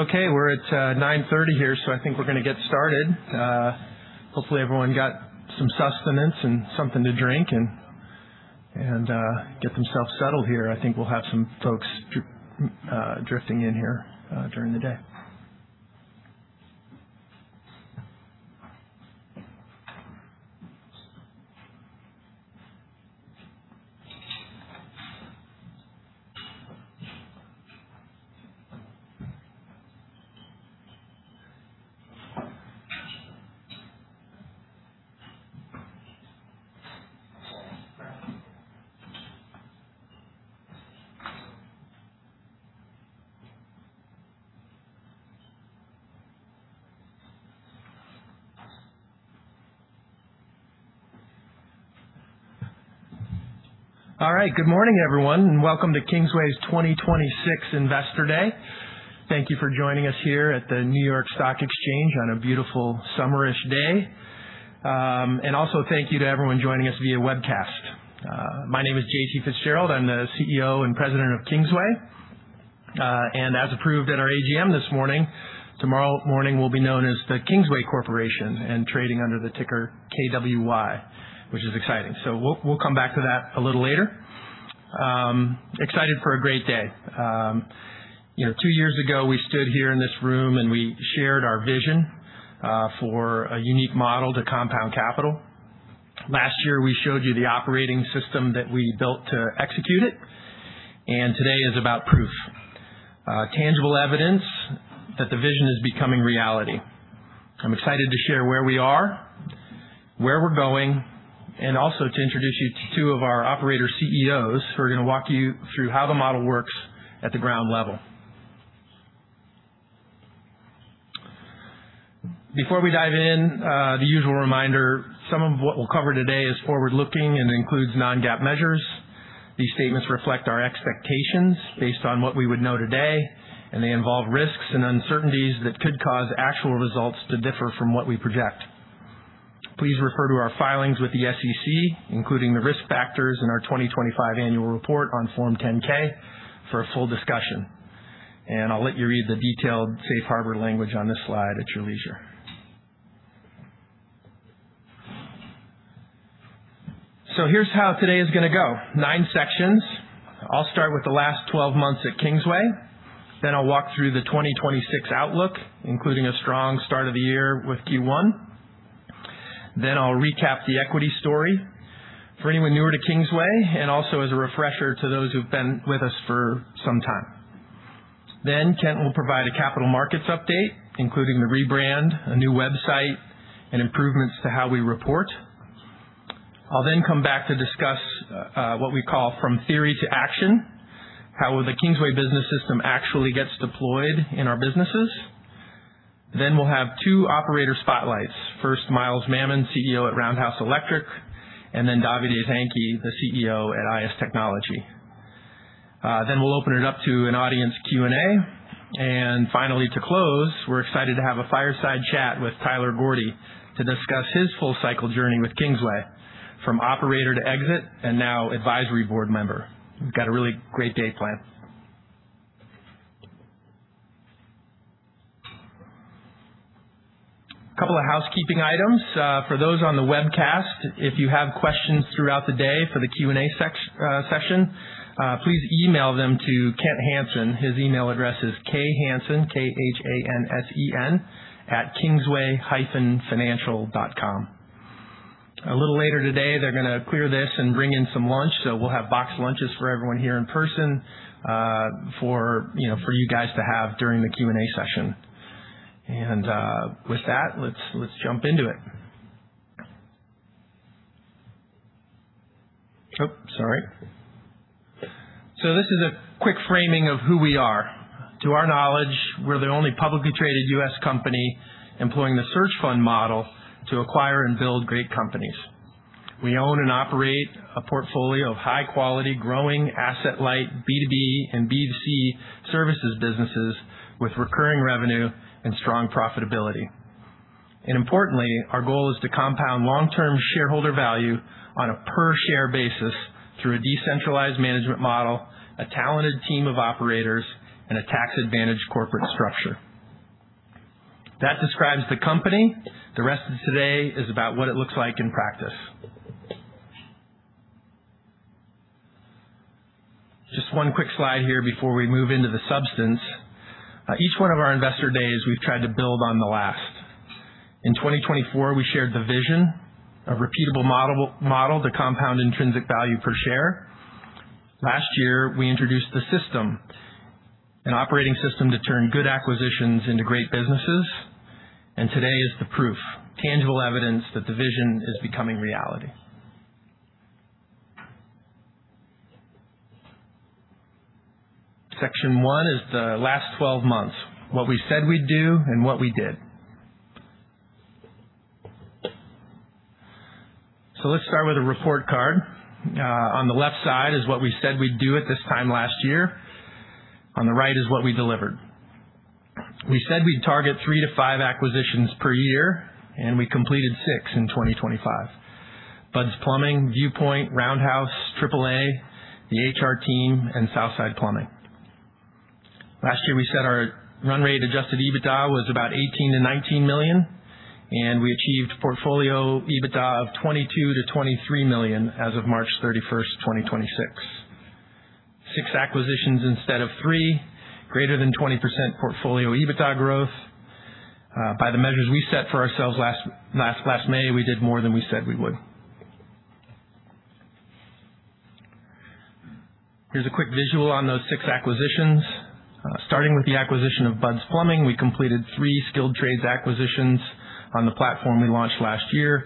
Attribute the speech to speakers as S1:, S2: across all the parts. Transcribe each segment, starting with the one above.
S1: Okay, we're at 9:30 here, I think we're gonna get started. Hopefully everyone got some sustenance and something to drink and get themselves settled here. I think we'll have some folks drifting in here during the day. All right. Good morning, everyone, and welcome to Kingsway's 2026 Investor Day. Thank you for joining us here at the New York Stock Exchange on a beautiful summer-ish day. Also, thank you to everyone joining us via webcast. My name is JT Fitzgerald. I'm the CEO and President of Kingsway. As approved at our AGM this morning, tomorrow morning, we'll be known as the Kingsway Corporation and trading under the ticker KWY, which is exciting. We'll, we'll come back to that a little later. Excited for a great day. You know, two years ago, we stood here in this room. We shared our vision for a unique model to compound capital. Last year, we showed you the operating system that we built to execute it. Today is about proof. Tangible evidence that the vision is becoming reality. I'm excited to share where we are, where we're going, to introduce you to two of our operator CEOs who are gonna walk you through how the model works at the ground level. Before we dive in, the usual reminder, some of what we'll cover today is forward-looking and includes non-GAAP measures. These statements reflect our expectations based on what we would know today. They involve risks and uncertainties that could cause actual results to differ from what we project. Please refer to our filings with the SEC, including the risk factors in our 2025 annual report on Form 10-K, for a full discussion. I'll let you read the detailed safe harbor language on this slide at your leisure. Here's how today is gonna go. Nine sections. I'll start with the last 12 months at Kingsway. I'll walk through the 2026 outlook, including a strong start of the year with Q1. I'll recap the equity story for anyone newer to Kingsway and also as a refresher to those who've been with us for some time. Kent will provide a capital markets update, including the rebrand, a new website, and improvements to how we report. I'll then come back to discuss what we call from theory to action, how the Kingsway Business System actually gets deployed in our businesses. We'll have two operator spotlights. First, Miles Mamon, CEO at Roundhouse Electric, and then Davide Zanchi, the CEO at IS Technology. We'll open it up to an audience Q&A. Finally, to close, we're excited to have a fireside chat with Tyler Gordy to discuss his full cycle journey with Kingsway from operator to exit and now advisory board member. We've got a really great day planned. A couple of housekeeping items. For those on the webcast, if you have questions throughout the day for the Q&A session, please email them to Kent Hansen. His email address is khansen, K-H-A-N-S-E-N, @kingsway-financial.com. A little later today, they're gonna clear this and bring in some lunch, so we'll have boxed lunches for everyone here in person, for, you know, for you guys to have during the Q&A session. With that, let's jump into it. Sorry. This is a quick framing of who we are. To our knowledge, we're the only publicly traded U.S. company employing the Search Fund model to acquire and build great companies. We own and operate a portfolio of high-quality, growing asset-light B2B and B2C services businesses with recurring revenue and strong profitability. Importantly, our goal is to compound long-term shareholder value on a per share basis through a decentralized management model, a talented team of operators, and a tax-advantaged corporate structure. That describes the company. The rest of today is about what it looks like in practice. Just one quick slide here before we move into the substance. Each one of our investor days we've tried to build on the last. In 2024, we shared the vision of repeatable model to compound intrinsic value per share. Last year, we introduced the system, an operating system to turn good acquisitions into great businesses. Today is the proof, tangible evidence that the vision is becoming reality. Section one is the last 12 months, what we said we'd do and what we did. Let's start with a report card. On the left side is what we said we'd do at this time last year. On the right is what we delivered. We said we'd target three to five acquisitions per year, and we completed six in 2025. Bud's Plumbing, ViewPoint, Roundhouse, AAA, The HR Team, and Southside Plumbing. Last year, we set our run rate adjusted EBITDA was about $18 million-$19 million. We achieved portfolio EBITDA of $22 million-$23 million as of March 31st, 2026. Six acquisitions instead of three, greater than 20% portfolio EBITDA growth. By the measures we set for ourselves last May, we did more than we said we would. Here's a quick visual on those six acquisitions. Starting with the acquisition of Bud's Plumbing, we completed three skilled trades acquisitions on the platform we launched last year,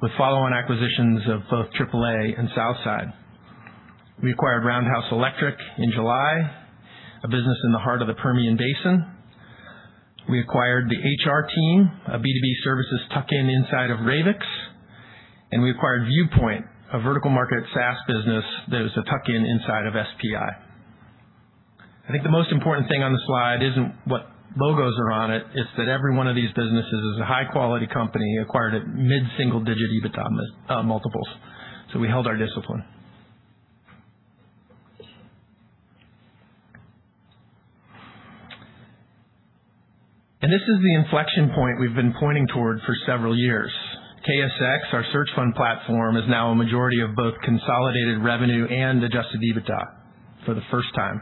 S1: with follow-on acquisitions of both AAA and Southside. We acquired Roundhouse Electric in July, a business in the heart of the Permian Basin. We acquired The HR Team, a B2B services tuck-in inside of Ravix. We acquired ViewPoint, a vertical market SaaS business that is a tuck-in inside of SPI. I think the most important thing on the slide isn't what logos are on it's that every one of these businesses is a high-quality company acquired at mid-single digit EBITDA multiples. We held our discipline. This is the inflection point we've been pointing toward for several years. KSX, our search fund platform, is now a majority of both consolidated revenue and adjusted EBITDA for the first time.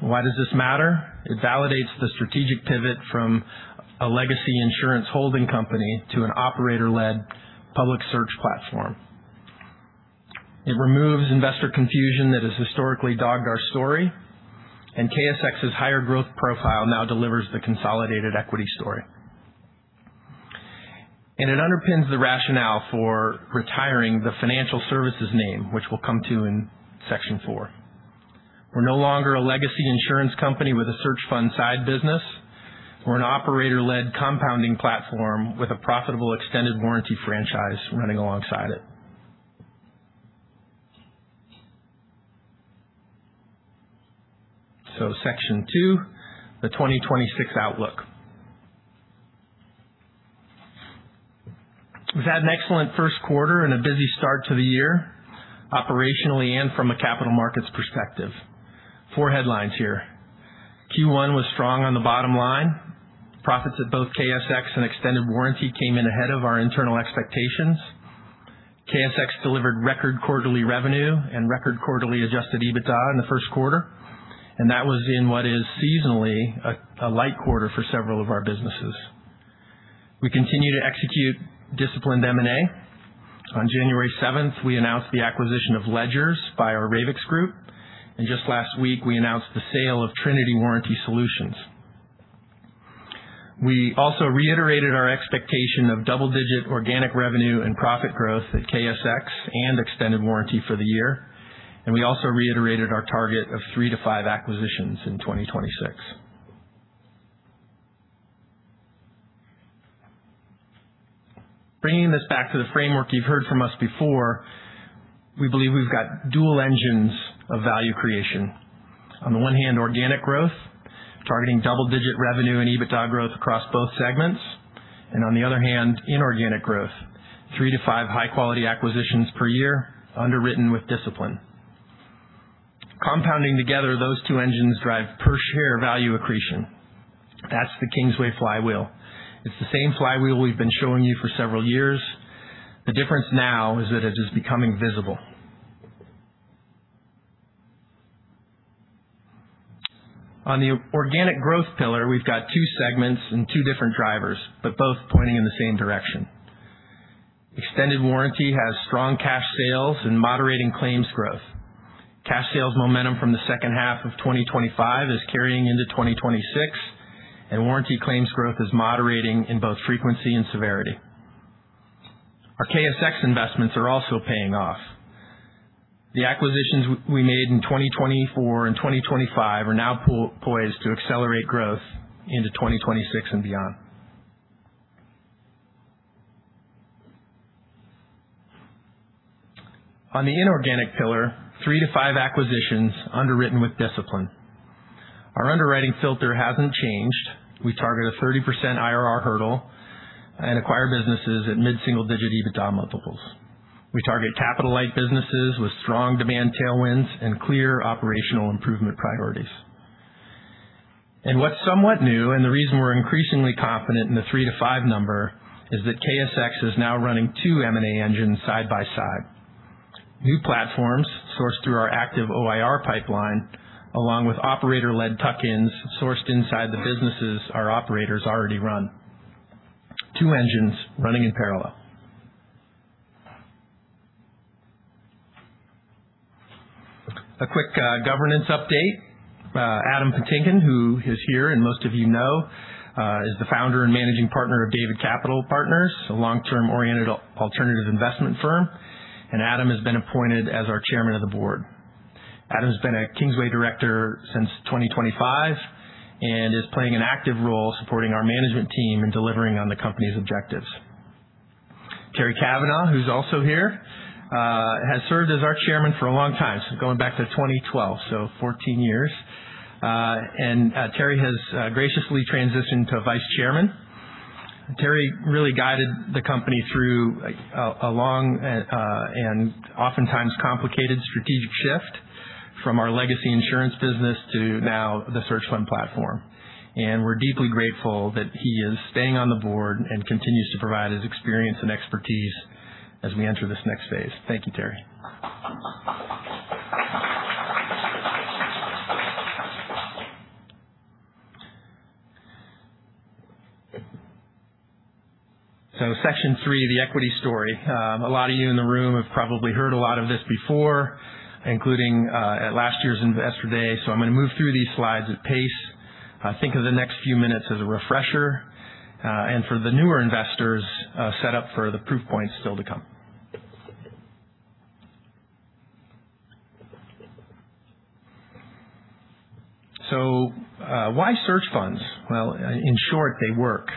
S1: Why does this matter? It validates the strategic pivot from a legacy insurance holding company to an operator-led public search platform. It removes investor confusion that has historically dogged our story, and KSX's higher growth profile now delivers the consolidated equity story. It underpins the rationale for retiring the financial services name, which we'll come to in section four. We're no longer a legacy insurance company with a search fund side business. We're an operator-led compounding platform with a profitable extended warranty franchise running alongside it. Section two, the 2026 outlook. We've had an excellent first quarter and a busy start to the year, operationally and from a capital markets perspective. Four headlines here. Q1 was strong on the bottom line. Profits at both KSX and extended warranty came in ahead of our internal expectations. KSX delivered record quarterly revenue and record quarterly adjusted EBITDA in the first quarter, and that was in what is seasonally a light quarter for several of our businesses. We continue to execute disciplined M&A. On January 7th, we announced the acquisition of Ledgers by our Ravix Group. Just last week, we announced the sale of Trinity Warranty Solutions. We also reiterated our expectation of double-digit organic revenue and profit growth at KSX and extended warranty for the year. We also reiterated our target of three to five acquisitions in 2026. Bringing this back to the framework you've heard from us before, we believe we've got dual engines of value creation. On the one hand, organic growth, targeting double-digit revenue and EBITDA growth across both segments. On the other hand, inorganic growth, three to five high-quality acquisitions per year, underwritten with discipline. Compounding together, those two engines drive per share value accretion. That's the Kingsway flywheel. It's the same flywheel we've been showing you for several years. The difference now is that it is becoming visible. On the organic growth pillar, we've got two segments and two different drivers, but both pointing in the same direction. Extended warranty has strong cash sales and moderating claims growth. Cash sales momentum from the second half of 2025 is carrying into 2026, and warranty claims growth is moderating in both frequency and severity. Our KSX investments are also paying off. The acquisitions we made in 2024 and 2025 are now poised to accelerate growth into 2026 and beyond. On the inorganic pillar, three to five acquisitions underwritten with discipline. Our underwriting filter hasn't changed. We target a 30% IRR hurdle and acquire businesses at mid-single-digit EBITDA multiples. We target capital-light businesses with strong demand tailwinds and clear operational improvement priorities. What's somewhat new, and the reason we're increasingly confident in the three to five number, is that KSX is now running two M&A engines side by side. New platforms sourced through our active OIR pipeline, along with operator-led tuck-ins sourced inside the businesses our operators already run. Two engines running in parallel. A quick governance update. Adam Patinkin, who is here and most of you know, is the Founder and Managing Partner of David Capital Partners, a long-term oriented alternative investment firm. Adam has been appointed as our Chairman of the Board. Adam's been a Kingsway director since 2025 and is playing an active role supporting our management team in delivering on the company's objectives. Terry Kavanagh, who's also here, has served as our Chairman for a long time, going back to 2012, so 14 years. Terry has graciously transitioned to Vice Chairman. Terry really guided the company through a long and oftentimes complicated strategic shift from our legacy insurance business to now the search fund platform. We're deeply grateful that he is staying on the board and continues to provide his experience and expertise as we enter this next phase. Thank you, Terry. Section three, the equity story. A lot of you in the room have probably heard a lot of this before, including at last year's Investor Day. I'm gonna move through these slides at pace. Think of the next few minutes as a refresher, and for the newer investors, set up for the proof points still to come. Why search funds? Well, in short, they work.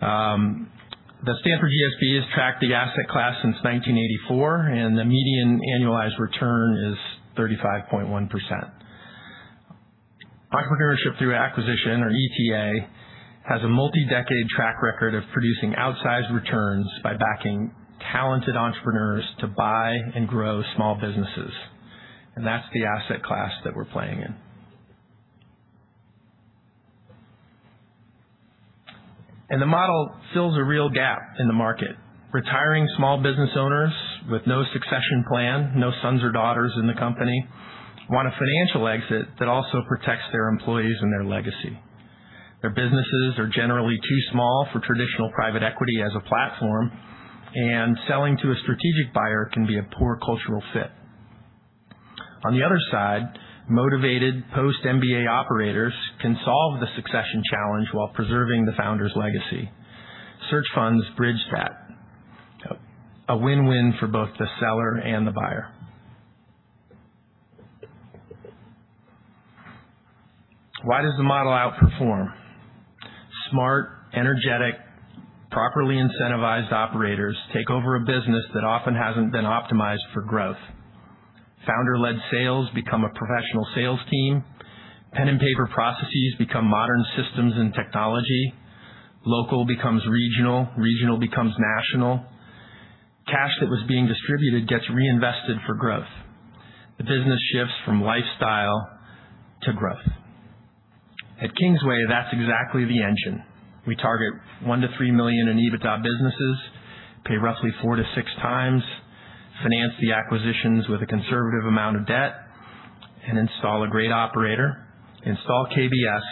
S1: The Stanford GSB has tracked the asset class since 1984, and the median annualized return is 35.1%. Micro-ownership through acquisition or ETA has a multi-decade track record of producing outsized returns by backing talented entrepreneurs to buy and grow small businesses. That's the asset class that we're playing in. The model fills a real gap in the market. Retiring small business owners with no succession plan, no sons or daughters in the company, want a financial exit that also protects their employees and their legacy. Their businesses are generally too small for traditional private equity as a platform, and selling to a strategic buyer can be a poor cultural fit. On the other side, motivated post-MBA operators can solve the succession challenge while preserving the founder's legacy. Search funds bridge that. A win-win for both the seller and the buyer. Why does the model outperform? Smart, energetic, properly incentivized operators take over a business that often hasn't been optimized for growth. Founder-led sales become a professional sales team. Pen and paper processes become modern systems and technology. Local becomes regional becomes national. Cash that was being distributed gets reinvested for growth. The business shifts from lifestyle to growth. At Kingsway, that's exactly the engine. We target $1 million-$3 million in EBITDA businesses, pay roughly 4x-6x, finance the acquisitions with a conservative amount of debt, and install a great operator, install KBS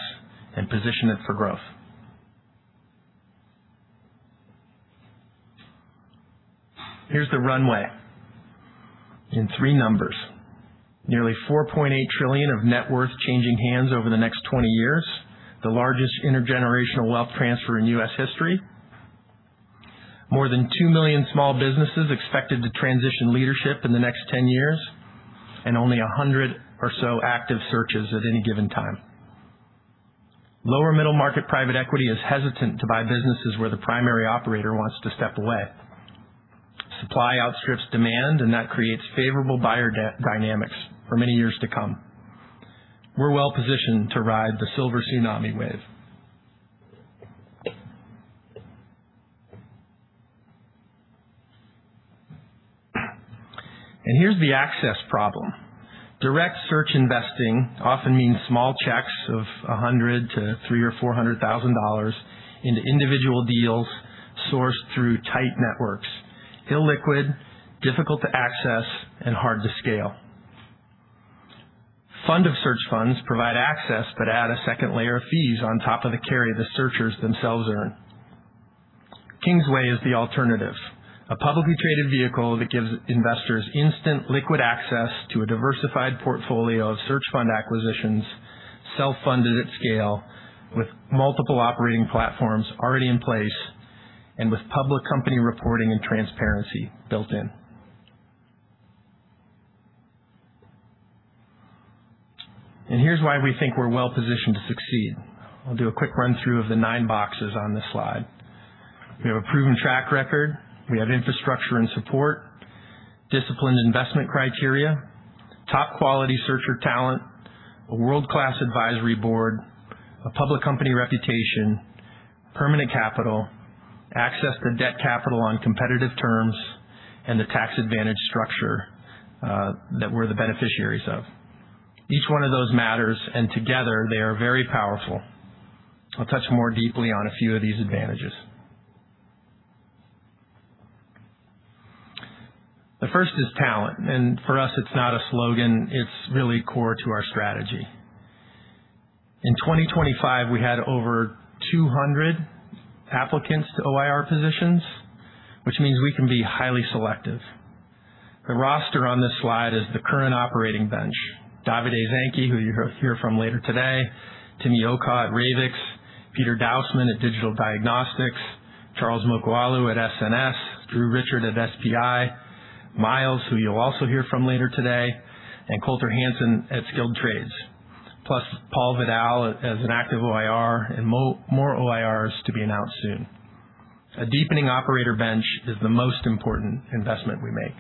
S1: and position it for growth. Here's the runway in three numbers. Nearly $4.8 trillion of net worth changing hands over the next 20 years, the largest intergenerational wealth transfer in U.S. history. More than 2 million small businesses expected to transition leadership in the next 10 years, and only 100 or so active searches at any given time. Lower middle market private equity is hesitant to buy businesses where the primary operator wants to step away. Supply outstrips demand, and that creates favorable buyer dynamics for many years to come. We're well-positioned to ride the silver tsunami wave. Here's the access problem. Direct search investing often means small checks of $100,000 to $300,000 or $400,000 into individual deals sourced through tight networks. Illiquid, difficult to access, and hard to scale. Fund of search funds provide access but add a second layer of fees on top of the carry the searchers themselves earn. Kingsway is the alternative, a publicly traded vehicle that gives investors instant liquid access to a diversified portfolio of search fund acquisitions, self-funded at scale, with multiple operating platforms already in place, with public company reporting and transparency built in. Here's why we think we're well-positioned to succeed. I'll do a quick run-through of the nine boxes on this slide. We have a proven track record. We have infrastructure and support, disciplined investment criteria, top quality searcher talent, a world-class advisory board, a public company reputation, permanent capital, access to debt capital on competitive terms, and the tax advantage structure that we're the beneficiaries of. Each one of those matters. Together, they are very powerful. I'll touch more deeply on a few of these advantages. The first is talent, and for us, it's not a slogan, it's really core to our strategy. In 2025, we had over 200 applicants to OIR positions, which means we can be highly selective. The roster on this slide is the current operating bench. Davide Zanchi, who you'll hear from later today, Timi Okah at Ravix, Peter Dausman at Digital Diagnostics, Charles Mokuolu at SNS, Drew Richard at SPI, Miles, who you'll also hear from later today, and Colter Hanson at Skilled Trades. Plus Paul Vidal as an active OIR and more OIRs to be announced soon. A deepening operator bench is the most important investment we make.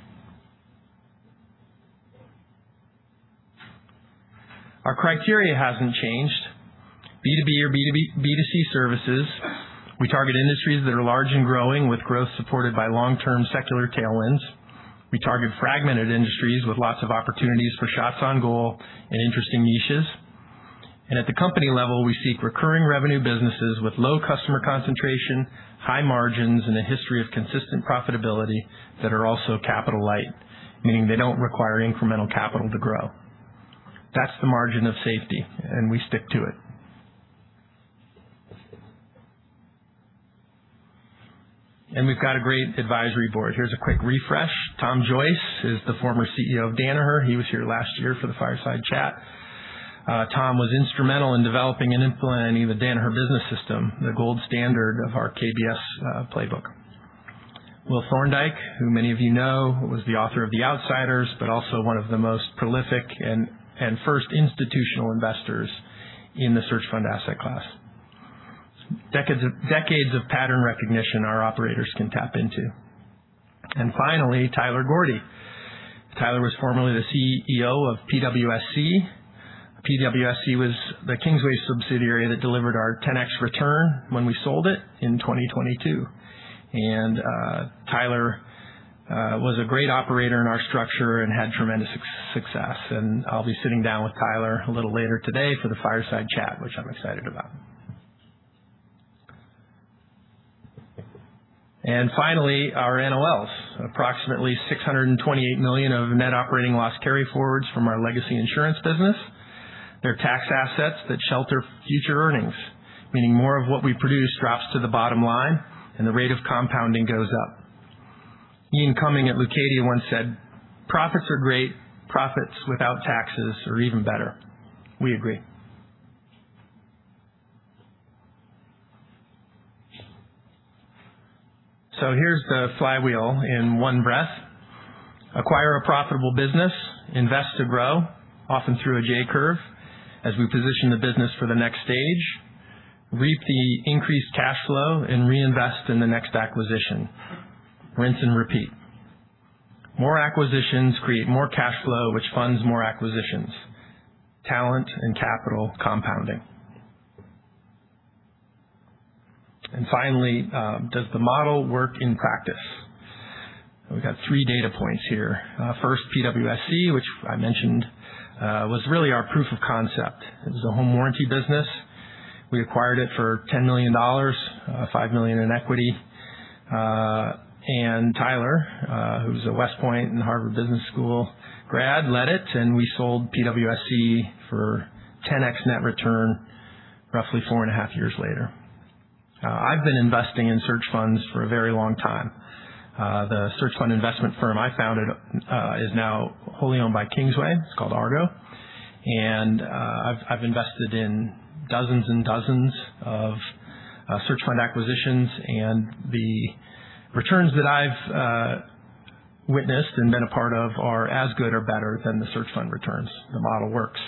S1: Our criteria hasn't changed. B2B or B2C services. We target industries that are large and growing, with growth supported by long-term secular tailwinds. We target fragmented industries with lots of opportunities for shots on goal and interesting niches. At the company level, we seek recurring revenue businesses with low customer concentration, high margins, and a history of consistent profitability that are also capital light, meaning they don't require incremental capital to grow. That's the margin of safety, and we stick to it. We've got a great advisory board. Here's a quick refresh. Tom Joyce is the former CEO of Danaher. He was here last year for the fireside chat. Tom was instrumental in developing and implementing the Danaher Business System, the gold standard of our KBS playbook. Will Thorndike, who many of you know, was the author of The Outsiders, but also one of the most prolific and first institutional investors in the search fund asset class. Decades of pattern recognition our operators can tap into. Finally, Tyler Gordy. Tyler was formerly the CEO of PWSC. PWSC was the Kingsway subsidiary that delivered our 10x return when we sold it in 2022. Tyler was a great operator in our structure and had tremendous success. I'll be sitting down with Tyler a little later today for the fireside chat, which I'm excited about. Finally, our NOLs. Approximately $628 million of net operating loss carryforwards from our legacy insurance business. They're tax assets that shelter future earnings, meaning more of what we produce drops to the bottom line and the rate of compounding goes up. Ian Cumming at Leucadia once said, "Profits are great. Profits without taxes are even better." We agree. Here's the flywheel in one breath. Acquire a profitable business. Invest to grow, often through a J curve, as we position the business for the next stage. Reap the increased cash flow and reinvest in the next acquisition. Rinse and repeat. More acquisitions create more cash flow, which funds more acquisitions. Talent and capital compounding. Finally, does the model work in practice? We've got three data points here. First, PWSC, which I mentioned, was really our proof of concept. It was a home warranty business. We acquired it for $10 million, $5 million in equity. Tyler, who's a West Point and Harvard Business School grad, led it, and we sold PWSC for 10x net return roughly four and a half years later. I've been investing in search funds for a very long time. The search fund investment firm I founded, is now wholly owned by Kingsway. It's called Argo. I've invested in dozens and dozens of search fund acquisitions, and the returns that I've witnessed and been a part of are as good or better than the search fund returns. The model works.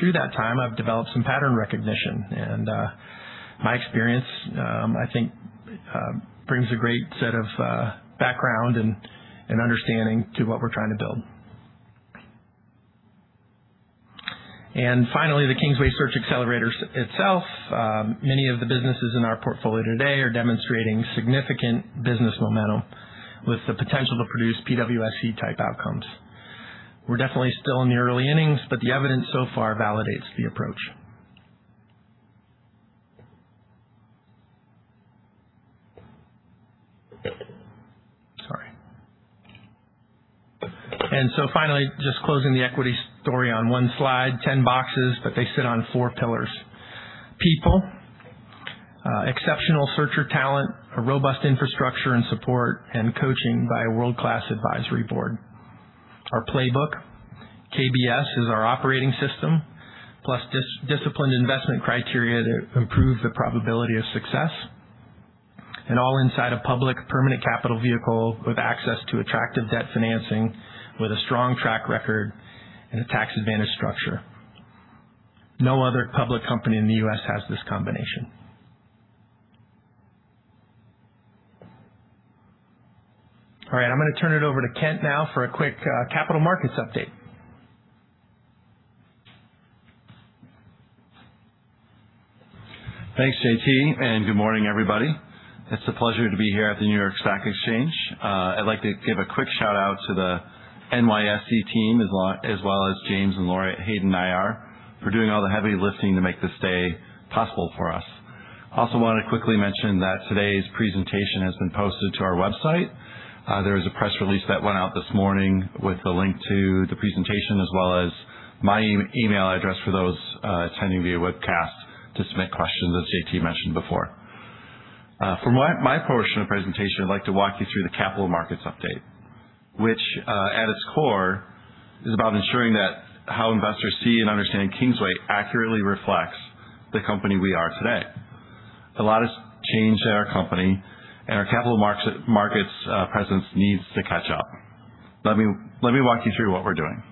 S1: Through that time, I've developed some pattern recognition. My experience, I think, brings a great set of background and understanding to what we're trying to build. Finally, the Kingsway Search Xcelerator itself. Many of the businesses in our portfolio today are demonstrating significant business momentum with the potential to produce PWSC-type outcomes. We're definitely still in the early innings, but the evidence so far validates the approach. Sorry. Finally, just closing the equity story on one slide. 10 boxes, they sit on four pillars. People, exceptional searcher talent, a robust infrastructure and support, and coaching by a world-class advisory board. Our playbook, KBS, is our operating system, plus disciplined investment criteria that improve the probability of success. All inside a public permanent capital vehicle with access to attractive debt financing, with a strong track record and a tax advantage structure. No other public company in the U.S. has this combination. All right, I'm gonna turn it over to Kent now for a quick capital markets update.
S2: Thanks, JT. Good morning, everybody. It's a pleasure to be here at the New York Stock Exchange. I'd like to give a quick shout-out to the NYSE team, as well, as well as James and Laura at Hayden IR for doing all the heavy lifting to make this day possible for us. Also wanna quickly mention that today's presentation has been posted to our website. There is a press release that went out this morning with a link to the presentation, as well as my email address for those attending via webcast to submit questions, as JT mentioned before. For my portion of presentation, I'd like to walk you through the capital markets update, which at its core is about ensuring that how investors see and understand Kingsway accurately reflects the company we are today. A lot has changed at our company and our capital markets presence needs to catch up. Let me walk you through what we're doing.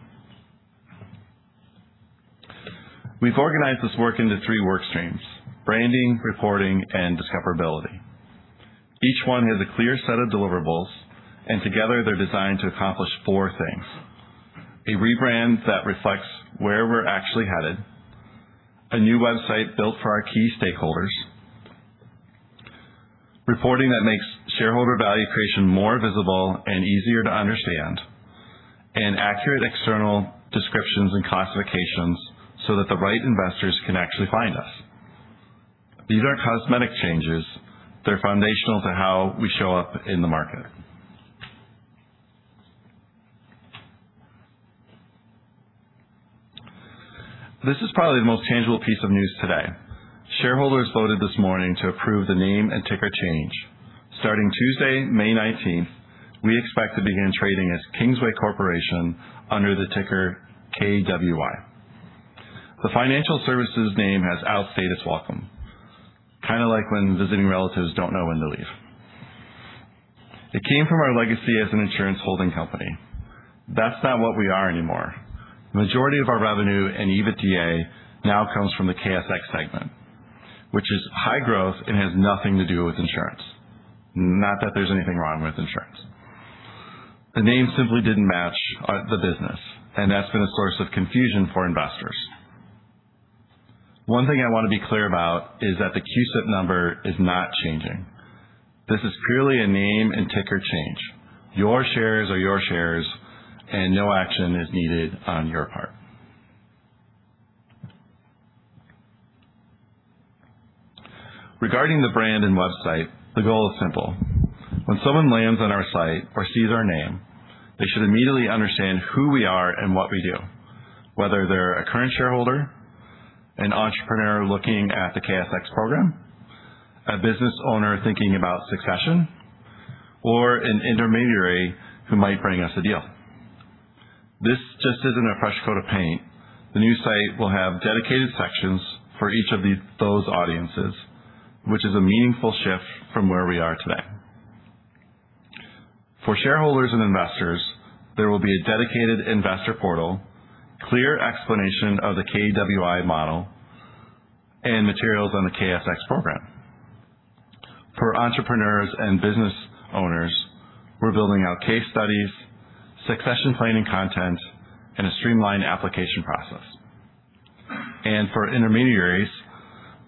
S2: We've organized this work into three work streams: branding, reporting, and discoverability. Each one has a clear set of deliverables, and together they're designed to accomplish four things: a rebrand that reflects where we're actually headed, a new website built for our key stakeholders, reporting that makes shareholder value creation more visible and easier to understand, and accurate external descriptions and classifications so that the right investors can actually find us. These aren't cosmetic changes. They're foundational to how we show up in the market. This is probably the most tangible piece of news today. Shareholders voted this morning to approve the name and ticker change. Starting Tuesday, May 19th, we expect to begin trading as Kingsway Corporation under the ticker KWY. The financial services name has outstayed its welcome. Kinda like when visiting relatives don't know when to leave. It came from our legacy as an insurance holding company. That's not what we are anymore. The majority of our revenue and EBITDA now comes from the KSX segment, which is high growth and has nothing to do with insurance. Not that there's anything wrong with insurance. The name simply didn't match the business, and that's been a source of confusion for investors. One thing I wanna be clear about is that the CUSIP number is not changing. This is purely a name and ticker change. Your shares are your shares, and no action is needed on your part. Regarding the brand and website, the goal is simple. When someone lands on our site or sees our name, they should immediately understand who we are and what we do, whether they're a current shareholder, an entrepreneur looking at the KSX program, a business owner thinking about succession, or an intermediary who might bring us a deal. This just isn't a fresh coat of paint. The new site will have dedicated sections for each of those audiences, which is a meaningful shift from where we are today. For shareholders and investors, there will be a dedicated investor portal, clear explanation of the KWY model, and materials on the KSX program. For entrepreneurs and business owners, we're building out case studies, succession planning content, and a streamlined application process. For intermediaries,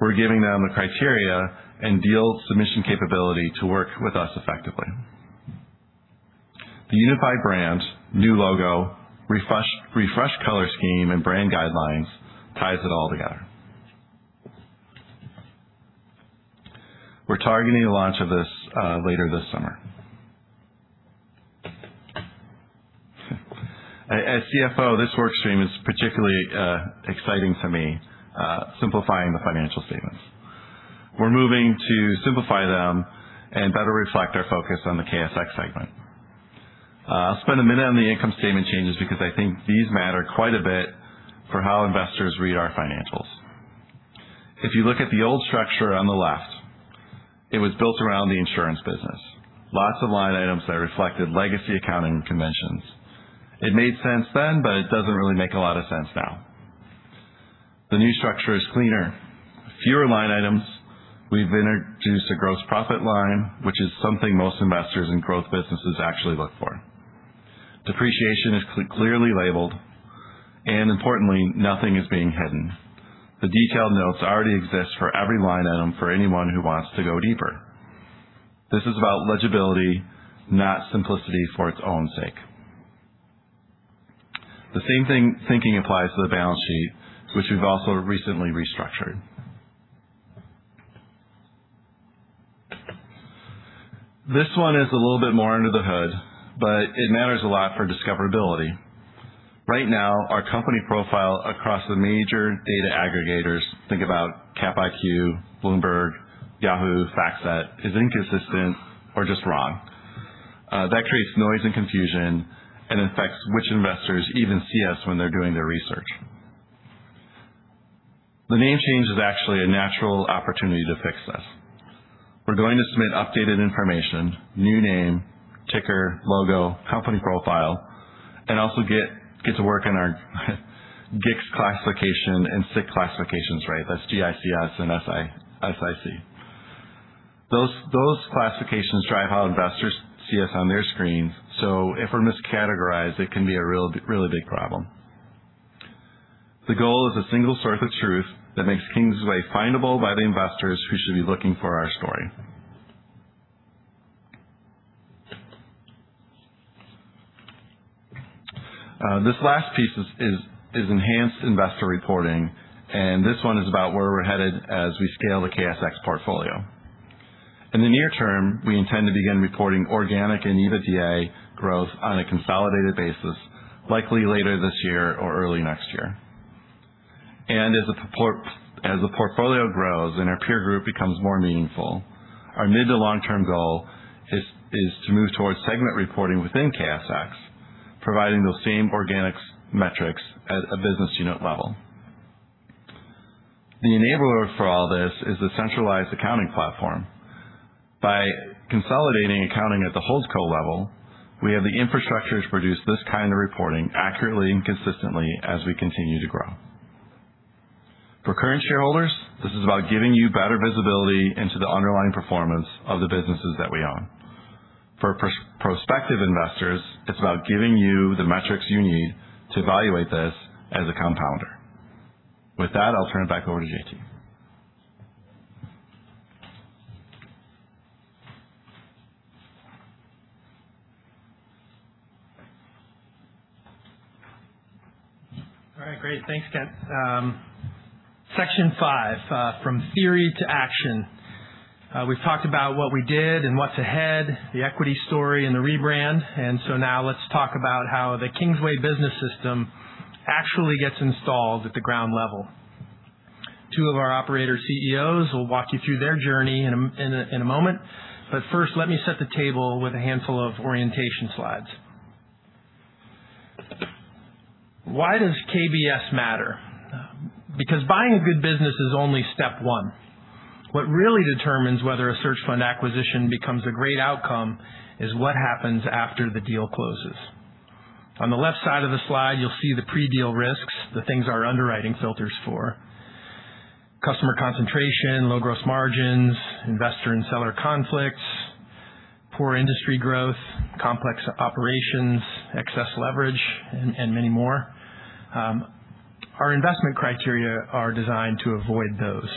S2: we're giving them the criteria and deal submission capability to work with us effectively. The unified brand, new logo, refreshed color scheme, and brand guidelines ties it all together. We're targeting the launch of this later this summer. As CFO, this work stream is particularly exciting to me, simplifying the financial statements. We're moving to simplify them and better reflect our focus on the KSX segment. I'll spend a minute on the income statement changes because I think these matter quite a bit for how investors read our financials. If you look at the old structure on the left, it was built around the insurance business. Lots of line items that reflected legacy accounting conventions. It made sense then, but it doesn't really make a lot of sense now. The new structure is cleaner. Fewer line items. We've introduced a gross profit line, which is something most investors in growth businesses actually look for. Depreciation is clearly labeled, and importantly, nothing is being hidden. The detailed notes already exist for every line item for anyone who wants to go deeper. This is about legibility, not simplicity for its own sake. The same thinking applies to the balance sheet, which we've also recently restructured. This one is a little bit more under the hood, it matters a lot for discoverability. Right now, our company profile across the major data aggregators, think about CapIQ, Bloomberg, Yahoo, FactSet, is inconsistent or just wrong. That creates noise and confusion and affects which investors even see us when they're doing their research. The name change is actually a natural opportunity to fix this. We're going to submit updated information, new name, ticker, logo, company profile, and also get to work on our GICS classification and SIC classifications right. That's G-I-C-S and S-I-C. Those classifications drive how investors see us on their screens. If we're miscategorized, it can be a really big problem. The goal is a single source of truth that makes Kingsway findable by the investors who should be looking for our story. This last piece is enhanced investor reporting, this one is about where we're headed as we scale the KSX portfolio. In the near term, we intend to begin reporting organic and EBITDA growth on a consolidated basis, likely later this year or early next year. As the portfolio grows and our peer group becomes more meaningful, our mid to long-term goal is to move towards segment reporting within KSX, providing those same organics metrics at a business unit level. The enabler for all this is the centralized accounting platform. By consolidating accounting at the holdco level, we have the infrastructure to produce this kind of reporting accurately and consistently as we continue to grow. For current shareholders, this is about giving you better visibility into the underlying performance of the businesses that we own. For prospective investors, it's about giving you the metrics you need to evaluate this as a compounder. With that, I'll turn it back over to JT.
S1: All right. Great. Thanks, Kent. Section five, from theory to action. We've talked about what we did and what's ahead, the equity story and the rebrand. Now let's talk about how the Kingsway Business System actually gets installed at the ground level. Two of our operator CEOs will walk you through their journey in a moment. First, let me set the table with a handful of orientation slides. Why does KBS matter? Because buying a good business is only step one. What really determines whether a search fund acquisition becomes a great outcome is what happens after the deal closes. On the left side of the slide, you'll see the pre-deal risks, the things our underwriting filters for: customer concentration, low gross margins, investor and seller conflicts, poor industry growth, complex operations, excess leverage, and many more. Our investment criteria are designed to avoid those.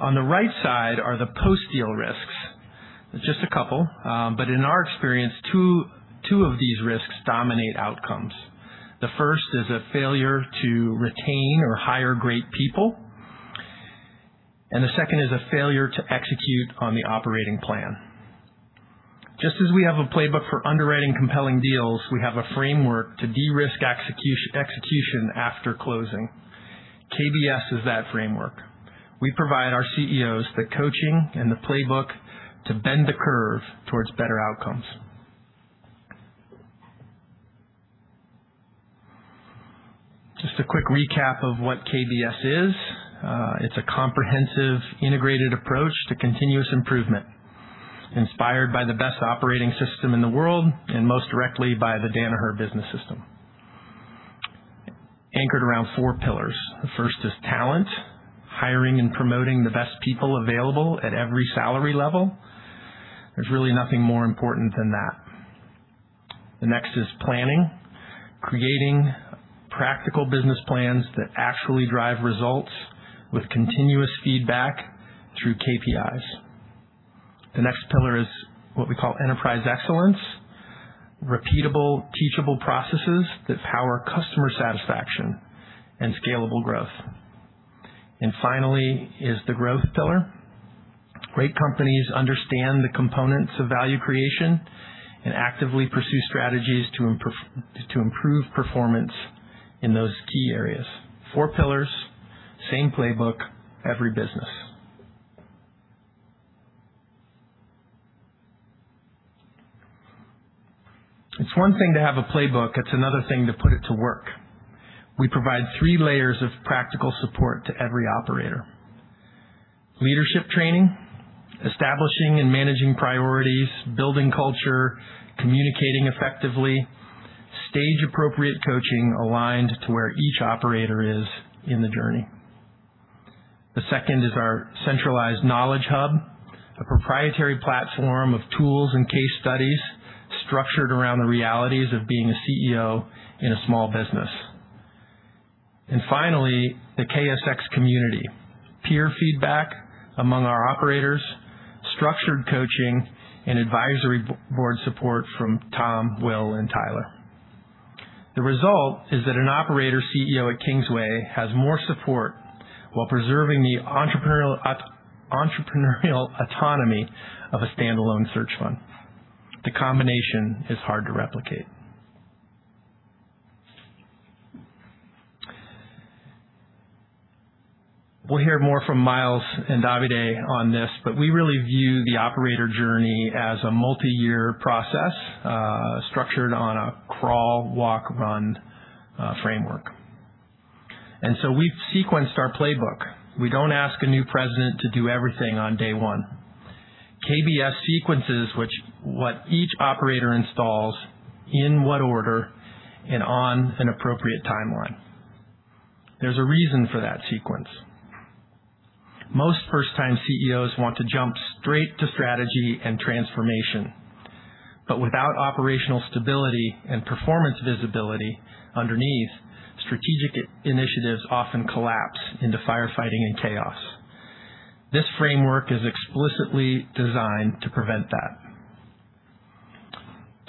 S1: On the right side are the post-deal risks. Just a couple, but in our experience two of these risks dominate outcomes. The first is a failure to retain or hire great people. The second is a failure to execute on the operating plan. Just as we have a playbook for underwriting compelling deals, we have a framework to de-risk execution after closing. KBS is that framework. We provide our CEOs the coaching and the playbook to bend the curve towards better outcomes. Just a quick recap of what KBS is. It's a comprehensive integrated approach to continuous improvement, inspired by the best operating system in the world, most directly by the Danaher Business System. Anchored around four pillars. The first is talent. Hiring and promoting the best people available at every salary level. There's really nothing more important than that. Next is planning. Creating practical business plans that actually drive results with continuous feedback through KPIs. Next pillar is what we call enterprise excellence. Repeatable, teachable processes that power customer satisfaction and scalable growth. Finally is the growth pillar. Great companies understand the components of value creation and actively pursue strategies to improve performance in those key areas. Four pillars, same playbook, every business. It's one thing to have a playbook, it's another thing to put it to work. We provide three layers of practical support to every operator. Leadership training, establishing and managing priorities, building culture, communicating effectively, stage appropriate coaching aligned to where each operator is in the journey. Second is our centralized knowledge hub, a proprietary platform of tools and case studies structured around the realities of being a CEO in a small business. Finally, the KSX community. Peer feedback among our operators, structured coaching, and advisory board support from Tom, Will, and Tyler. The result is that an operator CEO at Kingsway has more support while preserving the entrepreneurial autonomy of a standalone search fund. The combination is hard to replicate. We'll hear more from Miles and Davide on this, but we really view the operator journey as a multi-year process structured on a crawl, walk, run framework. We've sequenced our playbook. We don't ask a new president to do everything on day one. KBS sequences what each operator installs in what order and on an appropriate timeline. There's a reason for that sequence. Most first-time CEOs want to jump straight to strategy and transformation. Without operational stability and performance visibility underneath, strategic initiatives often collapse into firefighting and chaos. This framework is explicitly designed to prevent that.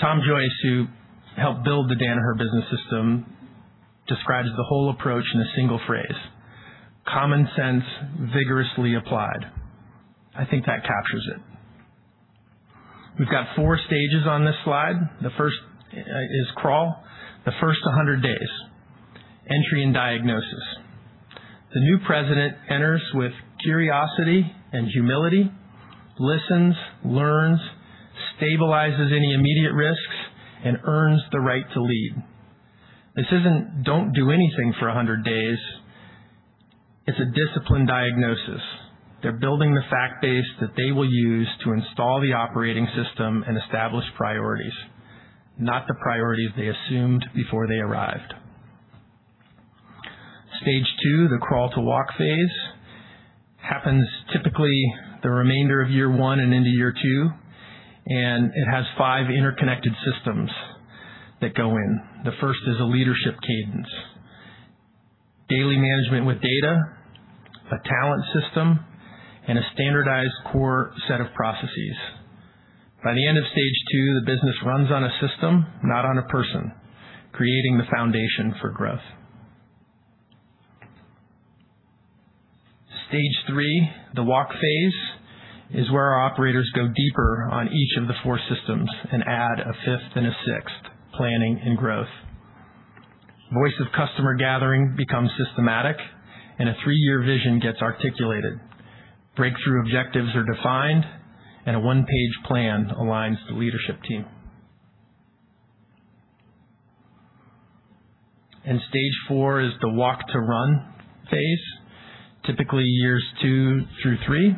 S1: Tom Joyce, who helped build the Danaher Business System, describes the whole approach in a single phrase: "Common sense vigorously applied." I think that captures it. We've got four stages on this slide. The first is crawl, the first 100 days. Entry and diagnosis. The new president enters with curiosity and humility, listens, learns, stabilizes any immediate risks, and earns the right to lead. This isn't don't do anything for 100 days. It's a disciplined diagnosis. They're building the fact base that they will use to install the operating system and establish priorities, not the priorities they assumed before they arrived. Stage two, the crawl to walk phase, happens typically the remainder of year one and into year two, and it has five interconnected systems that go in. The first is a leadership cadence. Daily management with data, a talent system, and a standardized core set of processes. By the end of stage two, the business runs on a system, not on a person, creating the foundation for growth. Stage three, the walk phase, is where our operators go deeper on each of the four systems and add a fifth and a sixth, planning and growth. Voice of customer gathering becomes systematic, and a three-year vision gets articulated. Breakthrough objectives are defined, and a one-page plan aligns the leadership team. Stage four is the walk to run phase, typically years two through three.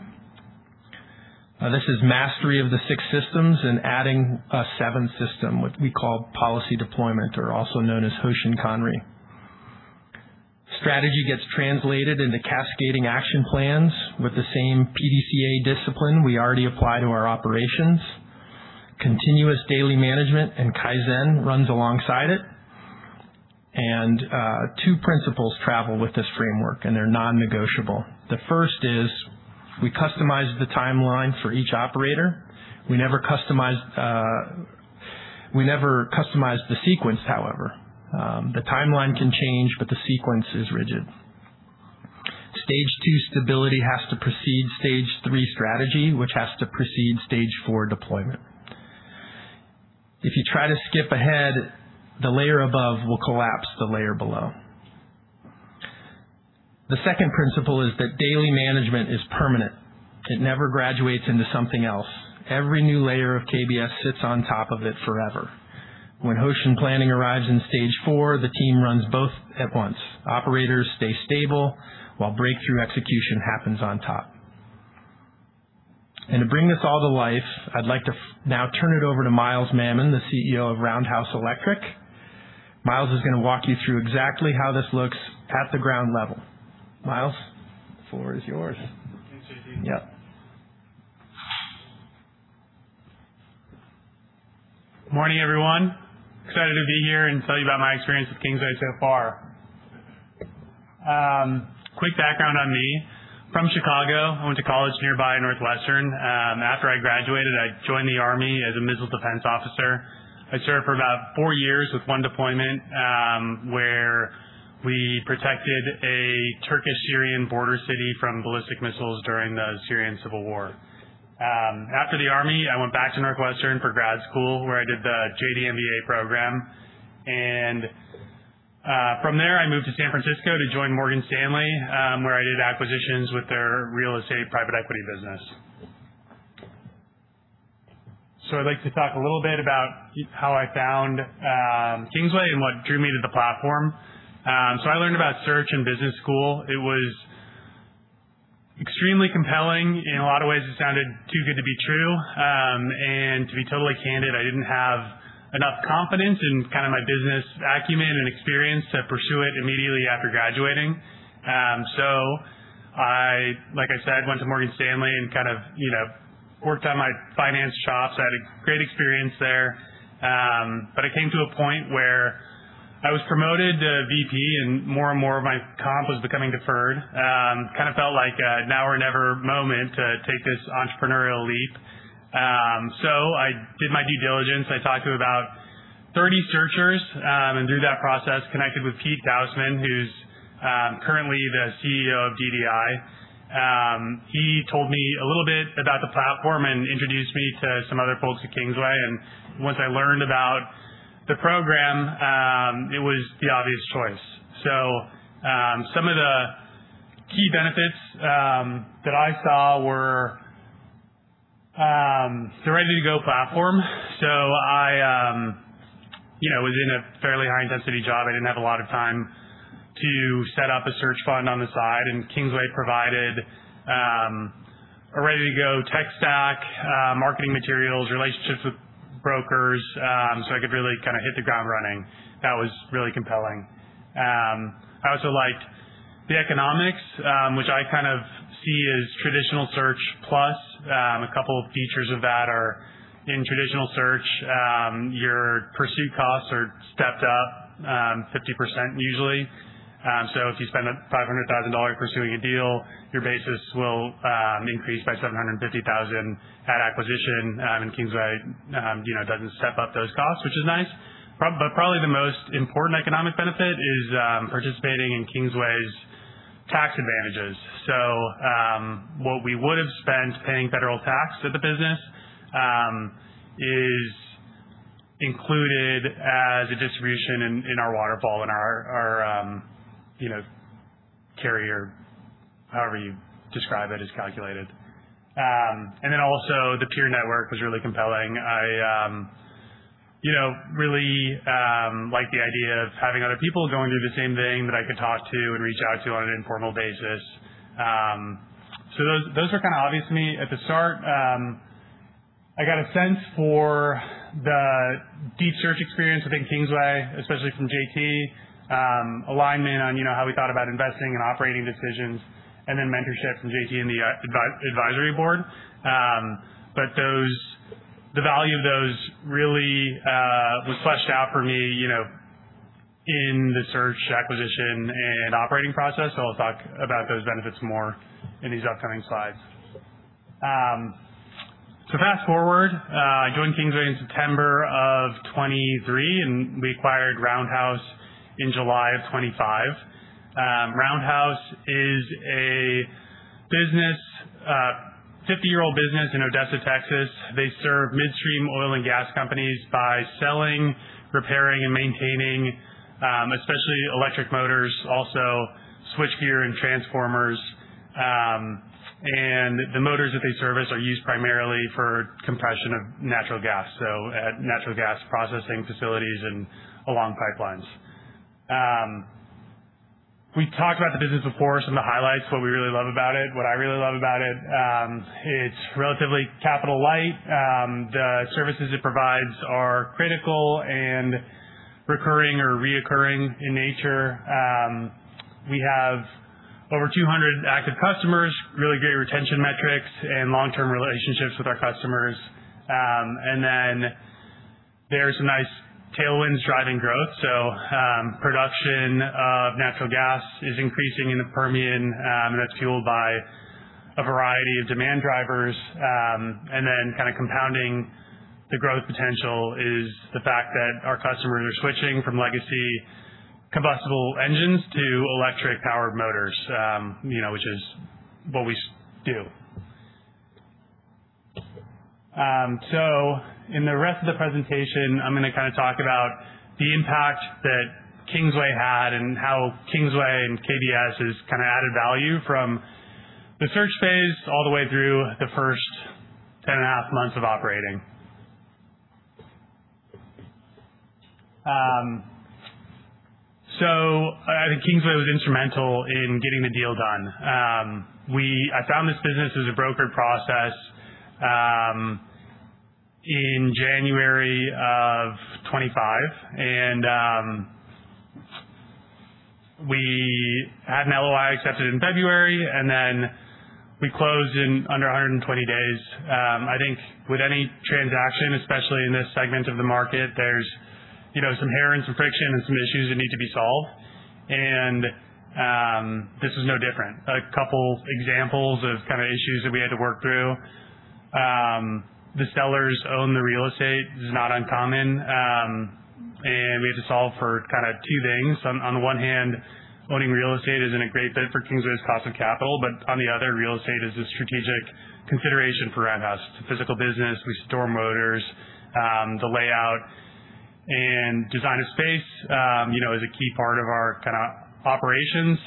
S1: This is mastery of the six systems and adding a seventh system, what we call policy deployment, or also known as Hoshin Kanri. Strategy gets translated into cascading action plans with the same PDCA discipline we already apply to our operations. Continuous daily management and Kaizen runs alongside it. Two principles travel with this framework, and they're non-negotiable. The first is we customize the timeline for each operator. We never customize the sequence, however. The timeline can change, but the sequence is rigid. Stage two stability has to precede stage three strategy, which has to precede stage four deployment. If you try to skip ahead, the layer above will collapse the layer below. The second principle is that daily management is permanent. It never graduates into something else. Every new layer of KBS sits on top of it forever. When Hoshin planning arrives in stage four, the team runs both at once. Operators stay stable while breakthrough execution happens on top. To bring this all to life, I'd like to now turn it over to Miles Mamon, the CEO of Roundhouse Electric. Miles is gonna walk you through exactly how this looks at the ground level. Miles, the floor is yours.
S3: Thanks, JT.
S1: Yep.
S3: Morning, everyone. Excited to be here and tell you about my experience with Kingsway so far. Quick background on me. From Chicago. I went to college nearby, Northwestern. After I graduated, I joined the Army as a missile defense officer. I served for about four years with one deployment, where we protected a Turkish-Syrian border city from ballistic missiles during the Syrian Civil War. After the Army, I went back to Northwestern for grad school, where I did the JD/MBA program. From there, I moved to San Francisco to join Morgan Stanley, where I did acquisitions with their real estate private equity business. I'd like to talk a little bit about how I found Kingsway and what drew me to the platform. I learned about search in business school. It was extremely compelling. In a lot of ways, it sounded too good to be true. To be totally candid, I didn't have enough confidence in kind of my business acumen and experience to pursue it immediately after graduating. I, like I said, went to Morgan Stanley and kind of, you know, worked on my finance chops. I had a great experience there. I came to a point where I was promoted to VP and more and more of my comp was becoming deferred. Kind of felt like a now or never moment to take this entrepreneurial leap. I did my due diligence. I talked to about 30 searchers, and through that process, connected with Pete Dausman, who's currently the CEO of DDI. He told me a little bit about the platform and introduced me to some other folks at Kingsway. Once I learned about the program, it was the obvious choice. Some of the key benefits that I saw were the ready-to-go platform. I, you know, was in a fairly high-intensity job. I didn't have a lot of time to set up a search fund on the side, and Kingsway provided a ready-to-go tech stack, marketing materials, relationships with brokers, so I could really kind of hit the ground running. That was really compelling. I also liked the economics, which I kind of see as traditional search plus. A couple of features of that are in traditional search, your pursuit costs are stepped up 50% usually. If you spend $500,000 pursuing a deal, your basis will increase by $750,000 at acquisition. Kingsway, you know, doesn't step up those costs, which is nice. Probably the most important economic benefit is participating in Kingsway's tax advantages. What we would have spent paying federal tax to the business is included as a distribution in our waterfall, in our, you know, carrier, however you describe it, is calculated. Also the peer network was really compelling. I, you know, really like the idea of having other people going through the same thing that I could talk to and reach out to on an informal basis. Those were kind of obvious to me. At the start, I got a sense for the deep search experience within Kingsway, especially from JT, alignment on, you know, how we thought about investing and operating decisions, and then mentorship from JT and the advisory board. The value of those really was fleshed out for me, you know, in the search, acquisition and operating process. I'll talk about those benefits more in these upcoming slides. Fast-forward, I joined Kingsway in September of 2023, and we acquired Roundhouse in July of 2025. Roundhouse is a business, a 50-year-old business in Odessa, Texas. They serve midstream oil and gas companies by selling, repairing, and maintaining, especially electric motors, also switchgear and transformers. The motors that they service are used primarily for compression of natural gas, at natural gas processing facilities and along pipelines. We talked about the business before, some of the highlights, what we really love about it. What I really love about it's relatively capital light. The services it provides are critical and recurring or reoccurring in nature. We have over 200 active customers, really great retention metrics and long-term relationships with our customers. There's some nice tailwinds driving growth. Production of natural gas is increasing in the Permian, and that's fueled by a variety of demand drivers. Compounding the growth potential is the fact that our customers are switching from legacy combustible engines to electric-powered motors, you know, which is what we do. In the rest of the presentation, I'm gonna kind of talk about the impact that Kingsway had and how Kingsway and KSX has kind of added value from the search phase all the way through the first 10 and a half months of operating. I think Kingsway was instrumental in getting the deal done. I found this business as a brokered process in January of 2025, we had an LOI accepted in February, we closed in under 120 days. I think with any transaction, especially in this segment of the market, there's, you know, some hair and some friction and some issues that need to be solved. This was no different. A couple examples of kind of issues that we had to work through. The sellers own the real estate. This is not uncommon, and we had to solve for kind of two things. On the one hand, owning real estate isn't a great fit for Kingsway's cost of capital, but on the other, real estate is a strategic consideration for Roundhouse. It's a physical business. We store motors. The layout and design of space, you know, is a key part of our kind of operations.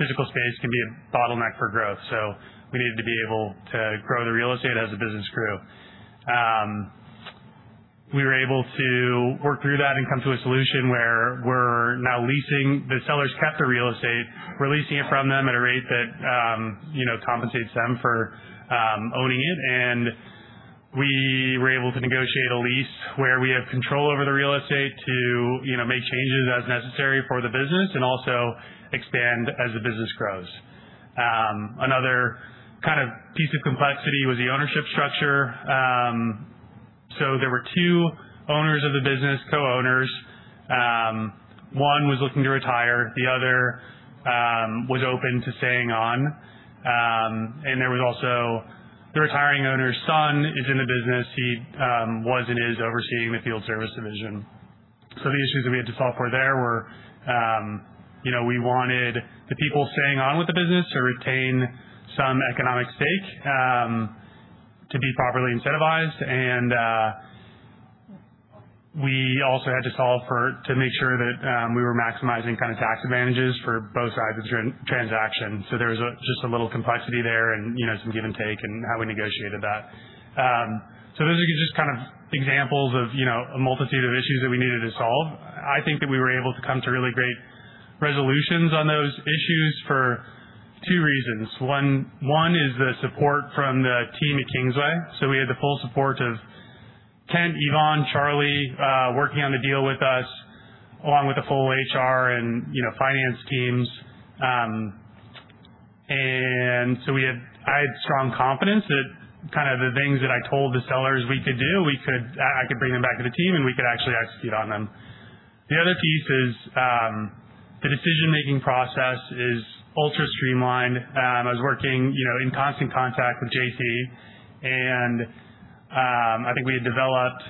S3: Physical space can be a bottleneck for growth, so we needed to be able to grow the real estate as the business grew. We were able to work through that and come to a solution where we're now leasing The sellers kept the real estate. We're leasing it from them at a rate that, you know, compensates them for owning it. We were able to negotiate a lease where we have control over the real estate to, you know, make changes as necessary for the business and also expand as the business grows. Another kind of piece of complexity was the ownership structure. There were two owners of the business, co-owners. One was looking to retire, the other was open to staying on. There was also the retiring owner's son in the business. He was and is overseeing the field service division. The issues that we had to solve for there were, you know, we wanted the people staying on with the business to retain some economic stake to be properly incentivized. We also had to solve for to make sure that we were maximizing kind of tax advantages for both sides of the transaction. There was a, just a little complexity there and, you know, some give and take in how we negotiated that. Those are just kind of examples of, you know, a multitude of issues that we needed to solve. I think that we were able to come to really great resolutions on those issues for two reasons. One is the support from the team at Kingsway. We had the full support of Kent, Yvonne, Charlie, working on the deal with us, along with the full HR and, you know, finance teams. I had strong confidence that kind of the things that I told the sellers we could do, I could bring them back to the team, and we could actually execute on them. The other piece is, the decision-making process is ultra streamlined. I was working, you know, in constant contact with JT and I think we had developed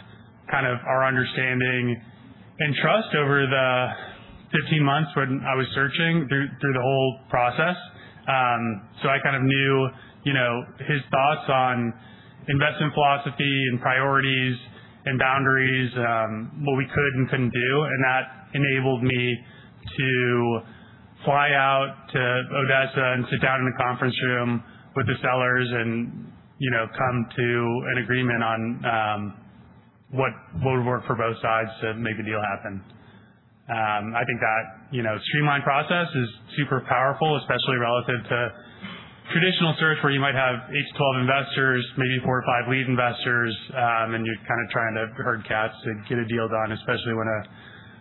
S3: kind of our understanding and trust over the 15 months when I was searching through the whole process. I kind of knew, you know, his thoughts on investment philosophy and priorities and boundaries, what we could and couldn't do, and that enabled me to fly out to Odessa and sit down in a conference room with the sellers and, you know, come to an agreement on what would work for both sides to make a deal happen. I think that, you know, streamlined process is super powerful, especially relative to traditional search, where you might have 8-12 investors, maybe four or five lead investors, and you're kind of trying to herd cats to get a deal done, especially when a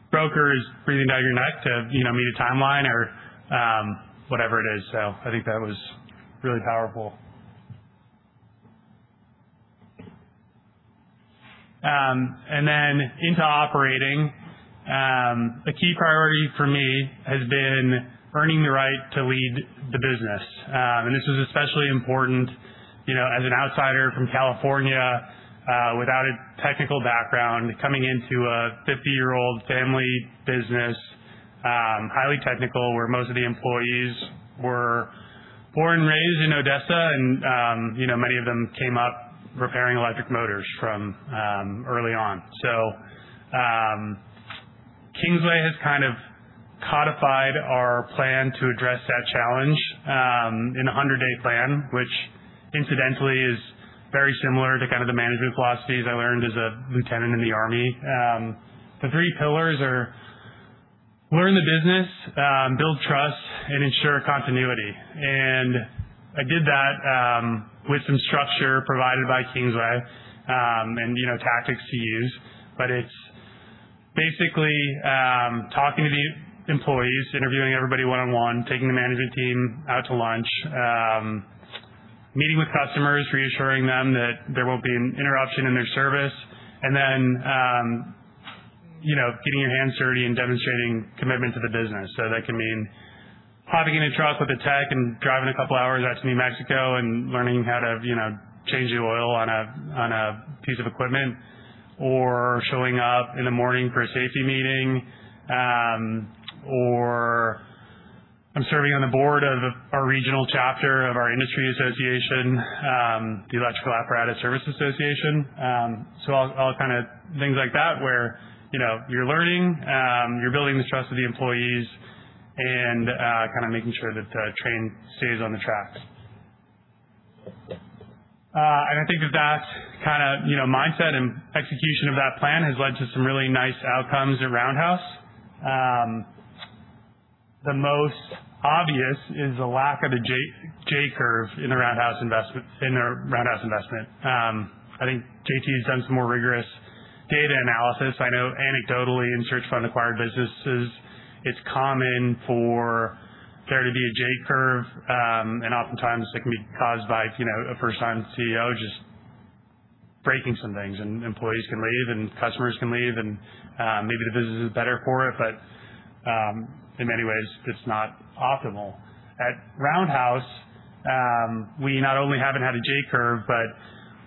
S3: broker is breathing down your neck to, you know, meet a timeline or whatever it is. I think that was really powerful. Then into operating. A key priority for me has been earning the right to lead the business. This was especially important, you know, as an outsider from California, without a technical background, coming into a 50-year-old family business, highly technical, where most of the employees were born and raised in Odessa and, you know, many of them came up repairing electric motors from early on. Kingsway has kind of codified our plan to address that challenge in a 100-day plan, which incidentally is very similar to kind of the management philosophies I learned as a lieutenant in the Army. The three pillars are learn the business, build trust, and ensure continuity. I did that with some structure provided by Kingsway, and, you know, tactics to use. It's basically talking to the employees, interviewing everybody one-on-one, taking the management team out to lunch, meeting with customers, reassuring them that there won't be an interruption in their service, and then, you know, getting your hands dirty and demonstrating commitment to the business. That can mean hopping in a truck with a tech and driving a couple hours out to New Mexico and learning how to, you know, change the oil on a piece of equipment or showing up in the morning for a safety meeting. Or I'm serving on the board of a regional chapter of our industry association, the Electrical Apparatus Service Association. All kind of things like that where, you know, you're learning, you're building the trust of the employees and kind of making sure that the train stays on the tracks. I think that that kind of, you know, mindset and execution of that plan has led to some really nice outcomes at Roundhouse. The most obvious is the lack of a J curve in the Roundhouse investment. I think JT has done some more rigorous data analysis. I know anecdotally in search fund acquired businesses, it's common for there to be a J curve. Oftentimes it can be caused by, you know, a first-time CEO just breaking some things and employees can leave and customers can leave and, maybe the business is better for it, but, in many ways, it's not optimal. At Roundhouse, we not only haven't had a J curve, but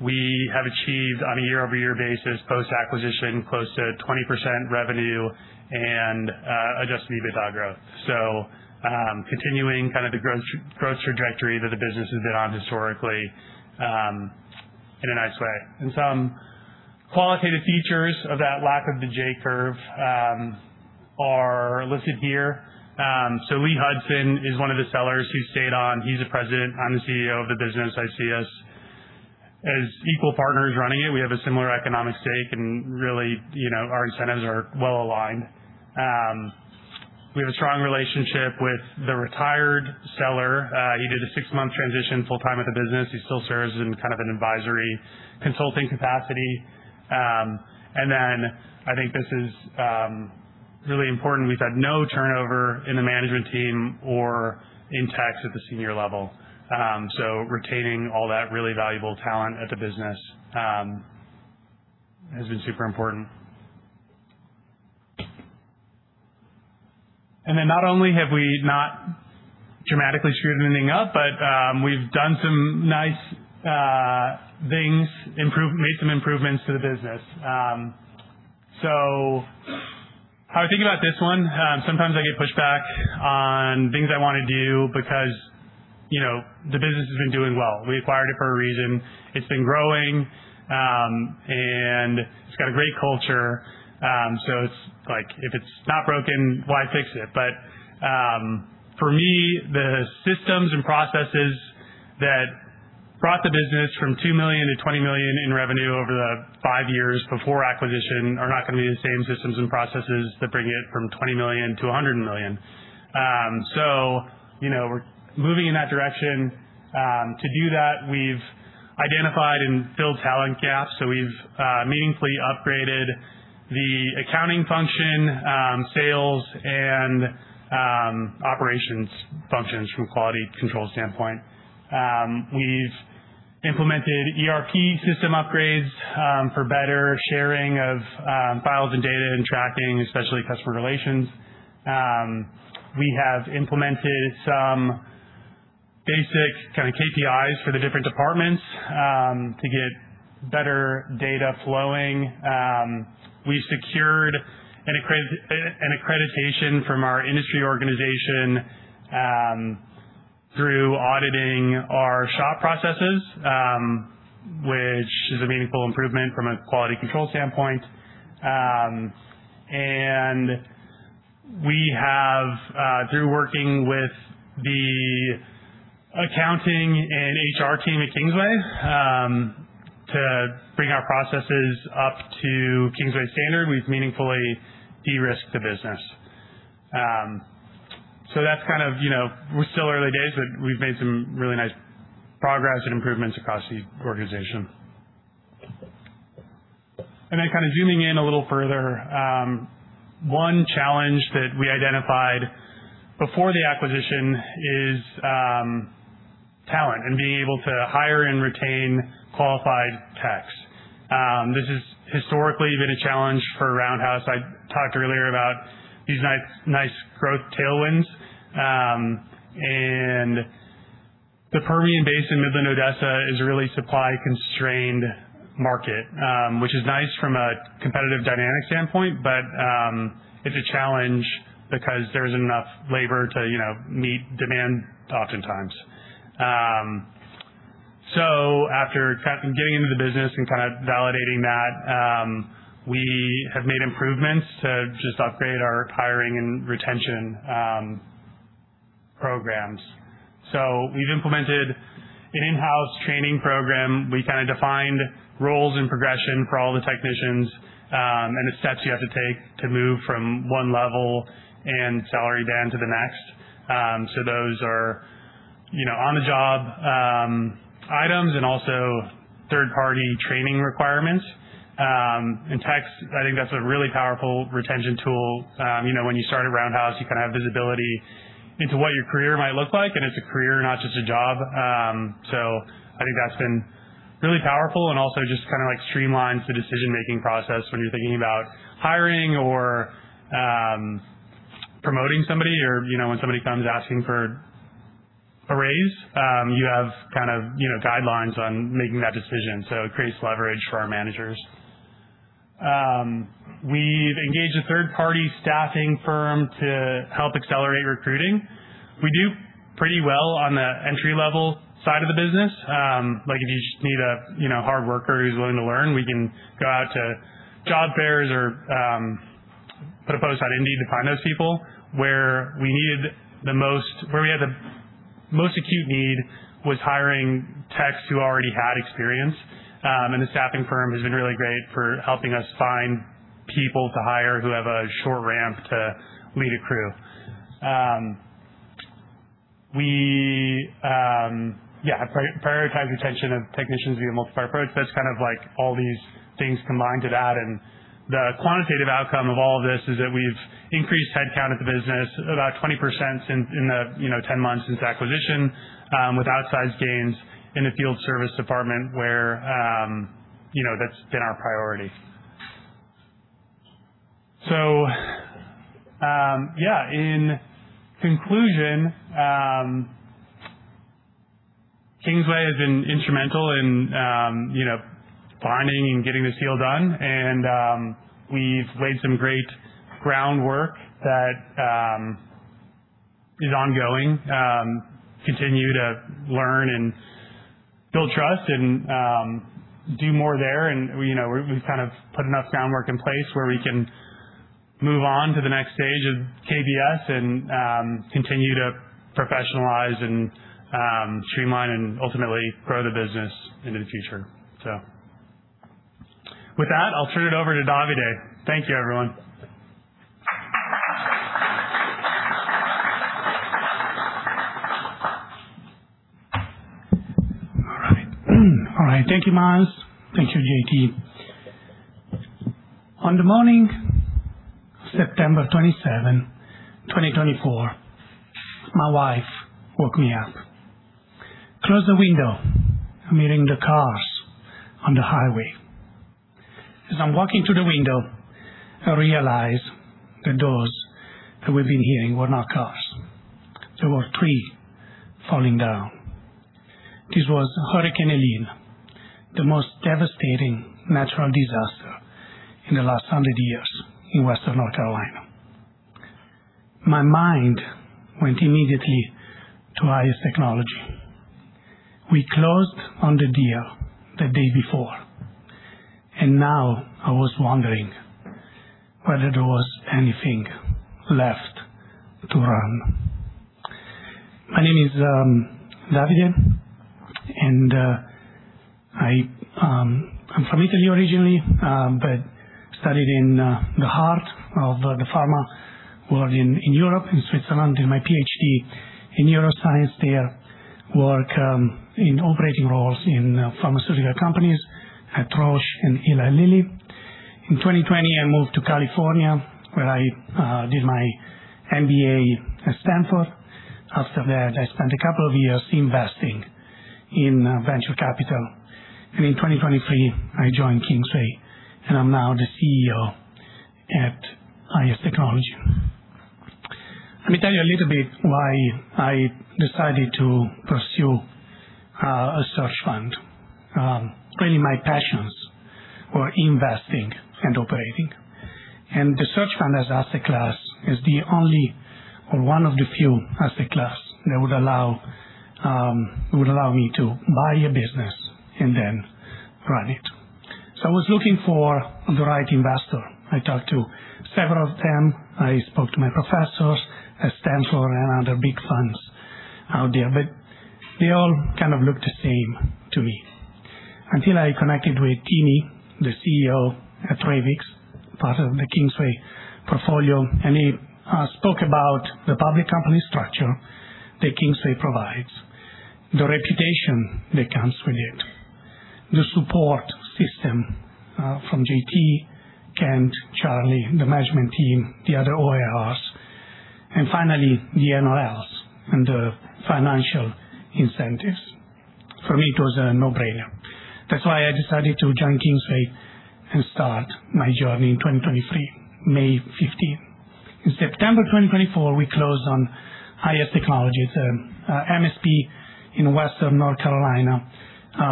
S3: we have achieved on a year-over-year basis post-acquisition, close to 20% revenue and adjusted EBITDA growth. Continuing kind of the growth trajectory that the business has been on historically, in a nice way. Some qualitative features of that lack of the J curve are listed here. Lee Hudson is one of the sellers who stayed on. He's the president. I'm the CEO of the business. I see us as equal partners running it. We have a similar economic stake and really, you know, our incentives are well aligned. We have a strong relationship with the retired seller. He did a six-month transition full-time at the business. He still serves in kind of an advisory consulting capacity. I think this is really important. We've had no turnover in the management team or in tech at the senior level. Retaining all that really valuable talent at the business has been super important. Not only have we not dramatically screwed anything up, but we've done some nice things, made some improvements to the business. How I think about this one, sometimes I get pushback on things I want to do because, you know, the business has been doing well. We acquired it for a reason. It's been growing, and it's got a great culture. It's like if it's not broken, why fix it? For me, the systems and processes that brought the business from $2 million to $20 million in revenue over the five years before acquisition are not going to be the same systems and processes that bring it from $20 million to $100 million. You know, we're moving in that direction. To do that, we've identified and filled talent gaps. We've meaningfully upgraded the accounting function, sales and operations functions from quality control standpoint. We've implemented ERP system upgrades for better sharing of files and data and tracking, especially customer relations. We have implemented some basic kind of KPIs for the different departments to get better data flowing. We've secured an accreditation from our industry organization through auditing our shop processes, which is a meaningful improvement from a quality control standpoint. We have, through working with the accounting and HR team at Kingsway, to bring our processes up to Kingsway standard, we've meaningfully de-risked the business. That's kind of, you know, we're still early days, but we've made some really nice progress and improvements across the organization. Then kind of zooming in a little further, one challenge that we identified before the acquisition is talent and being able to hire and retain qualified techs. This has historically been a challenge for Roundhouse. I talked earlier about these nice growth tailwinds. The Permian Basin within Odessa is a really supply-constrained market, which is nice from a competitive dynamic standpoint, but it's a challenge because there isn't enough labor to, you know, meet demand oftentimes. After kind of getting into the business and kinda validating that, we have made improvements to just upgrade our hiring and retention programs. We've implemented an in-house training program. We kinda defined roles and progression for all the technicians, and the steps you have to take to move from one level and salary band to the next. Those are, you know, on-the-job items and also third-party training requirements. In tech, I think that's a really powerful retention tool. You know, when you start at Roundhouse, you kind of have visibility into what your career might look like, and it's a career, not just a job. I think that's been really powerful and also just kind of, like, streamlines the decision-making process when you're thinking about hiring or promoting somebody or, you know, when somebody comes asking for a raise, you have kind of, you know, guidelines on making that decision, so it creates leverage for our managers. We've engaged a third-party staffing firm to help accelerate recruiting. We do pretty well on the entry-level side of the business. Like, if you just need a, you know, hard worker who's willing to learn, we can go out to job fairs or put a post out on Indeed to find those people. Where we had the most acute need was hiring techs who already had experience. The staffing firm has been really great for helping us find people to hire who have a short ramp to lead a crew. Prioritize retention of technicians via multipronged approach. That's kind of like all these things combined to that. The quantitative outcome of all of this is that we've increased headcount at the business about 20% in the, you know, 10 months since acquisition, with outsized gains in the field service department where, you know, that's been our priority. In conclusion, Kingsway has been instrumental in, you know, finding and getting this deal done. We've laid some great groundwork that is ongoing. Continue to learn and build trust and do more there. You know, we've kind of put enough groundwork in place where we can move on to the next stage of KBS and continue to professionalize and streamline and ultimately grow the business into the future. With that, I'll turn it over to Davide. Thank you, everyone.
S4: All right. All right. Thank you, Miles. Thank you, JT. On the morning, September 27, 2024, my wife woke me up. "Close the window. I'm hearing the cars on the highway." As I'm walking to the window, I realize the doors that we've been hearing were not cars. There were tree falling down. This was Hurricane Helene, the most devastating natural disaster in the last 100 years in Western North Carolina. My mind went immediately to IS Technology. We closed on the deal the day before. Now I was wondering whether there was anything left to run. My name is Davide, and I'm from Italy originally, but studied in the heart of the pharma world in Europe, in Switzerland. Did my PhD in neuroscience there, work in operating roles in pharmaceutical companies at Roche and Eli Lilly. In 2020, I moved to California, where I did my MBA at Stanford. After that, I spent a couple of years investing in venture capital. In 2023, I joined Kingsway, and I'm now the CEO at IS Technology. Let me tell you a little bit why I decided to pursue a search fund. Really my passions were investing and operating. The search fund as asset class is the only or one of the few asset class that would allow, would allow me to buy a business and then run it. I was looking for the right investor. I talked to several of them. I spoke to my professors at Stanford and other big funds out there. They all kind of looked the same to me until I connected with Timi, the CEO at Ravix, part of the Kingsway portfolio, and he spoke about the public company structure that Kingsway provides, the reputation that comes with it, the support system from JT, Kent, Charlie, the management team, the other OIRs, and finally, the NOLs and the financial incentives. For me, it was a no-brainer. That's why I decided to join Kingsway and start my journey in 2023, May 15th. In September 2024, we closed on IS Technology. It's a MSP in Western North Carolina,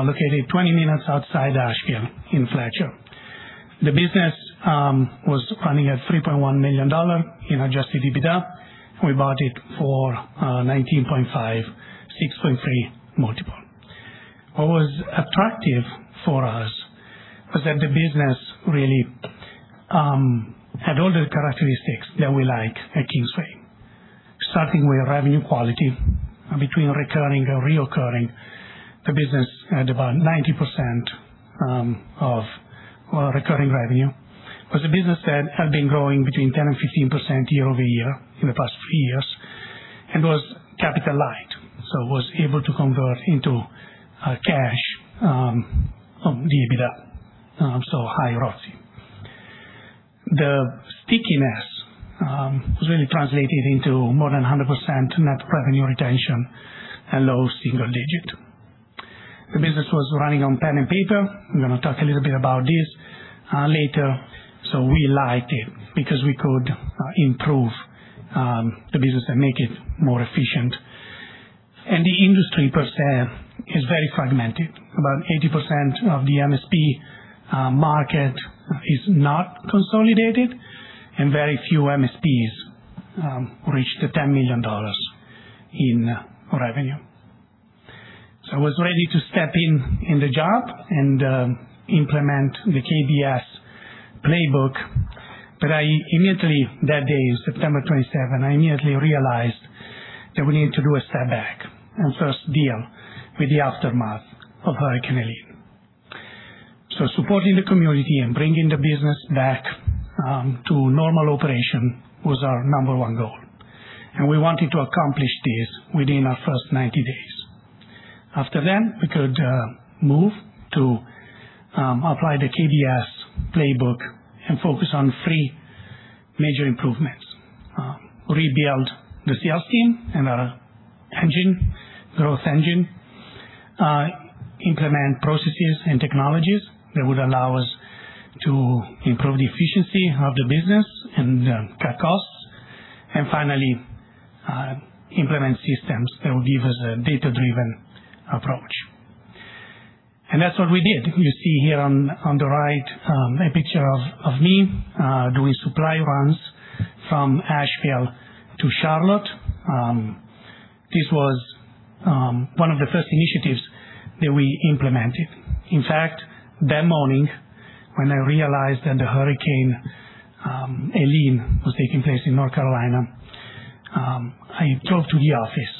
S4: located 20 minutes outside Asheville in Fletcher. The business was running at $3.1 million in adjusted EBITDA. We bought it for $19.5, 6.3x multiple. What was attractive for us was that the business really had all the characteristics that we like at Kingsway. Starting with revenue quality. Between recurring and reoccurring, the business had about 90% of recurring revenue. Plus the business had been growing between 10%-15% year-over-year in the past three years, and was capital light, so was able to convert into cash the EBITDA, so high ROIC. The stickiness was really translated into more than 100% net revenue retention and low single-digit. The business was running on pen and paper. I'm gonna talk a little bit about this later. We liked it because we could improve the business and make it more efficient. The industry per se is very fragmented. About 80% of the MSP market is not consolidated, and very few MSPs reach the $10 million in revenue. I was ready to step in the job and implement the KBS playbook. I immediately, that day, September 27, I immediately realized that we need to do a step back and first deal with the aftermath of Hurricane Helene. Supporting the community and bringing the business back to normal operation was our number one goal, and we wanted to accomplish this within our first 90 days. After then, we could move to apply the KBS playbook and focus on three major improvements. Rebuild the sales team and our engine, growth engine. Implement processes and technologies that would allow us to improve the efficiency of the business and cut costs. Finally, implement systems that will give us a data-driven approach. That's what we did. You see here on the right, a picture of me doing supply runs from Asheville to Charlotte. This was one of the first initiatives that we implemented. In fact, that morning when I realized that Hurricane Helene was taking place in North Carolina, I drove to the office,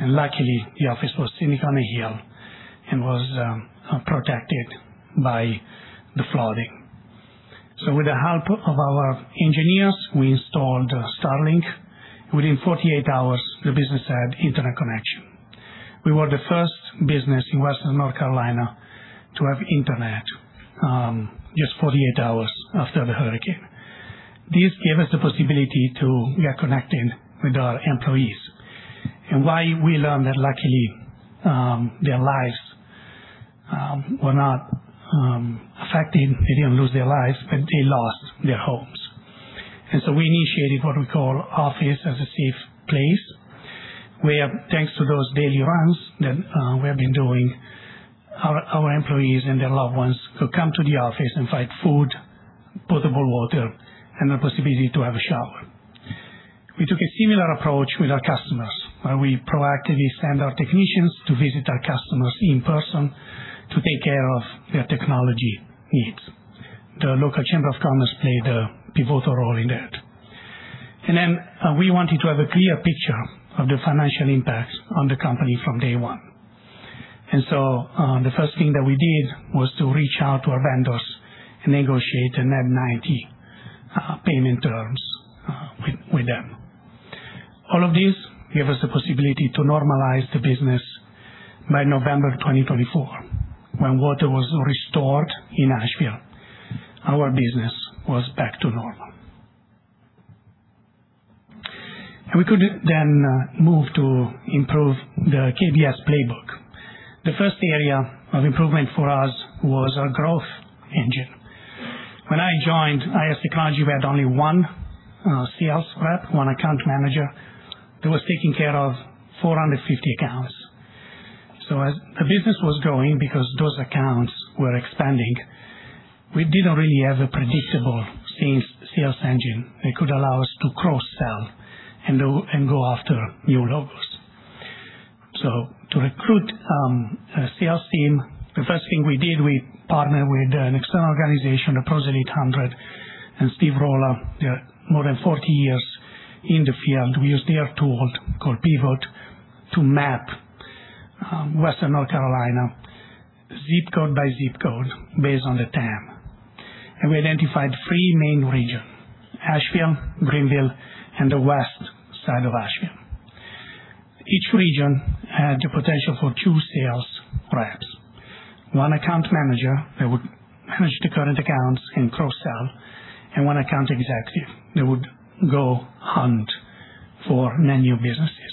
S4: and luckily the office was sitting on a hill and was protected by the flooding. With the help of our engineers, we installed Starlink. Within 48 hours, the business had internet connection. We were the first business in Western North Carolina to have internet, just 48 hours after the hurricane. This gave us the possibility to get connected with our employees. We learned that luckily, their lives were not affected. They didn't lose their lives, but they lost their homes. We initiated what we call Office as a Safe Place, where thanks to those daily runs that we have been doing, our employees and their loved ones could come to the office and find food, potable water, and the possibility to have a shower. We took a similar approach with our customers, where we proactively send our technicians to visit our customers in person to take care of their technology needs. The local chamber of commerce played a pivotal role in that. We wanted to have a clear picture of the financial impact on the company from day one. The first thing that we did was to reach out to our vendors and negotiate a net 90 payment terms with them. All of this gave us the possibility to normalize the business by November 2024. When water was restored in Asheville, our business was back to normal. We could then move to improve the KBS playbook. The first area of improvement for us was our growth engine. When I joined IS Technology, we had only one sales rep, one account manager that was taking care of 450 accounts. As the business was growing because those accounts were expanding, we didn't really have a predictable sales engine that could allow us to cross-sell and go after new logos. To recruit, a sales team, the first thing we did, we partnered with an external organization, Approach 800, and Steve Roller, more than 40 years in the field. We used their tool called Pivot to map, Western North Carolina, ZIP code by ZIP code, based on the TAM. We identified three main region: Asheville, Greenville, and the west side of Asheville. Each region had the potential for two sales reps. One account manager that would manage the current accounts and cross-sell, and one account executive that would go hunt for many new businesses.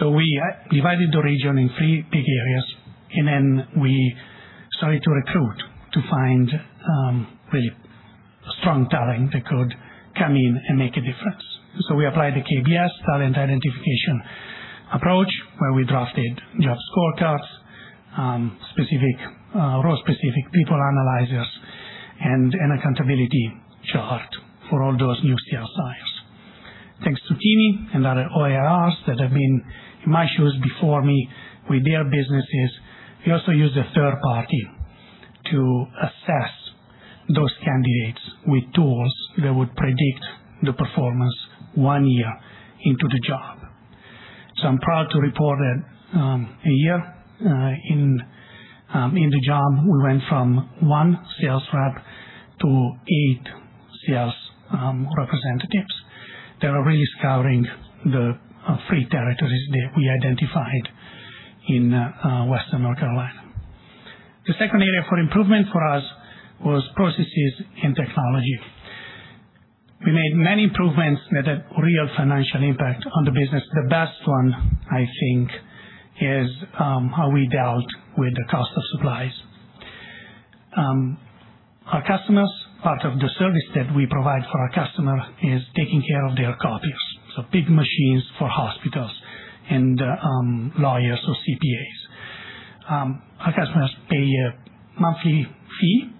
S4: We divided the region in three big areas, and then we started to recruit to find, really strong talent that could come in and make a difference. We applied the KBS talent identification approach, where we drafted job scorecards, role-specific people analyzers, and an accountability chart for all those new sales hires. Thanks to Keaney and other OIRs that have been in my shoes before me with their businesses, we also used a third party to assess those candidates with tools that would predict the performance one year into the job. I'm proud to report that, a year in the job, we went from one sales rep to eight sales representatives that are really scouring the three territories that we identified in Western North Carolina. The second area for improvement for us was processes and technology. We made many improvements that had real financial impact on the business. The best one, I think, is how we dealt with the cost of supplies. Part of the service that we provide for our customer is taking care of their copiers, so big machines for hospitals and lawyers or CPAs. Our customers pay a monthly fee,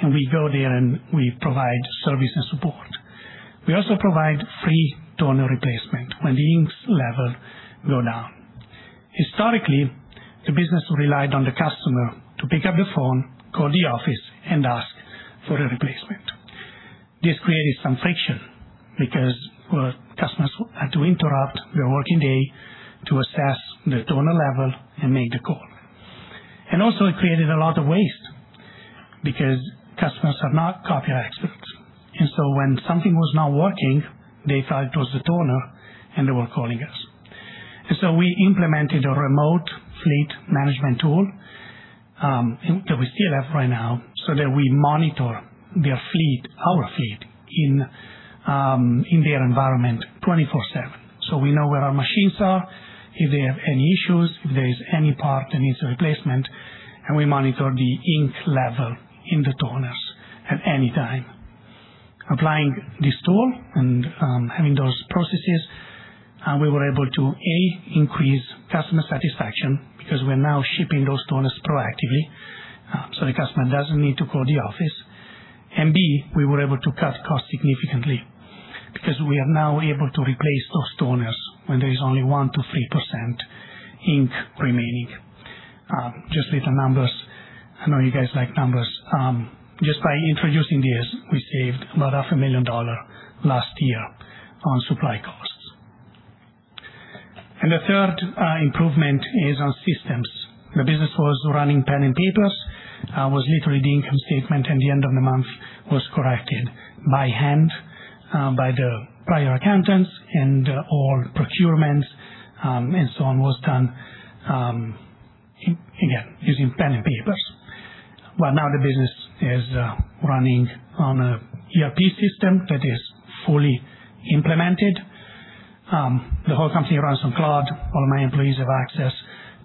S4: and we go there, and we provide service and support. We also provide free toner replacement when the inks level go down. Historically, the business relied on the customer to pick up the phone, call the office, and ask for a replacement. This created some friction because, well, customers had to interrupt their working day to assess their toner level and make the call. Also, it created a lot of waste because customers are not copier experts. When something was not working, they thought it was the toner, and they were calling us. We implemented a remote fleet management tool, and that we still have right now, so that we monitor their fleet, our fleet, in their environment 24/7. So we know where our machines are, if they have any issues, if there is any part that needs a replacement, and we monitor the ink level in the toners at any time. Applying this tool and having those processes, we were able to, A, increase customer satisfaction because we're now shipping those toners proactively, so the customer doesn't need to call the office. B, we were able to cut costs significantly because we are now able to replace those toners when there is only 1%-3% ink remaining. Just little numbers. I know you guys like numbers. Just by introducing this, we saved about $500,000 last year on supply costs. The third improvement is on systems. The business was running pen and paper. Literally the income statement at the end of the month was corrected by hand by the prior accountants and all procurement and so on, was done again using pen and paper. Well, now the business is running on an ERP system that is fully implemented. The whole company runs on cloud. All my employees have access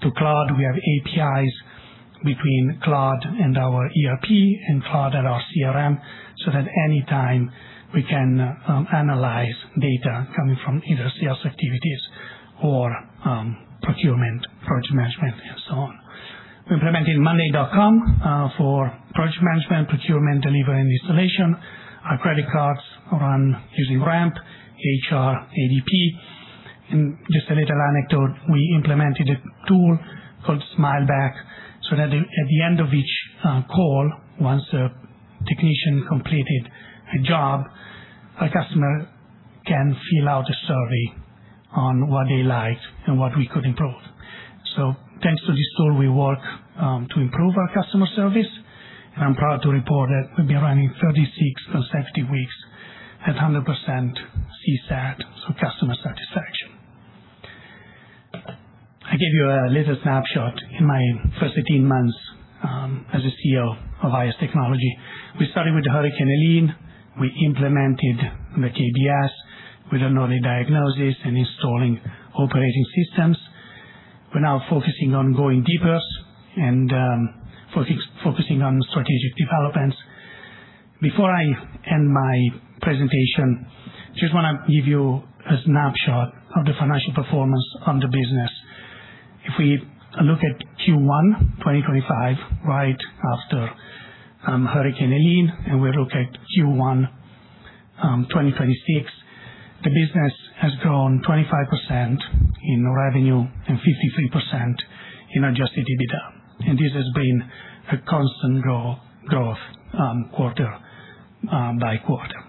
S4: to cloud. We have APIs between cloud and our ERP and cloud and our CRM, so that any time we can analyze data coming from either sales activities or procurement, project management and so on. We implemented monday.com for project management, procurement, delivery, and installation. Our credit cards run using Ramp, HR, ADP. Just a little anecdote, we implemented a tool called SmileBack so that at the end of each call, once a technician completed a job, a customer can fill out a survey on what they liked and what we could improve. Thanks to this tool, we work to improve our customer service, I'm proud to report that we've been running 36 consecutive weeks at 100% CSAT, so customer satisfaction. I gave you a little snapshot in my first 18 months as a CEO of IS Technology. We started with Hurricane Helene. We implemented the KBS with a early diagnosis and installing operating systems. We're now focusing on going deeper and focusing on strategic developments. Before I end my presentation, I just wanna give you a snapshot of the financial performance on the business. If we look at Q1 2025, right after, Hurricane Helene, and we look at Q1 2026, the business has grown 25% in revenue and 53% in adjusted EBITDA. This has been a constant growth, quarter, by quarter.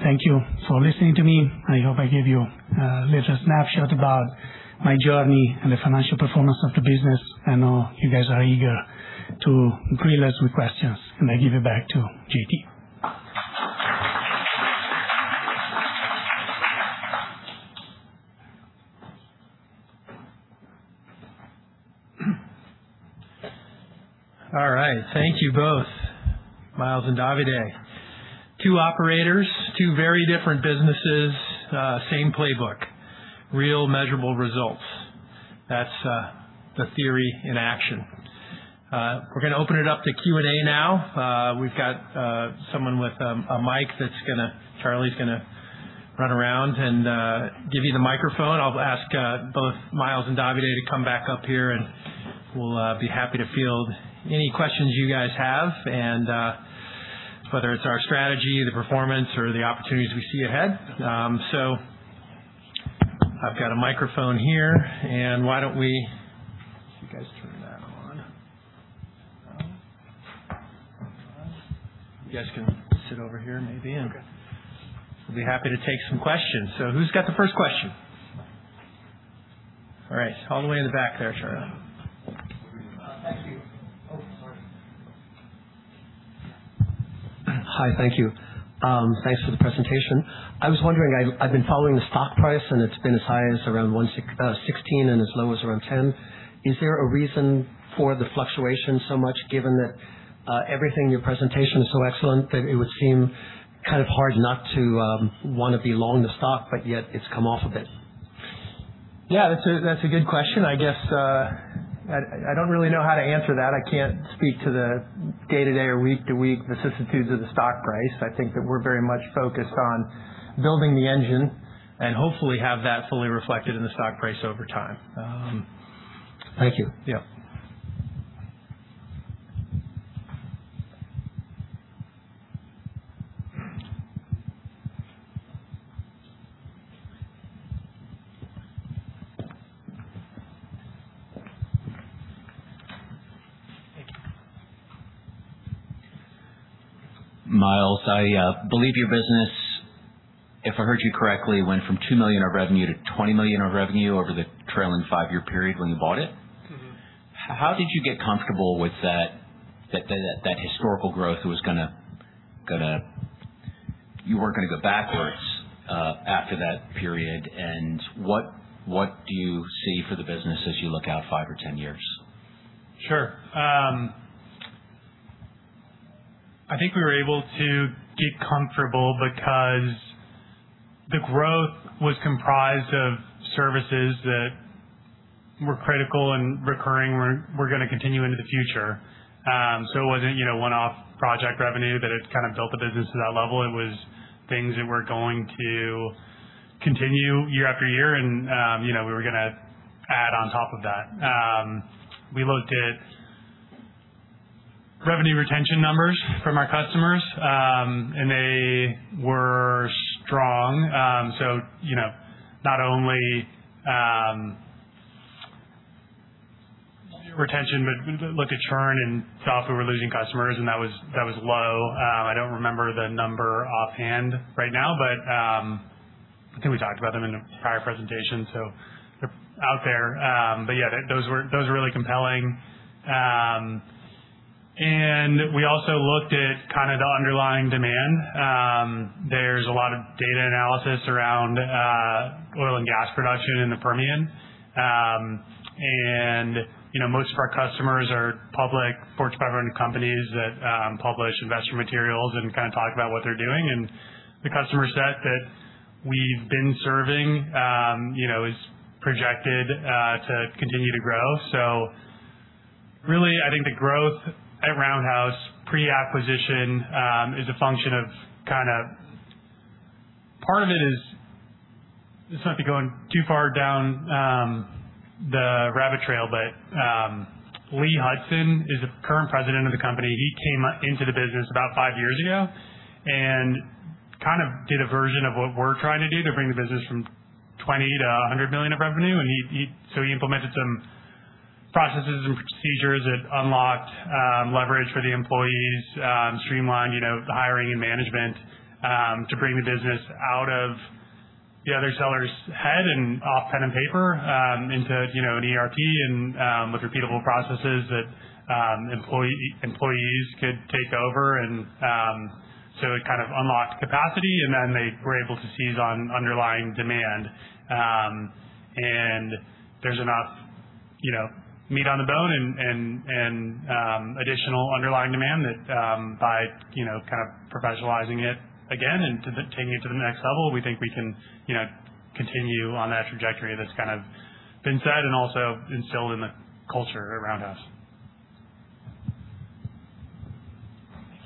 S4: Thank you for listening to me. I hope I gave you a little snapshot about my journey and the financial performance of the business. I know you guys are eager to grill us with questions, and I give it back to JT.
S1: All right. Thank you both, Miles and Davide. Two operators, two very different businesses, same playbook, real measurable results. That's the theory in action. We're gonna open it up to Q&A now. We've got someone with a mic. Charles is gonna run around and give you the microphone. I'll ask both Miles and Davide to come back up here, and we'll be happy to field any questions you guys have and whether it's our strategy, the performance, or the opportunities we see ahead. I've got a microphone here. Why don't we You guys turn that on. You guys can sit over here maybe. We'll be happy to take some questions. Who's got the first question? All right, all the way in the back there, Charles.
S5: Thank you. Oh, sorry. Hi. Thank you. Thanks for the presentation. I was wondering, I've been following the stock price, and it's been as high as around $16 and as low as around $10. Is there a reason for the fluctuation so much given that everything in your presentation is so excellent that it would seem kind of hard not to wanna be long the stock, but yet it's come off a bit?
S1: Yeah, that's a good question. I guess, I don't really know how to answer that. I can't speak to the day-to-day or week-to-week vicissitudes of the stock price. I think that we're very much focused on building the engine and hopefully have that fully reflected in the stock price over time.
S5: Thank you.
S1: Yeah.
S6: Miles, I believe your business, if I heard you correctly, went from $2 million of revenue to $20 million of revenue over the trailing five-year period when you bought it. How did you get comfortable with that historical growth was gonna You weren't gonna go backwards after that period? What do you see for the business as you look out five or 10 years?
S3: Sure. I think we were able to get comfortable because the growth was comprised of services that were critical and recurring, were gonna continue into the future. So it wasn't, you know, one-off project revenue that had kind of built the business to that level. It was things that were going to continue year after year and, you know, we were gonna add on top of that. We looked at revenue retention numbers from our customers, and they were strong. So, you know, not only retention, but look at churn and saw if we were losing customers, and that was low. I don't remember the number offhand right now, but I think we talked about them in the prior presentation, so they're out there. But yeah, those were really compelling. We also looked at kind of the underlying demand. There's a lot of data analysis around oil and gas production in the Permian. You know, most of our customers are public Fortune 500 companies that publish investor materials and kind of talk about what they're doing. The customer set that we've been serving, you know, is projected to continue to grow. Really, I think the growth at Roundhouse pre-acquisition is a function of kind of part of it is this might be going too far down the rabbit trail, but Lee Hudson is the current President of the company. He came into the business about five years ago and kind of did a version of what we're trying to do to bring the business from $20 million to $100 million of revenue. He implemented some processes and procedures that unlocked leverage for the employees, streamlined, you know, the hiring and management to bring the business out of the other seller's head and off pen and paper into, you know, an ERP and with repeatable processes that employees could take over. It kind of unlocked capacity, and then they were able to seize on underlying demand. There's enough You know, meat on the bone and additional underlying demand that, by, you know, kind of professionalizing it again and to taking it to the next level, we think we can, you know, continue on that trajectory that's kind of been set and also instilled in the culture around us.
S6: Thank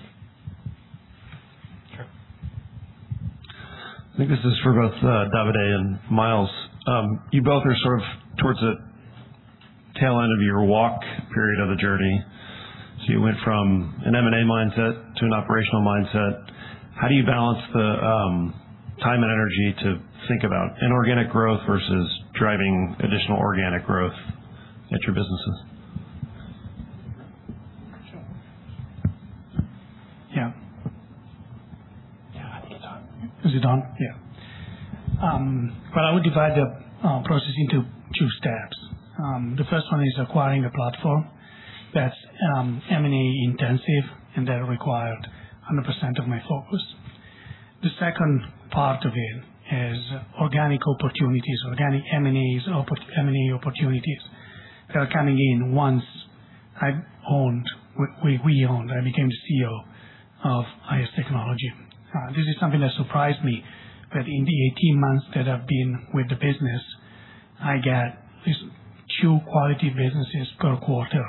S6: you.
S1: Sure.
S7: I think this is for both, Davide and Miles. You both are sort of towards the tail end of your walk period of the journey. You went from an M&A mindset to an operational mindset. How do you balance the time and energy to think about inorganic growth versus driving additional organic growth at your businesses?
S1: Sure.
S4: Yeah. Yeah, I think it's on. Is it on? Yeah. Well, I would divide the process into two steps. The first one is acquiring a platform that's M&A intensive and that required 100% of my focus. The second part of it is organic opportunities, organic M&A opportunities that are coming in once I owned, I became CEO of IS Technology. This is something that surprised me that in the 18 months that I've been with the business, I get at least two quality businesses per quarter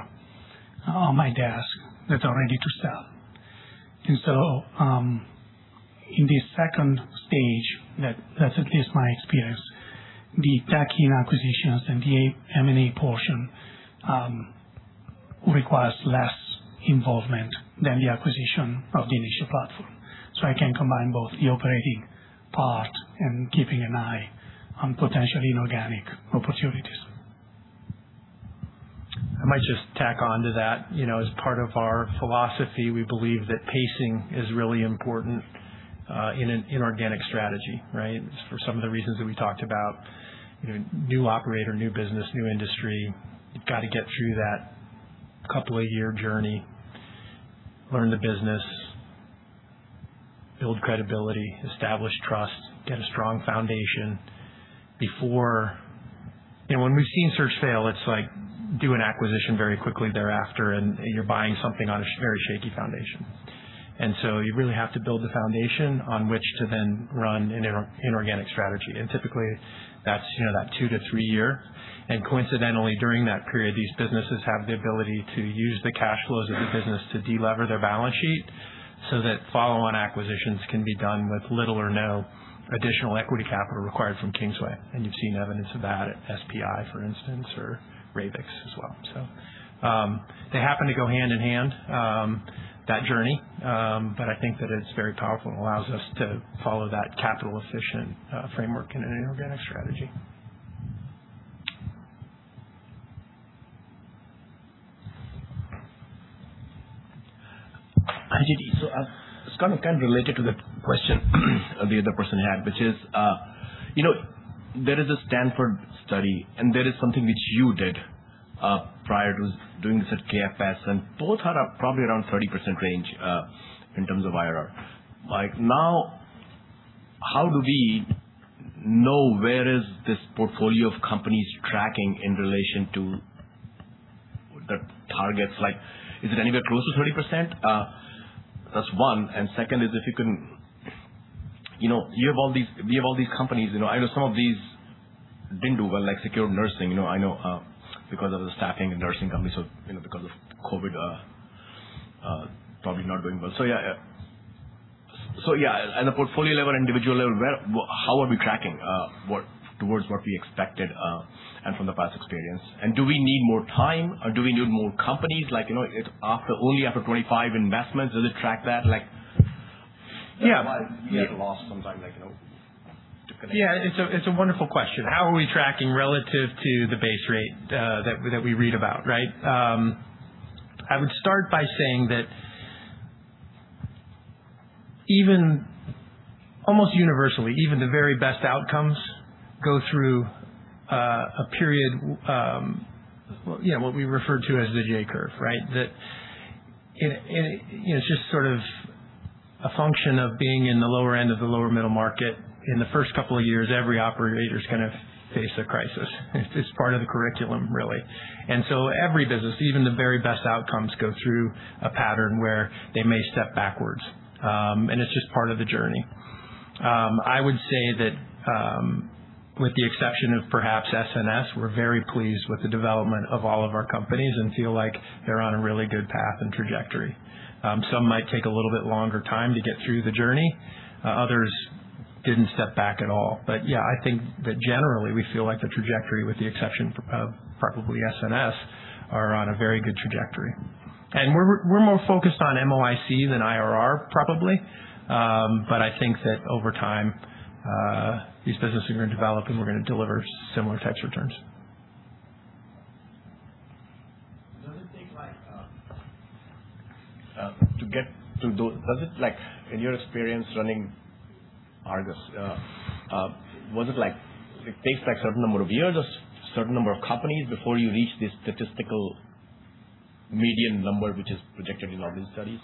S4: on my desk that are ready to sell. In the second stage, that's at least my experience, the back-end acquisitions and the M&A portion requires less involvement than the acquisition of the initial platform. I can combine both the operating part and keeping an eye on potential inorganic opportunities.
S1: I might just tack on to that. You know, as part of our philosophy, we believe that pacing is really important in an inorganic strategy, right? For some of the reasons that we talked about, you know, new operator, new business, new industry. You've got to get through that couple of year journey, learn the business, build credibility, establish trust, get a strong foundation before You know, when we've seen Search fail, it's like do an acquisition very quickly thereafter, and you're buying something on a very shaky foundation. So you really have to build the foundation on which to then run an inorganic strategy. And typically that's, you know, that two to three year. Coincidentally, during that period, these businesses have the ability to de-lever their balance sheet so that follow-on acquisitions can be done with little or no additional equity capital required from Kingsway. You've seen evidence of that at SPI, for instance, or Ravix as well. They happen to go hand in hand, that journey. I think that it's very powerful and allows us to follow that capital efficient framework in an inorganic strategy.
S8: JT, it's kind of related to the question the other person had, which is, you know, there is a Stanford study, and there is something which you did prior to doing this at KFS, and both are probably around 30% range in terms of IRR. Now, how do we know where is this portfolio of companies tracking in relation to the targets? Is it anywhere close to 30%? That's one. Second is if you can, you know, we have all these companies. You know, I know some of these didn't do well, like Secure Nursing. You know, I know, because of the staffing and nursing companies so, you know, because of COVID, probably not doing well. Yeah. Yeah, at a portfolio level and individual level, how are we tracking towards what we expected and from the past experience? Do we need more time or do we need more companies? Like, you know, only after 25 investments, does it track that?
S1: Yeah.
S8: That's why we had a loss sometime, like, you know, to connect.
S1: Yeah, it's a, it's a wonderful question. How are we tracking relative to the base rate, that we read about, right? I would start by saying that almost universally, even the very best outcomes go through a period, you know, what we refer to as the J curve, right? That it, you know, it's just sort of a function of being in the lower end of the lower middle market. In the first couple of years, every operator's gonna face a crisis. It's part of the curriculum, really. Every business, even the very best outcomes, go through a pattern where they may step backwards. It's just part of the journey. I would say that, with the exception of perhaps SNS, we're very pleased with the development of all of our companies and feel like they're on a really good path and trajectory. Others didn't step back at all. Yeah, I think that generally we feel like the trajectory, with the exception of probably SNS, are on a very good trajectory. We're, we're more focused on MOIC than IRR, probably. I think that over time, these businesses are gonna develop, and we're gonna deliver similar types of returns.
S8: Does it take like, in your experience running Argo, was it like it takes like certain number of years or certain number of companies before you reach this statistical median number which is projected in all these studies?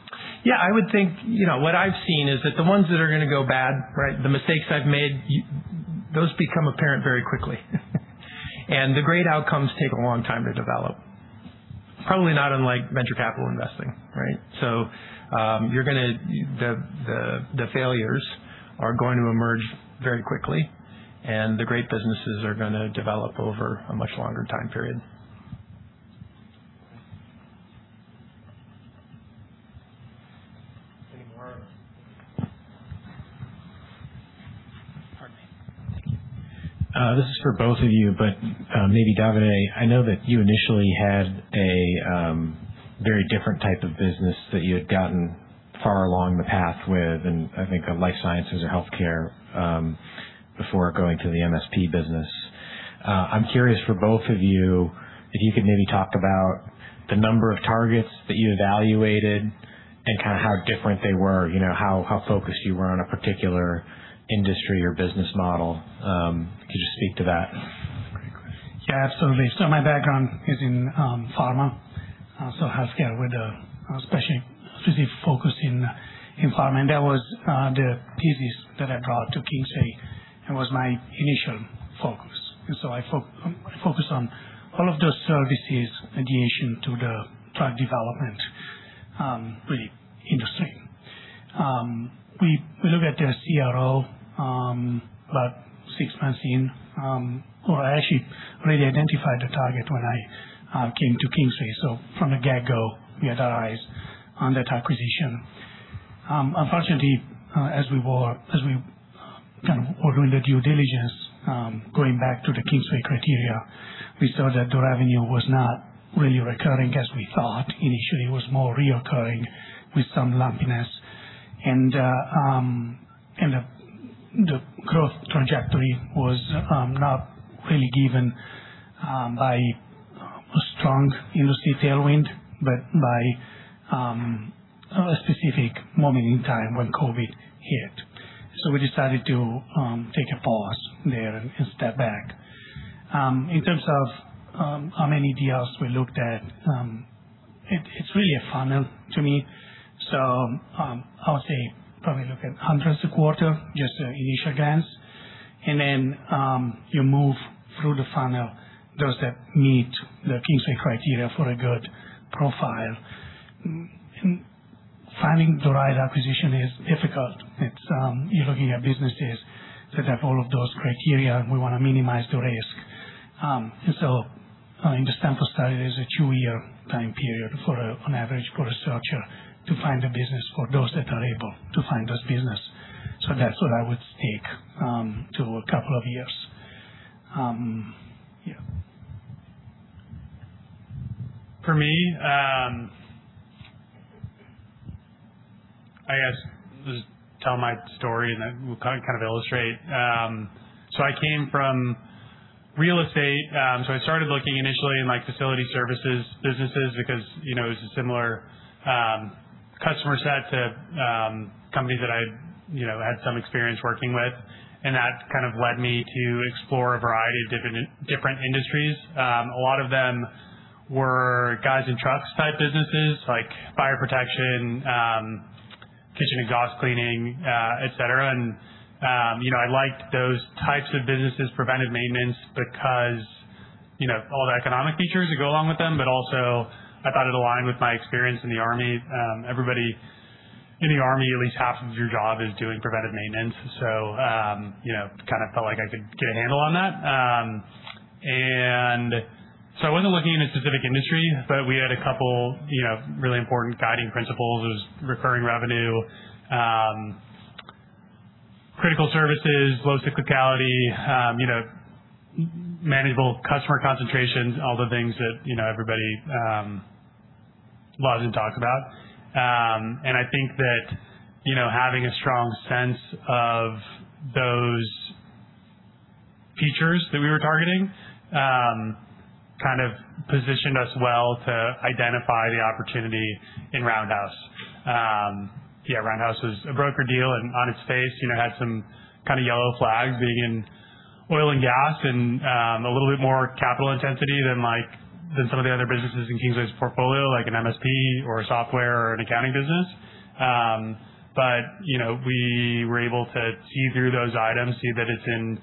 S1: Yeah, I would think, you know, what I've seen is that the ones that are gonna go bad, right? The mistakes I've made, those become apparent very quickly. The great outcomes take a long time to develop. Probably not unlike venture capital investing, right? The failures are going to emerge very quickly and the great businesses are gonna develop over a much longer time period.
S9: Pardon me. Thank you. This is for both of you, but maybe Davide. I know that you initially had a very different type of business that you had gotten far along the path with, and I think a life sciences or healthcare before going to the MSP business. I'm curious for both of you if you could maybe talk about the number of targets that you evaluated and kind of how different they were. You know, how focused you were on a particular industry or business model. Could you speak to that?
S1: Great question.
S4: Yeah, absolutely. My background is in pharma, so healthcare with a specific focus in pharma. That was the thesis that I brought to Kingsway and was my initial focus. I focus on all of those services adjacent to the drug development, really industry. We looked at the CRO about six months in, or I actually already identified the target when I came to Kingsway. From the get-go, we had our eyes on that acquisition. Unfortunately, as we kind of were doing the due diligence, going back to the Kingsway criteria, we saw that the revenue was not really recurring as we thought. Initially, it was more reoccurring with some lumpiness. The growth trajectory was not really given by a strong industry tailwind, but by a specific moment in time when COVID hit. We decided to take a pause there and step back. In terms of how many deals we looked at, it's really a funnel to me. I would say probably look at hundreds a quarter, just an initial glance. You move through the funnel, those that meet the Kingsway criteria for a good profile. Finding the right acquisition is difficult. It's, you're looking at businesses that have all of those criteria, and we wanna minimize the risk. In the sample study, there's a two-year time period on average for a searcher to find a business for those that are able to find this business. That's what I would stake to a couple of years.
S3: For me, I guess just tell my story and then we'll kind of illustrate. I came from real estate. I started looking initially in like facility services businesses because, you know, it was a similar customer set to companies that I, you know, had some experience working with. That kind of led me to explore a variety of different industries. A lot of them were guys in trucks type businesses like fire protection, kitchen exhaust cleaning, et cetera. You know, I liked those types of businesses, preventive maintenance because, you know, all the economic features that go along with them. Also I thought it aligned with my experience in the Army. Everybody in the Army, at least half of your job is doing preventive maintenance. You know, kind of felt like I could get a handle on that. I wasn't looking in a specific industry, but we had a couple, you know, really important guiding principles. It was recurring revenue, critical services, low cyclicality, you know, manageable customer concentrations, all the things that, you know, everybody loves and talks about. I think that, you know, having a strong sense of those features that we were targeting, kind of positioned us well to identify the opportunity in Roundhouse. Roundhouse was a broker deal and on its face, you know, had some kind of yellow flags being in oil and gas and a little bit more capital intensity than some of the other businesses in Kingsway's portfolio, like an MSP or a software or an accounting business. You know, we were able to see through those items, see that it's in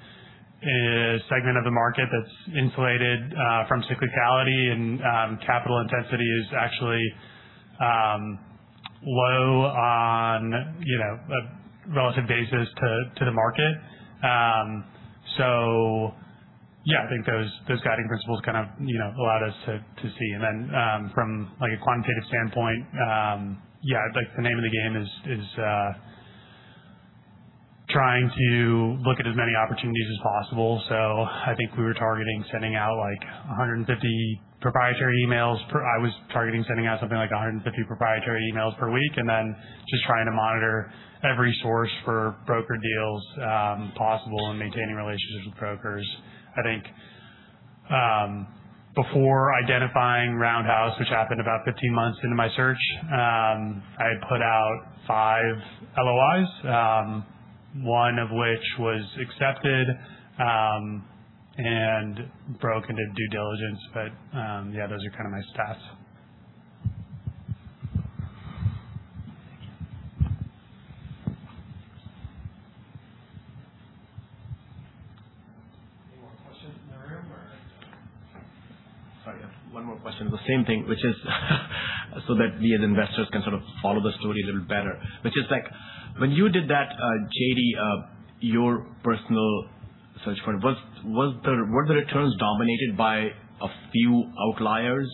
S3: a segment of the market that's insulated from cyclicality and capital intensity is actually low on a relative basis to the market. I think those guiding principles kind of, you know, allowed us to see. From like a quantitative standpoint, the name of the game is trying to look at as many opportunities as possible. I was targeting sending out something like 150 proprietary emails per week, and then just trying to monitor every source for broker deals possible and maintaining relationships with brokers. I think, before identifying Roundhouse, which happened about 15 months into my search, I put out five LOIs, one of which was accepted, and broke into due diligence. Yeah, those are kind of my stats.
S1: Any more questions in the room?
S10: Sorry, I have one more question. The same thing, which is so that we as investors can sort of follow the story a little better. Which is like, when you did that, JT, your personal search for it, were the returns dominated by a few outliers?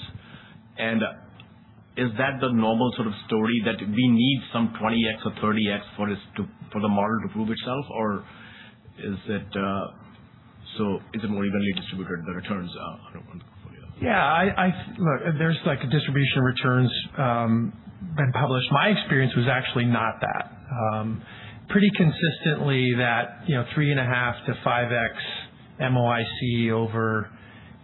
S10: Is that the normal sort of story that we need some 20x or 30x for the model to prove itself? Is it more evenly distributed, the returns, on the portfolio?
S1: Yeah, I Look, there's like a distribution returns been published. My experience was actually not that. Pretty consistently that, you know, 3.5x-5x MOIC over,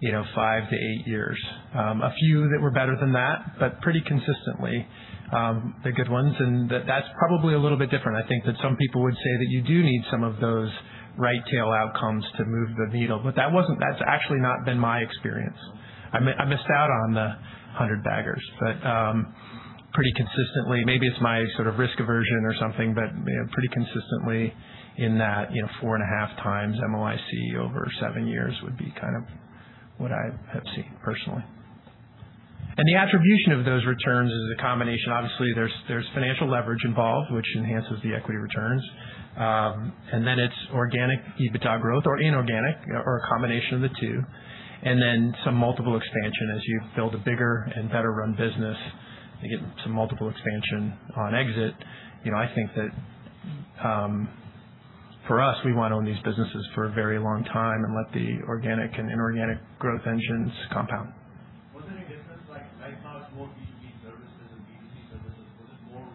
S1: you know, five to eight years. A few that were better than that, but pretty consistently the good ones. That's probably a little bit different. I think that some people would say that you do need some of those right tail outcomes to move the needle, but that's actually not been my experience. I missed out on the 100 baggers, but pretty consistently. Maybe it's my sort of risk aversion or something, but, you know, pretty consistently in that, you know, 4.5x MOIC over seven years would be kind of what I have seen personally. The attribution of those returns is a combination. Obviously, there's financial leverage involved, which enhances the equity returns. Then it's organic EBITDA growth or inorganic or a combination of the two, and then some multiple expansion as you build a bigger and better run business to get some multiple expansion on exit. You know, I think that, for us, we wanna own these businesses for a very long time and let the organic and inorganic growth engines compound.
S10: Was there any difference like right now it's more B2B services than B2C services? Was it more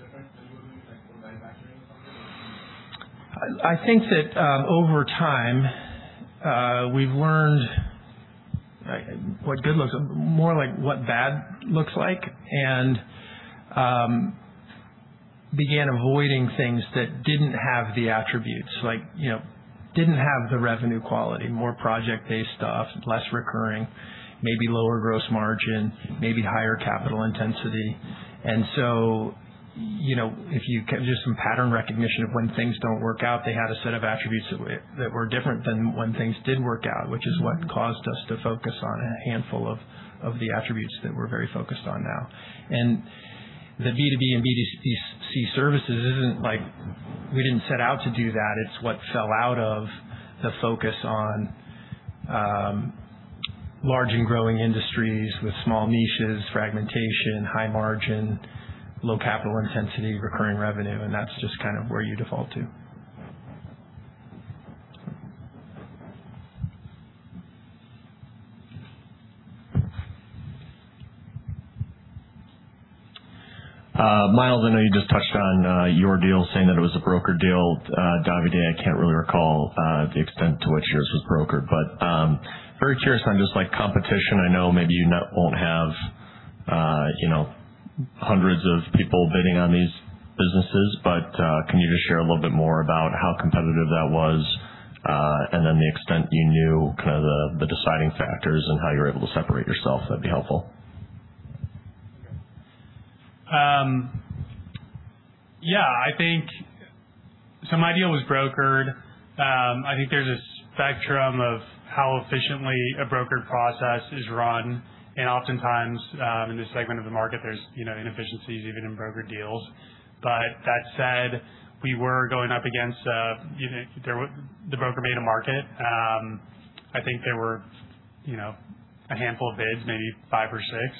S10: different when you were doing like more buyouts or something or?
S1: I think that, over time, we've learned what good looks more like what bad looks like and began avoiding things that didn't have the attributes. Like, you know, didn't have the revenue quality, more project-based stuff, less recurring, maybe lower gross margin, maybe higher capital intensity. You know, just some pattern recognition of when things don't work out, they had a set of attributes that were different than when things did work out, which is what caused us to focus on a handful of the attributes that we're very focused on now. The B2B and B2C services isn't like we didn't set out to do that. It's what fell out of the focus on large and growing industries with small niches, fragmentation, high margin, low capital intensity, recurring revenue, and that's just kind of where you default to.
S11: Miles, I know you just touched on, your deal saying that it was a broker deal. Davide, I can't really recall, the extent to which yours was brokered, but, very curious on just like competition. I know maybe you won't have, you know, hundreds of people bidding on these businesses. Can you just share a little bit more about how competitive that was, and then the extent you knew kind of the deciding factors and how you were able to separate yourself? That'd be helpful.
S3: Yeah, I think my deal was brokered. I think there's a spectrum of how efficiently a brokered process is run. Oftentimes, in this segment of the market, there's, you know, inefficiencies even in broker deals. That said, we were going up against, you know, the broker made a market. I think there were, you know, a handful of bids, maybe five or six.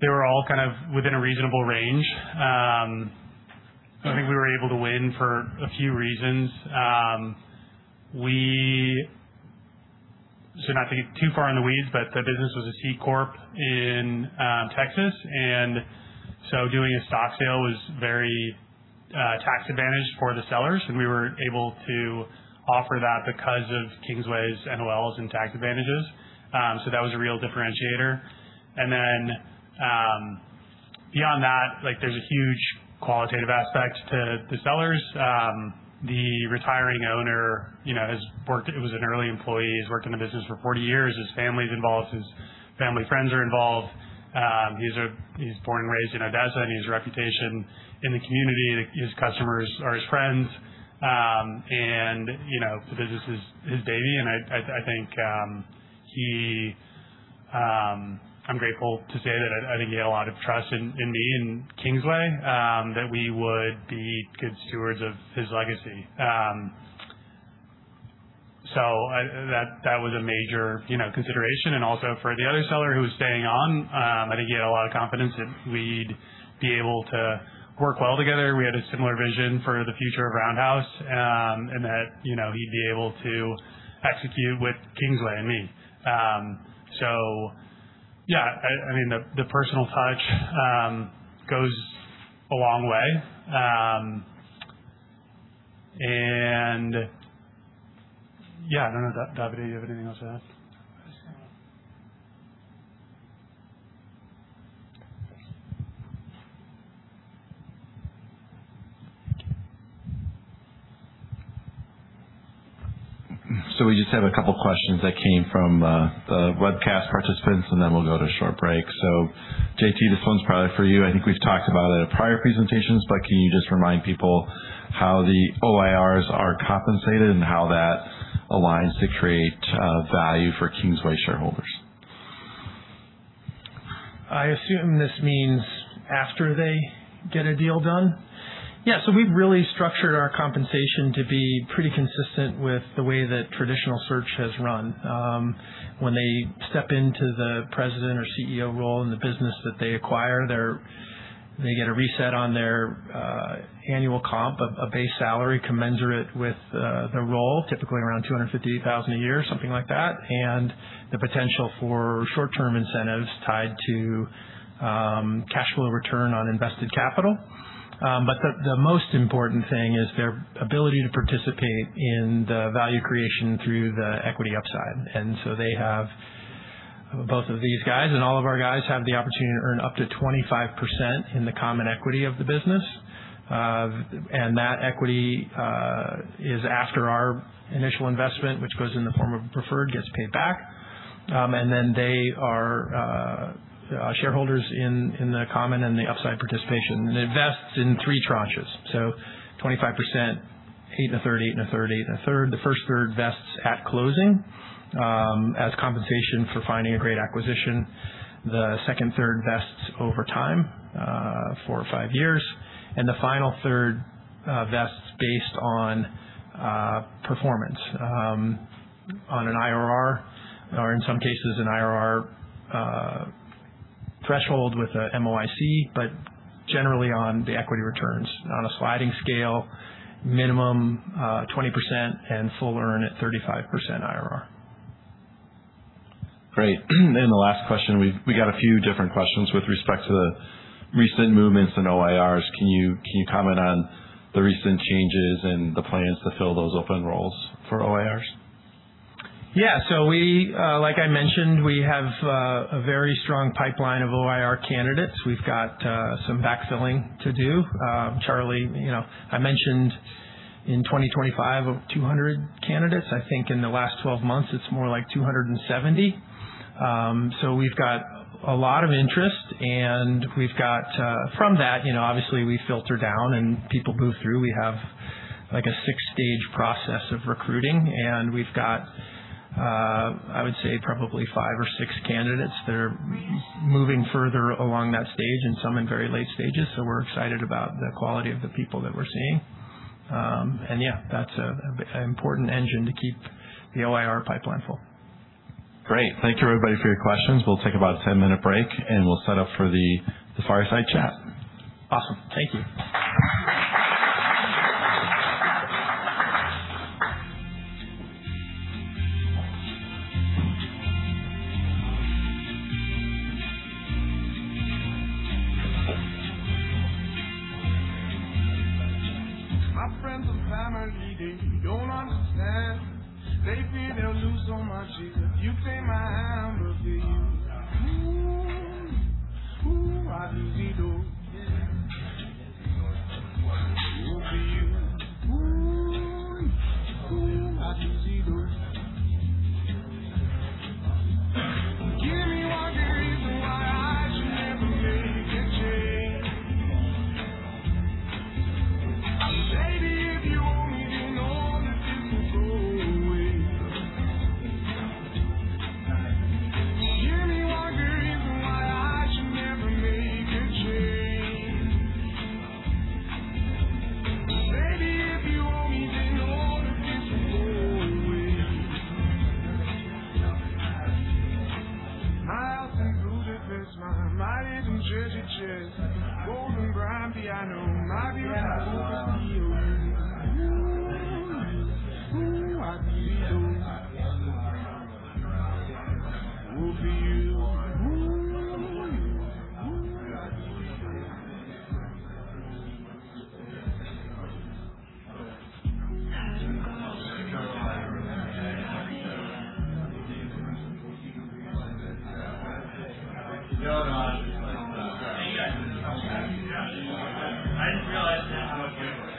S3: They were all kind of within a reasonable range. I think we were able to win for a few reasons. Not to get too far in the weeds, but the business was a C-corp in Texas, doing a stock sale was very tax advantaged for the sellers, and we were able to offer that because of Kingsway's NOLs and tax advantages. That was a real differentiator. Beyond that, like, there's a huge qualitative aspect to the sellers. The retiring owner, you know, has worked. It was an early employee. He's worked in the business for 40 years. His family's involved. His family friends are involved. He's born and raised in Odessa, and he has a reputation in the community. His customers are his friends. You know, the business is his baby. I think I'm grateful to say that I think he had a lot of trust in me and Kingsway that we would be good stewards of his legacy. That was a major, you know, consideration. For the other seller who was staying on, I think he had a lot of confidence that we'd be able to work well together. We had a similar vision for the future of Roundhouse, and that, you know, he'd be able to execute with Kingsway and me. I mean, the personal touch goes a long way. Yeah, I don't know. Davide, do you have anything else to add?
S2: We just have a couple questions that came from the webcast participants, and then we'll go to a short break. JT, this one's probably for you. I think we've talked about it at prior presentations, but can you just remind people how the OIRs are compensated and how that aligns to create value for Kingsway shareholders?
S1: I assume this means after they get a deal done? Yeah. We've really structured our compensation to be pretty consistent with the way that traditional search has run. When they step into the president or CEO role in the business that they acquire, they get a reset on their annual comp, a base salary commensurate with the role, typically around $250,000 a year, something like that, and the potential for short-term incentives tied to cash flow return on invested capital. The most important thing is their ability to participate in the value creation through the equity upside. They have both of these guys, and all of our guys have the opportunity to earn up to 25% in the common equity of the business. That equity is after our initial investment, which goes in the form of preferred, gets paid back. Then they are shareholders in the common and the upside participation. It vests in three tranches. 25%, eight and a third, eight and a third, eight and a third. The first third vests at closing, as compensation for finding a great acquisition. The second third vests over time, four or five years. The final third vests based on performance, on an IRR or in some cases an IRR threshold with a MOIC, but generally on the equity returns. On a sliding scale, minimum 20% and full earn at 35% IRR.
S2: Great. The last question. We got a few different questions with respect to the recent movements in OIRs. Can you comment on the recent changes and the plans to fill those open roles for OIRs?
S1: Yeah. We, like I mentioned, we have a very strong pipeline of OIR candidates. We've got some backfilling to do. Charlie, you know, I mentioned in 2025 of 200 candidates. I think in the last 12 months it's more like 270. We've got a lot of interest, and we've got, from that, you know, obviously we filter down and people move through. We have like a six-stage process of recruiting, and we've got, I would say probably five or six candidates that are moving further along that stage and some in very late stages. We're excited about the quality of the people that we're seeing. Yeah, that's an important engine to keep the OIR pipeline full.
S2: Great. Thank you, everybody, for your questions. We'll take about a 10-minute break, and we'll set up for the fireside chat.
S1: Awesome. Thank you. Hi,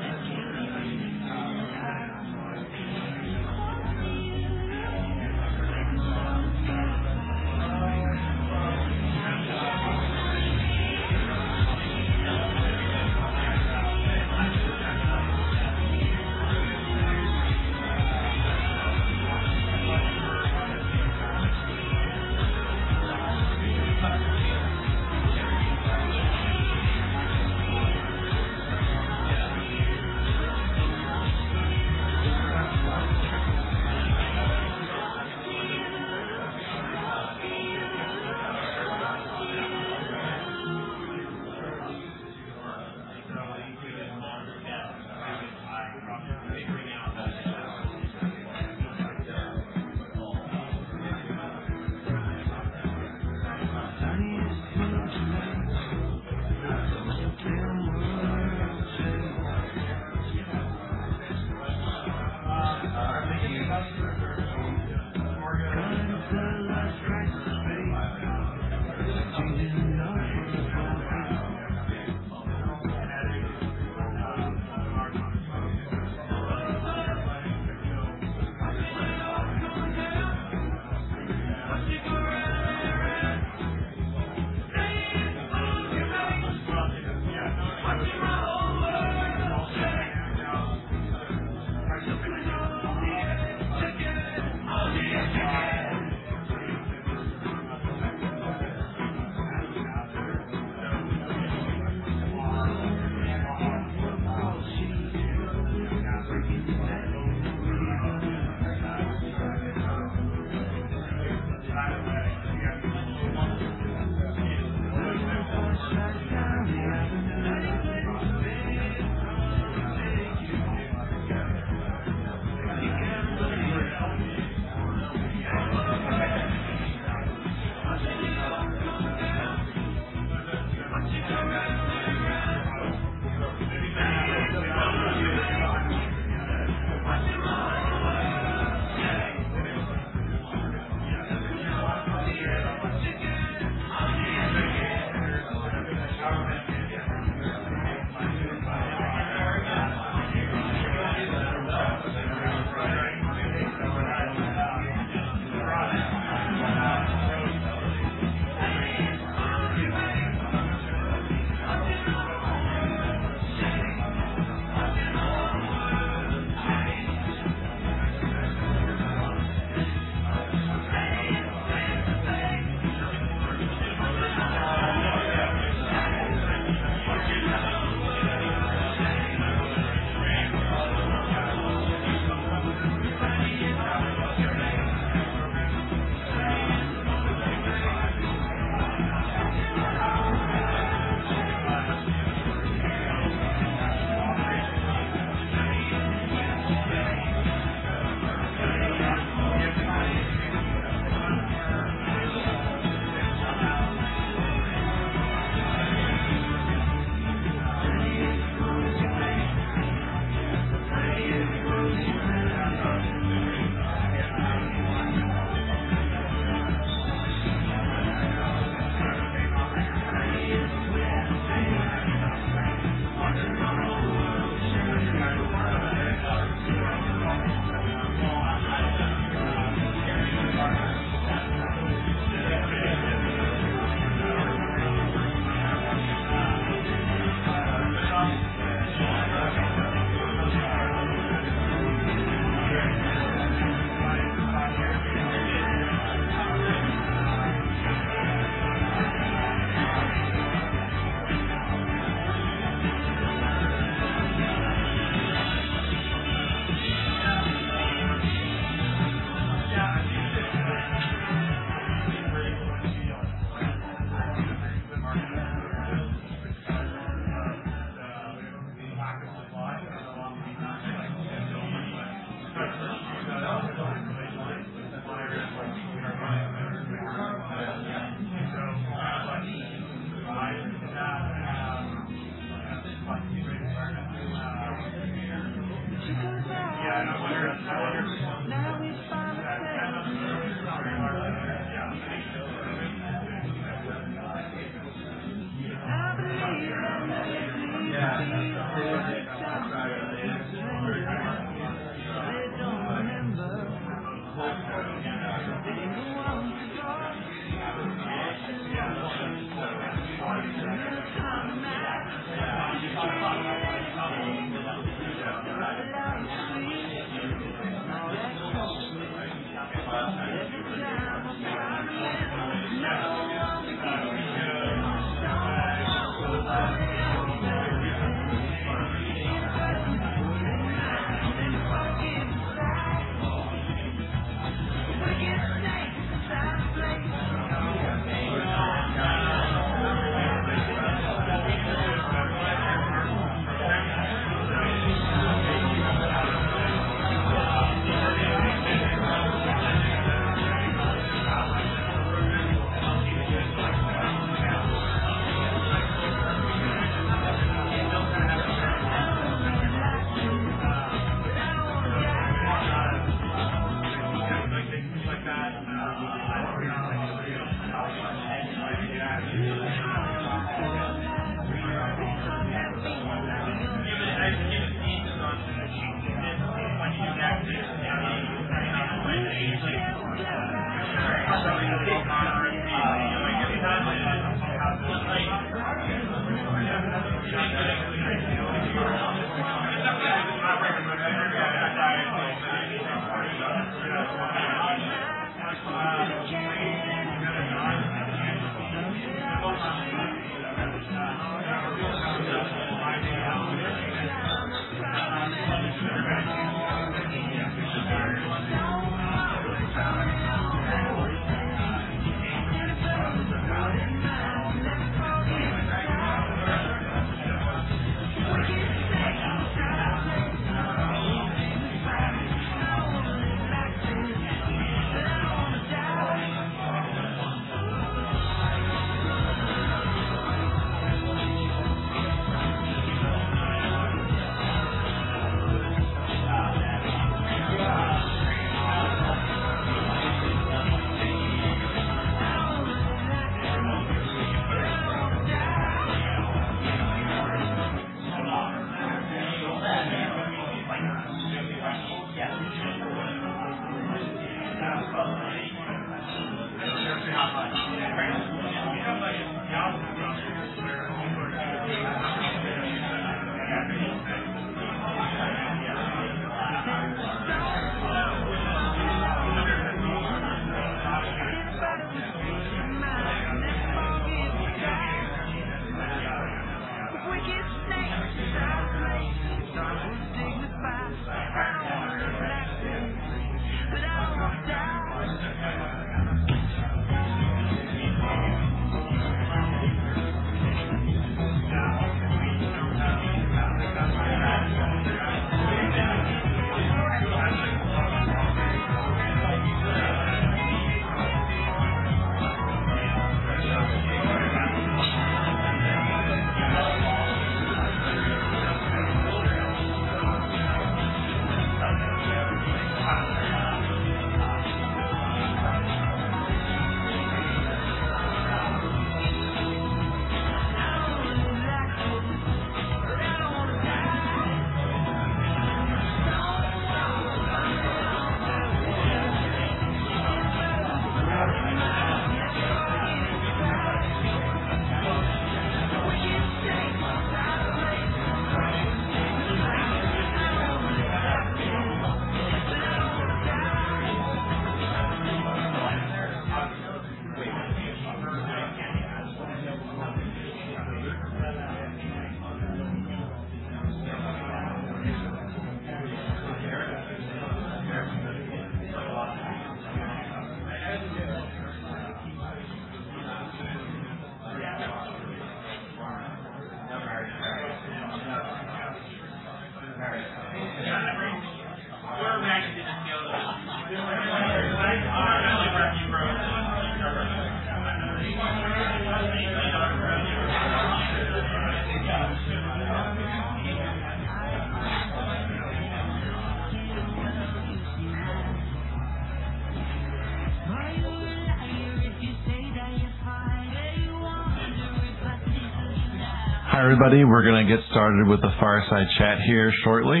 S1: everybody. We're gonna get started with the fireside chat here shortly.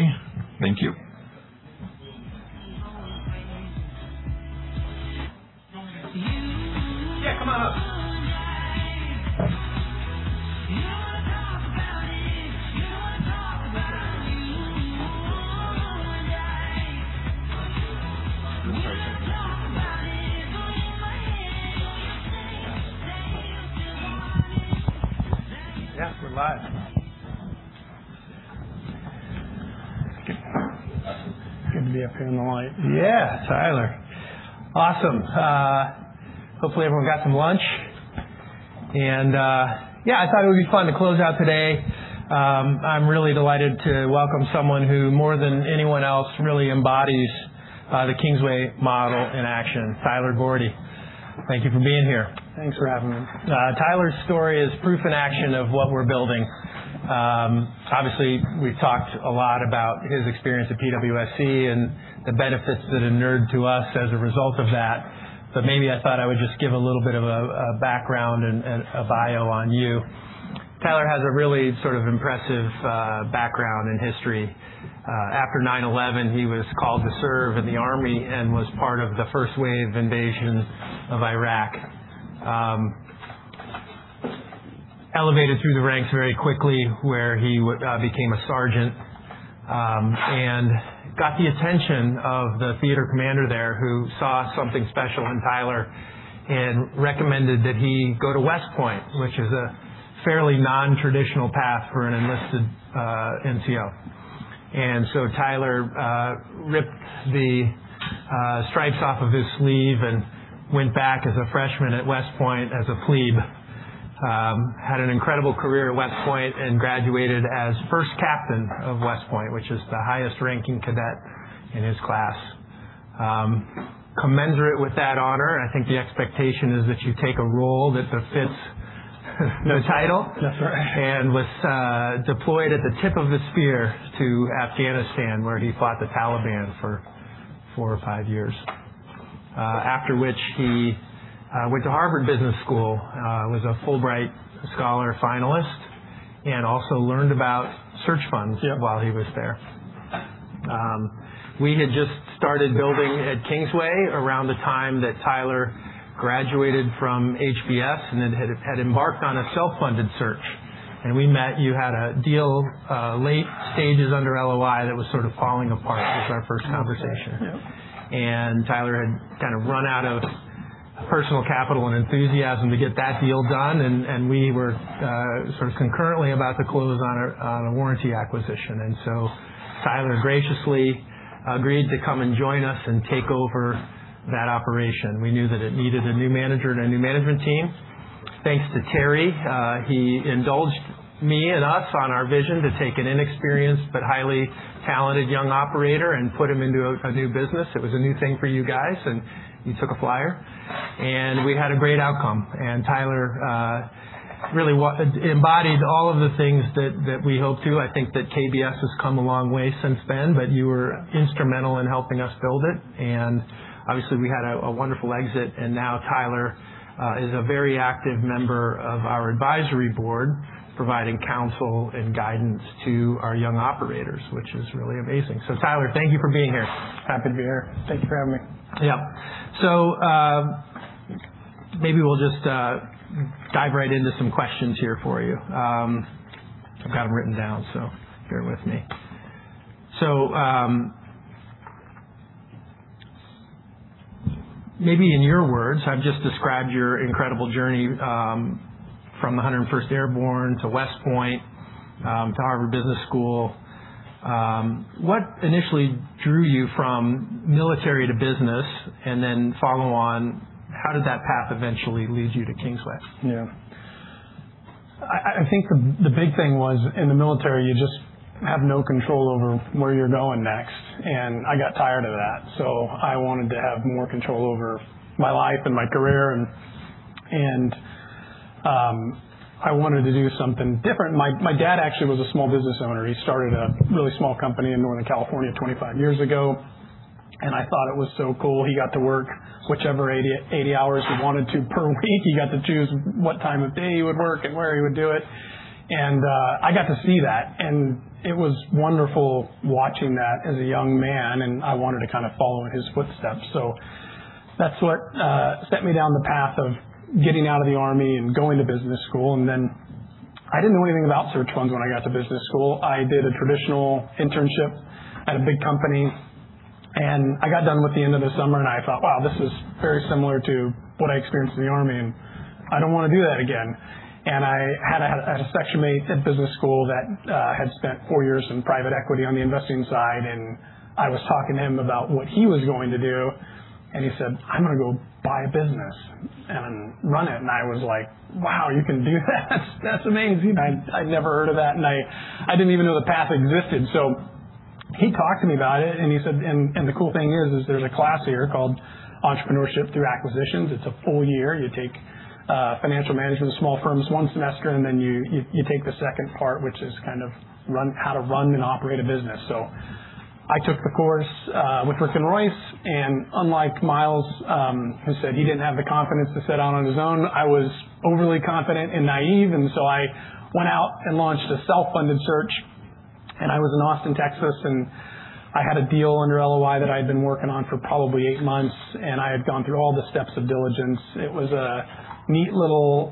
S1: Thank you. Yeah, come on up. Yeah, we're live.
S12: Good to be up here in the light.
S1: Yeah, Tyler. Awesome. Hopefully everyone got some lunch. Yeah, I thought it would be fun to close out today. I'm really delighted to welcome someone who more than anyone else really embodies the Kingsway model in action, Tyler Gordy. Thank you for being here.
S12: Thanks for having me.
S1: Tyler's story is proof in action of what we're building. Obviously, we've talked a lot about his experience at PWSC and the benefits that inured to us as a result of that. Maybe I thought I would just give a little bit of a background and a bio on you. Tyler has a really sort of impressive background and history. After 9/11, he was called to serve in the Army and was part of the first wave invasion of Iraq. Elevated through the ranks very quickly, where he became a sergeant, and got the attention of the theater commander there who saw something special in Tyler and recommended that he go to West Point, which is a fairly nontraditional path for an enlisted NCO. Tyler ripped the stripes off of his sleeve and went back as a freshman at West Point as a plebe. Had an incredible career at West Point and graduated as First Captain of West Point, which is the highest-ranking cadet in his class. Commensurate with that honor, I think the expectation is that you take a role that befits the title.
S12: That's right.
S1: Was deployed at the tip of the spear to Afghanistan, where he fought the Taliban for four or five years. After which he went to Harvard Business School, was a Fulbright Scholar finalist and also learned about search funds.
S12: Yeah.
S1: -while he was there. We had just started building at Kingsway around the time that Tyler graduated from HBS and then had embarked on a self-funded search. We met. You had a deal, late stages under LOI that was sort of falling apart. It was our first conversation.
S12: Yep.
S1: Tyler had kind of run out of personal capital and enthusiasm to get that deal done, we were sort of concurrently about to close on a warranty acquisition. Tyler graciously agreed to come and join us and take over that operation. We knew that it needed a new manager and a new management team. Thanks to Terry, he indulged me and us on our vision to take an inexperienced but highly talented young operator and put him into a new business. It was a new thing for you guys, and you took a flyer. We had a great outcome. Tyler really embodied all of the things that we hoped to. I think that KBS has come a long way since then, but you were instrumental in helping us build it. Obviously, we had a wonderful exit, and now Tyler is a very active member of our advisory board, providing counsel and guidance to our young operators, which is really amazing. Tyler, thank you for being here.
S12: Happy to be here. Thank you for having me.
S1: Yeah. Maybe we'll just dive right into some questions here for you. I've got them written down, so bear with me. Maybe in your words, I've just described your incredible journey from the 101st Airborne to West Point, to Harvard Business School. What initially drew you from military to business? Follow on, how did that path eventually lead you to Kingsway?
S12: Yeah. I think the big thing was in the military, you just have no control over where you're going next, and I got tired of that. I wanted to have more control over my life and my career, and I wanted to do something different. My dad actually was a small business owner. He started a really small company in Northern California 25 years ago, and I thought it was so cool. He got to work whichever 80 hours he wanted to per week. He got to choose what time of day he would work and where he would do it. I got to see that, and it was wonderful watching that as a young man, and I wanted to kind of follow in his footsteps. That's what sent me down the path of getting out of the Army and going to business school. I didn't know anything about search funds when I got to business school. I did a traditional internship at a big company, and I got done with the end of the summer, and I thought, "Wow, this is very similar to what I experienced in the Army, and I don't wanna do that again." I had a section mate at business school that had spent four years in private equity on the investing side, and I was talking to him about what he was going to do, and he said, "I'm gonna go buy a business and run it." I was like, "Wow, you can do that? That's amazing." I'd never heard of that. I didn't even know the path existed. He talked to me about it. And the cool thing here is there's a class here called Entrepreneurship through Acquisition. It's a full year. You take financial management of small firms one semester. Then you take the second part, which is kind of how to run and operate a business. I took the course with Rick and Royce. Unlike Miles, who said he didn't have the confidence to set out on his own, I was overly confident and naive. I went out and launched a self-funded search, and I was in Austin, Texas, and I had a deal under LOI that I had been working on for probably eight months, and I had gone through all the steps of diligence. It was a neat little.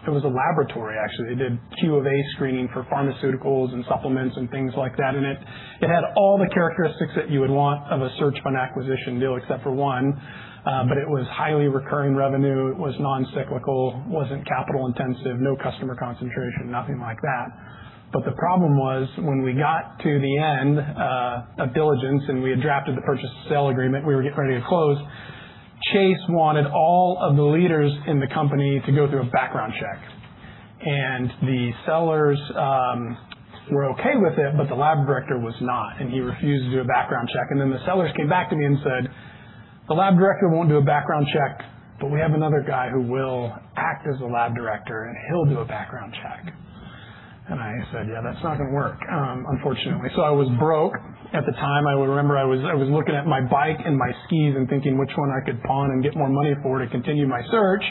S12: It was a laboratory, actually. They did QA screening for pharmaceuticals and supplements and things like that in it. It had all the characteristics that you would want of a search fund acquisition deal, except for one. It was highly recurring revenue. It was non-cyclical, wasn't capital intensive, no customer concentration, nothing like that. The problem was when we got to the end of diligence and we had drafted the purchase sale agreement, we were getting ready to close, Chase wanted all of the leaders in the company to go through a background check. The sellers were okay with it, but the lab director was not. He refused to do a background check. The sellers came back to me and said, "The lab director won't do a background check, but we have another guy who will act as a lab director, and he'll do a background check." I said, "Yeah, that's not gonna work, unfortunately." I was broke at the time. I remember I was looking at my bike and my skis and thinking which one I could pawn and get more money for to continue my search.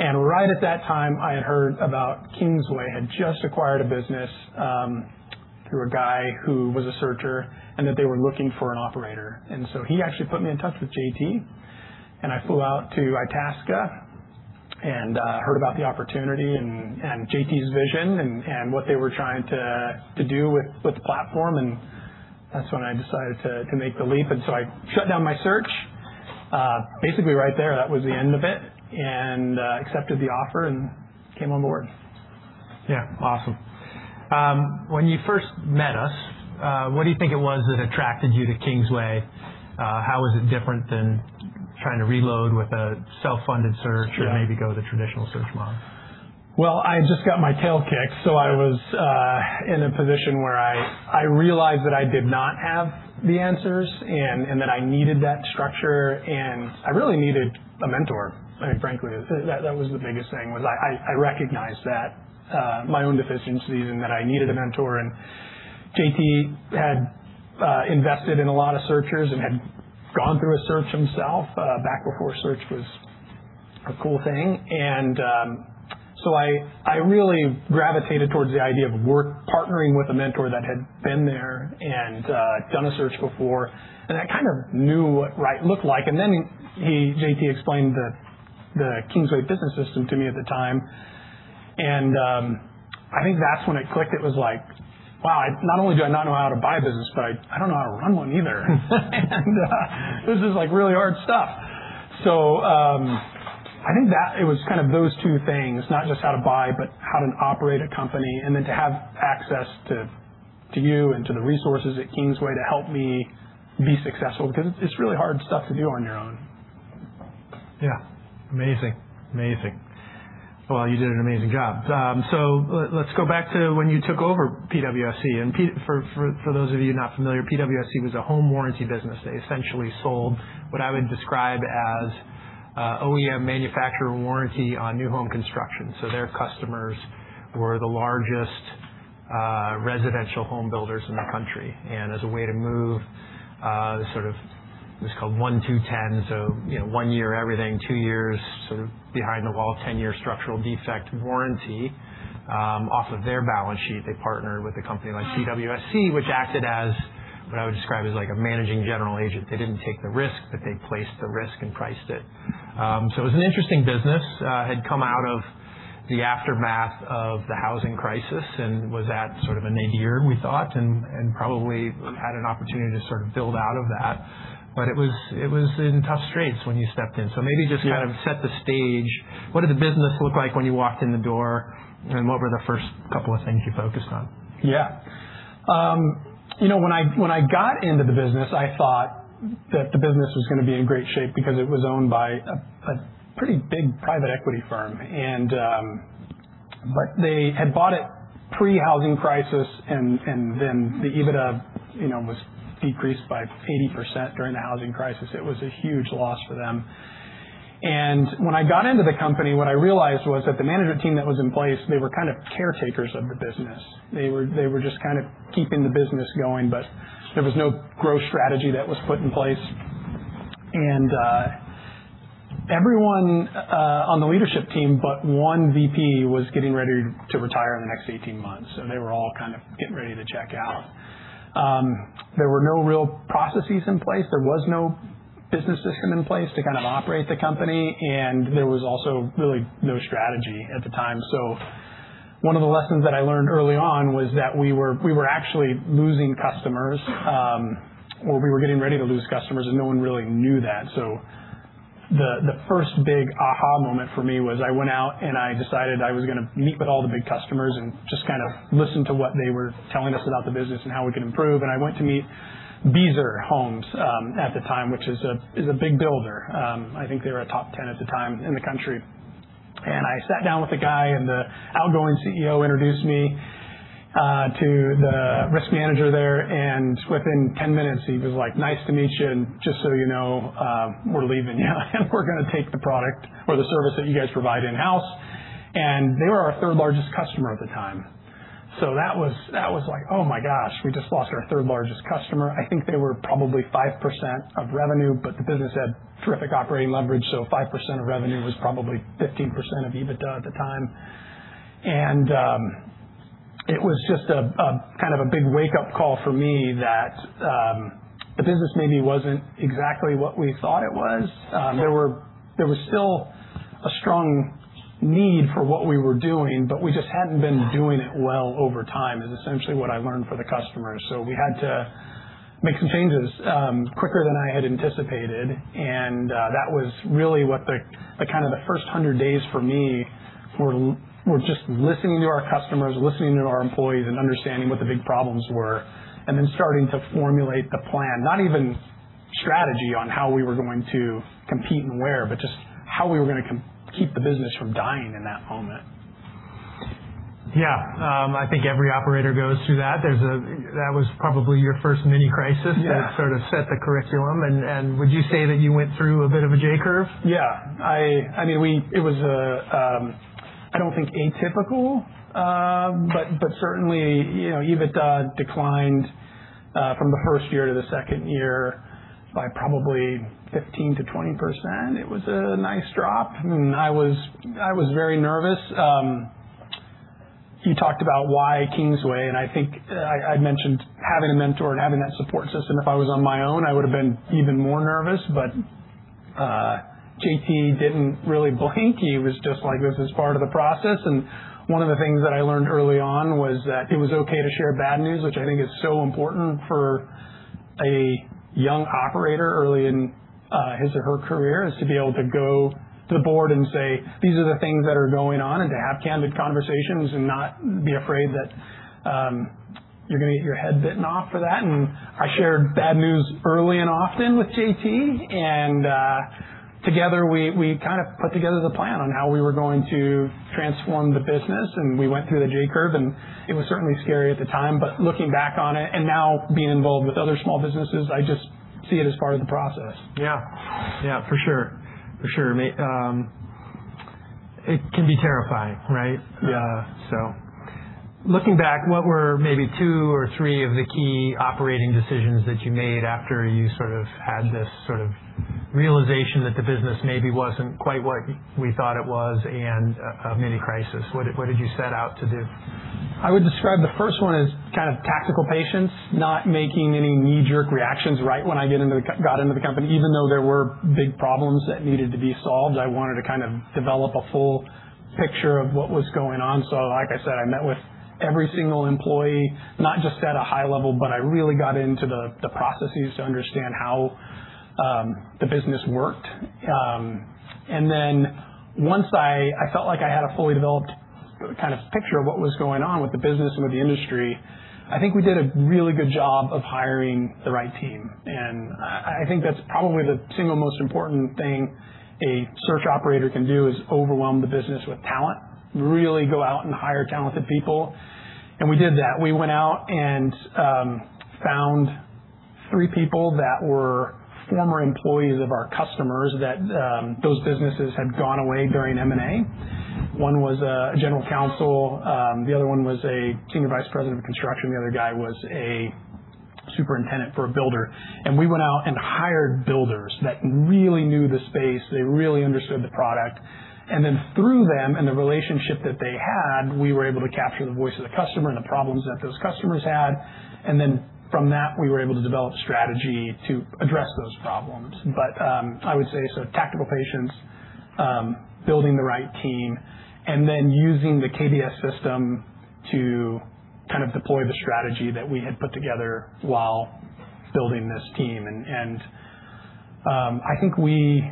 S12: Right at that time, I had heard about Kingsway had just acquired a business through a guy who was a searcher, and that they were looking for an operator. He actually put me in touch with JT, and I flew out to Itasca and heard about the opportunity and JT's vision and what they were trying to do with the platform. That's when I decided to make the leap. I shut down my search, basically right there. That was the end of it, and accepted the offer and came on board.
S1: Yeah. Awesome. When you first met us, what do you think it was that attracted you to Kingsway? How was it different than trying to reload with a self-funded search-
S12: Yeah
S1: Maybe go with a traditional search model?
S12: Well, I had just got my tail kicked, I was in a position where I realized that I did not have the answers and that I needed that structure, and I really needed a mentor. Quite frankly, that was the biggest thing, was I recognized that my own deficiencies and that I needed a mentor. JT had invested in a lot of searchers and had gone through a search himself back before search was a cool thing. I really gravitated towards the idea of partnering with a mentor that had been there and done a search before and that kind of knew what right looked like. He, JT explained the Kingsway Business System to me at the time, I think that's when it clicked. It was like, wow, not only do I not know how to buy a business, but I don't know how to run one either. This is like really hard stuff. I think that it was kind of those two things, not just how to buy, but how to operate a company and then to have access to you and to the resources at Kingsway to help me be successful, because it's really hard stuff to do on your own.
S1: Yeah. Amazing. Amazing. Well, you did an amazing job. Let's go back to when you took over PWSC. For those of you not familiar, PWSC was a home warranty business. They essentially sold what I would describe as OEM manufacturer warranty on new home construction. Their customers were the largest residential home builders in the country. As a way to move the sort of what's called 1-2-10, so you know, one year everything, two years sort of behind the wall, 10-year structural defect warranty, off of their balance sheet, they partnered with a company like PWSC, which acted as what I would describe as like a managing general agent. They didn't take the risk, but they placed the risk and priced it. It was an interesting business. Had come out of the aftermath of the housing crisis and was at sort of a nadir we thought and probably had an opportunity to sort of build out of that. But it was, it was in tough straits when you stepped in.
S12: Yeah.
S1: Maybe just kind of set the stage. What did the business look like when you walked in the door, and what were the first couple of things you focused on?
S12: Yeah. You know, when I, when I got into the business, I thought that the business was gonna be in great shape because it was owned by a pretty big private equity firm. They had bought it pre-housing crisis and then the EBITDA, you know, was decreased by 80% during the housing crisis. It was a huge loss for them. When I got into the company, what I realized was that the management team that was in place, they were kind of caretakers of the business. They were just kind of keeping the business going, but there was no growth strategy that was put in place. Everyone on the leadership team, but one VP was getting ready to retire in the next 18 months, so they were all kind of getting ready to check out. There were no real processes in place. There was no business system in place to kind of operate the company, and there was also really no strategy at the time. One of the lessons that I learned early on was that we were actually losing customers, or we were getting ready to lose customers, and no one really knew that. The first big aha moment for me was I went out, and I decided I was gonna meet with all the big customers and just kind of listen to what they were telling us about the business and how we could improve. I went to meet Beazer Homes at the time, which is a big builder. I think they were a top 10 at the time in the country. I sat down with the guy, the outgoing CEO introduced me to the risk manager there. Within 10 minutes he was like, "Nice to meet you. Just so you know, we're gonna take the product or the service that you guys provide in-house." They were our third largest customer at the time. That was like, oh my gosh, we just lost our third largest customer. I think they were probably 5% of revenue, but the business had terrific operating leverage, so 5% of revenue was probably 15% of EBITDA at the time. It was just a kind of a big wake-up call for me that the business maybe wasn't exactly what we thought it was. There was still strong need for what we were doing, but we just hadn't been doing it well over time is essentially what I learned for the customers. We had to make some changes quicker than I had anticipated, and that was really what the kind of the first 100 days for me were just listening to our customers, listening to our employees, and understanding what the big problems were, and then starting to formulate the plan. Not even strategy on how we were going to compete and where, but just how we were gonna keep the business from dying in that moment.
S1: Yeah. I think every operator goes through that. That was probably your first mini crisis.
S12: Yeah
S1: that sort of set the curriculum and would you say that you went through a bit of a J curve?
S12: I mean, it was a, I don't think atypical, but certainly, you know, EBITDA declined from the first year to the second year by probably 15%-20%. It was a nice drop, and I was very nervous. You talked about why Kingsway, and I think I'd mentioned having a mentor and having that support system. If I was on my own, I would've been even more nervous, but JT didn't really blink. He was just like, "This is part of the process." One of the things that I learned early on was that it was okay to share bad news, which I think is so important for a young operator early in his or her career, is to be able to go to the board and say, "These are the things that are going on," and to have candid conversations and not be afraid that you're gonna get your head bitten off for that. I shared bad news early and often with JT, together we kind of put together the plan on how we were going to transform the business, and we went through the J curve. It was certainly scary at the time, but looking back on it, and now being involved with other small businesses, I just see it as part of the process.
S1: Yeah. Yeah, for sure. For sure. It can be terrifying, right?
S12: Yeah.
S1: Looking back, what were maybe two or three of the key operating decisions that you made after you sort of had this sort of realization that the business maybe wasn't quite what we thought it was and a mini crisis? What did you set out to do?
S12: I would describe the first one as kind of tactical patience, not making any knee-jerk reactions right when I got into the company. Even though there were big problems that needed to be solved, I wanted to kind of develop a full picture of what was going on. Like I said, I met with every single employee, not just at a high level, but I really got into the processes to understand how the business worked. Then once I felt like I had a fully developed kind of picture of what was going on with the business and with the industry, I think we did a really good job of hiring the right team. I think that's probably the single most important thing a search operator can do, is overwhelm the business with talent. Really go out and hire talented people, and we did that. We went out and found three people that were former employees of our customers that those businesses had gone away during M&A. One was a general counsel. The other one was a senior vice president of construction. The other guy was a superintendent for a builder. We went out and hired builders that really knew the space. They really understood the product. Through them and the relationship that they had, we were able to capture the voice of the customer and the problems that those customers had. From that, we were able to develop strategy to address those problems. I would say sort of tactical patience, building the right team, and then using the KBS system to kind of deploy the strategy that we had put together while building this team. I think we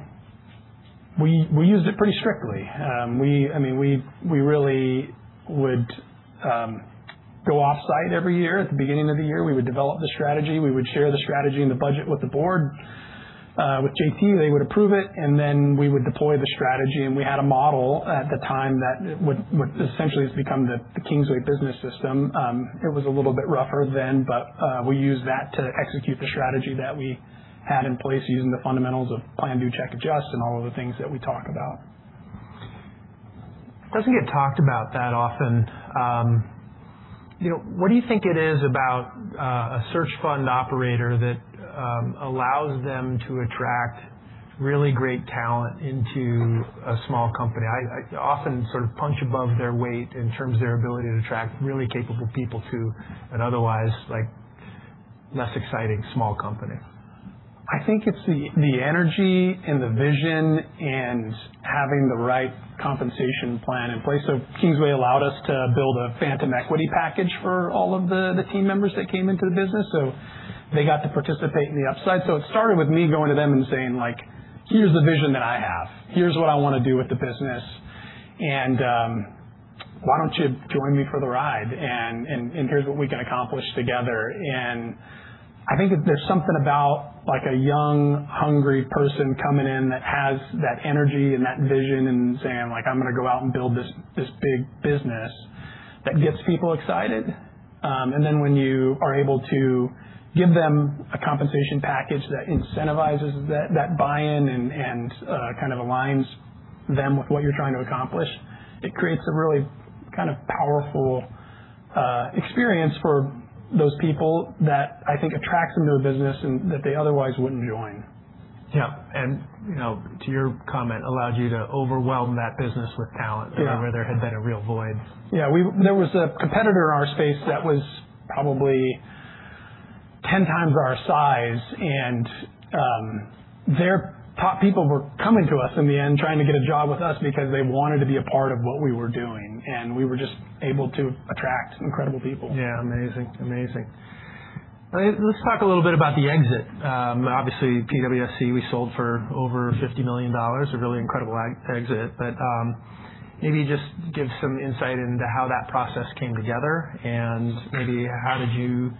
S12: used it pretty strictly. I mean, we really would go off-site every year. At the beginning of the year, we would develop the strategy. We would share the strategy and the budget with the board, with JT. They would approve it, and then we would deploy the strategy. We had a model at the time that would essentially has become the Kingsway Business System. It was a little bit rougher then, but we used that to execute the strategy that we had in place using the fundamentals of plan, do, check, adjust, and all of the things that we talk about.
S1: It doesn't get talked about that often. You know, what do you think it is about a search fund operator that allows them to attract really great talent into a small company? often sort of punch above their weight in terms of their ability to attract really capable people to an otherwise, like, less exciting small company.
S12: I think it's the energy and the vision and having the right compensation plan in place. Kingsway allowed us to build a phantom equity package for all of the team members that came into the business, so they got to participate in the upside. It started with me going to them and saying, like, "Here's the vision that I have. Here's what I wanna do with the business. Why don't you join me for the ride? Here's what we can accomplish together." I think there's something about, like, a young, hungry person coming in that has that energy and that vision and saying, like, "I'm gonna go out and build this big business," that gets people excited. When you are able to give them a compensation package that incentivizes that buy-in and kind of aligns them with what you're trying to accomplish, it creates a really kind of powerful experience for those people that I think attracts them to the business and that they otherwise wouldn't join.
S1: Yeah. you know, to your comment, allowed you to overwhelm that business with talent.
S12: Yeah
S1: where there had been a real void.
S12: There was a competitor in our space that was probably 10x our size and their top people were coming to us in the end trying to get a job with us because they wanted to be a part of what we were doing, and we were just able to attract incredible people.
S1: Yeah. Amazing. Amazing. Let's talk a little bit about the exit. Obviously PWSC we sold for over $50 million, a really incredible exit. Maybe just give some insight into how that process came together and how'd you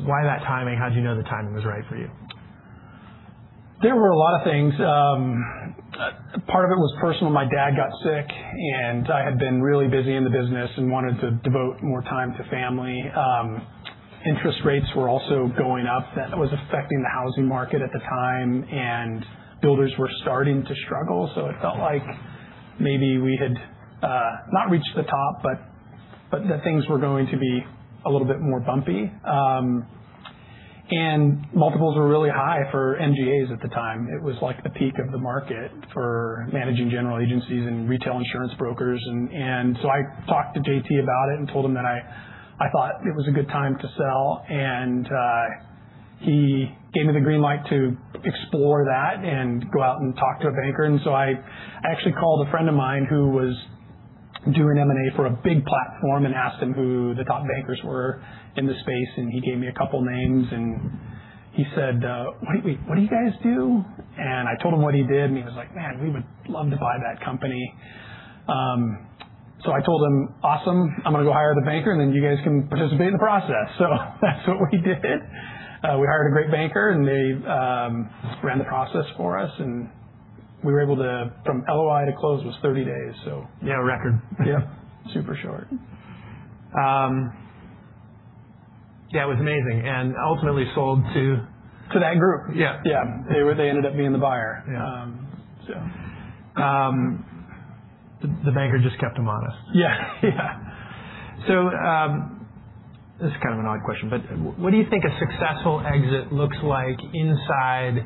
S1: know the timing was right for you?
S12: There were a lot of things. Part of it was personal. My dad got sick, and I had been really busy in the business and wanted to devote more time to family. Interest rates were also going up. That was affecting the housing market at the time, and builders were starting to struggle, so it felt like maybe we had not reached the top, but that things were going to be a little bit more bumpy. Multiples were really high for MGAs at the time. It was like the peak of the market for managing general agencies and retail insurance brokers. I talked to JT about it and told him that I thought it was a good time to sell, and he gave me the green light to explore that and go out and talk to a banker. I actually called a friend of mine who was doing M&A for a big platform and asked him who the top bankers were in the space, and he gave me a couple names, and he said, "What do you guys do?" I told him what he did, and he was like, "Man, we would love to buy that company." I told him, "Awesome. I'm gonna go hire the banker, and then you guys can participate in the process." That's what we did. We hired a great banker, and they ran the process for us, and we were able to From LOI to close was 30 days.
S1: Yeah, a record.
S12: Yep.
S1: Super short.
S12: Yeah, it was amazing.
S1: To that group.
S12: Yeah.
S1: Yeah.
S12: They ended up being the buyer.
S1: Yeah.
S12: Um, so.
S1: The banker just kept him honest.
S12: Yeah.
S1: Yeah. This is kind of an odd question, but what do you think a successful exit looks like inside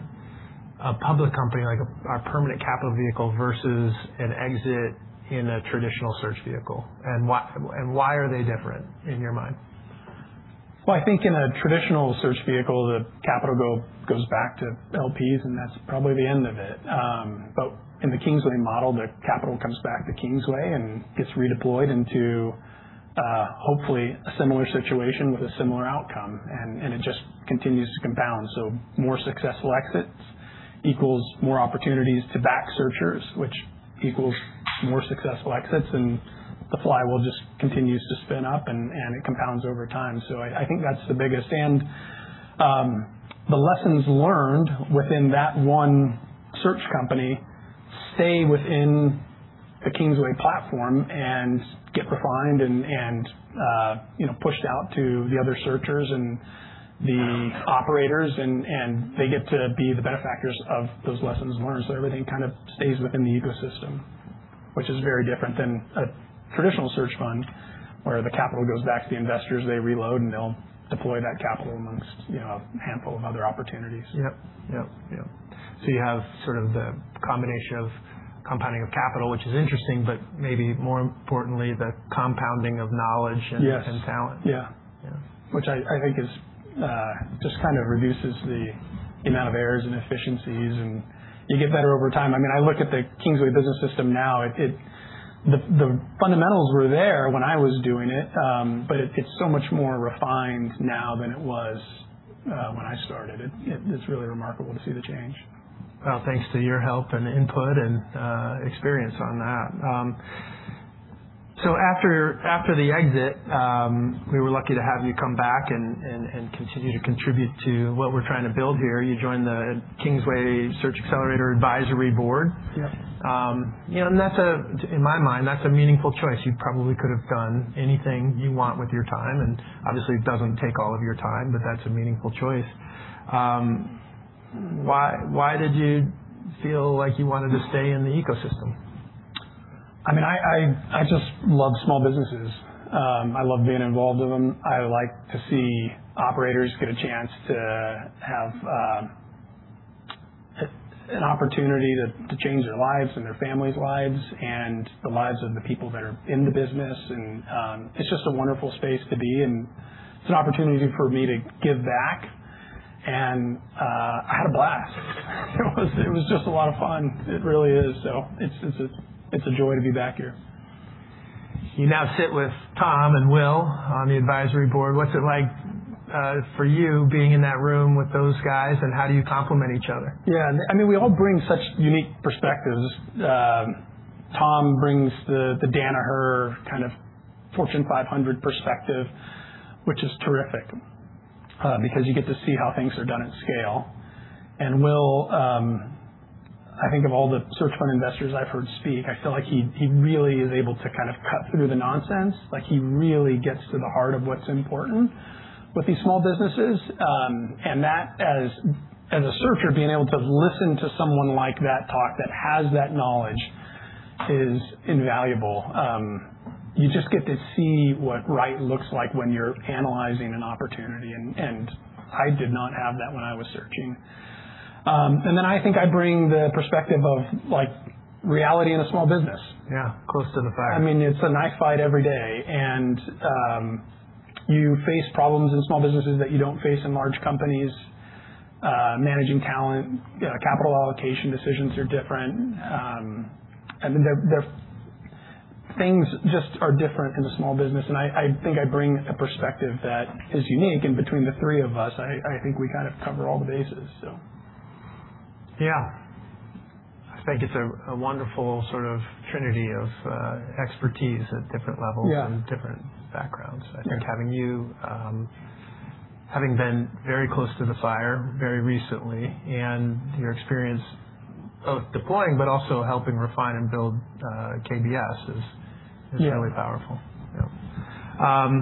S1: a public company like a permanent capital vehicle versus an exit in a traditional search vehicle? Why, and why are they different in your mind?
S12: I think in a traditional search vehicle, the capital goes back to LPs, that's probably the end of it. In the Kingsway model, the capital comes back to Kingsway and gets redeployed into hopefully a similar situation with a similar outcome, and it just continues to compound. More successful exits equals more opportunities to back searchers, which equals more successful exits, and the flywheel just continues to spin up, and it compounds over time. I think that's the biggest. The lessons learned within that one search company stay within the Kingsway platform and get refined and, you know, pushed out to the other searchers and the operators and they get to be the benefactors of those lessons learned. Everything kind of stays within the ecosystem, which is very different than a traditional search fund where the capital goes back to the investors, they reload, and they'll deploy that capital amongst, you know, a handful of other opportunities.
S1: Yep. You have sort of the combination of compounding of capital, which is interesting, but maybe more importantly, the compounding of knowledge.
S12: Yes
S1: and talent.
S12: Yeah.
S1: Yeah.
S12: Which I think is just kind of reduces the amount of errors and efficiencies, and you get better over time. I mean, I look at the Kingsway Business System now. The fundamentals were there when I was doing it, but it's so much more refined now than it was when I started. It's really remarkable to see the change.
S1: Well, thanks to your help and input and experience on that. After the exit, we were lucky to have you come back and continue to contribute to what we're trying to build here. You joined the Kingsway Search Xcelerator Advisory Board.
S12: Yep.
S1: You know, in my mind, that's a meaningful choice. You probably could have done anything you want with your time, and obviously it doesn't take all of your time, but that's a meaningful choice. Why did you feel like you wanted to stay in the ecosystem?
S12: I mean, I just love small businesses. I love being involved with them. I like to see operators get a chance to have an opportunity to change their lives and their family's lives and the lives of the people that are in the business. It's just a wonderful space to be, and it's an opportunity for me to give back. I had a blast. It was just a lot of fun. It really is. It's a joy to be back here.
S1: You now sit with Tom and Will on the advisory board. What's it like for you being in that room with those guys, and how do you complement each other?
S12: I mean, we all bring such unique perspectives. Tom brings the Danaher kind of Fortune 500 perspective, which is terrific, because you get to see how things are done at scale. Will, I think of all the search fund investors I've heard speak, I feel like he really is able to kind of cut through the nonsense. Like, he really gets to the heart of what's important with these small businesses. That as a searcher, being able to listen to someone like that talk that has that knowledge is invaluable. You just get to see what right looks like when you're analyzing an opportunity, and I did not have that when I was searching. I think I bring the perspective of, like, reality in a small business.
S1: Yeah, close to the fire.
S12: I mean, it's a knife fight every day. You face problems in small businesses that you don't face in large companies. Managing talent, capital allocation decisions are different. I mean, things just are different in a small business. I think I bring a perspective that is unique. Between the three of us, I think we kind of cover all the bases.
S1: Yeah. I think it's a wonderful sort of trinity of expertise at different levels.
S12: Yeah
S1: Different backgrounds.
S12: Yeah.
S1: I think having you, having been very close to the fire very recently and your experience of deploying but also helping refine and build, KBS is really powerful.
S12: Yeah.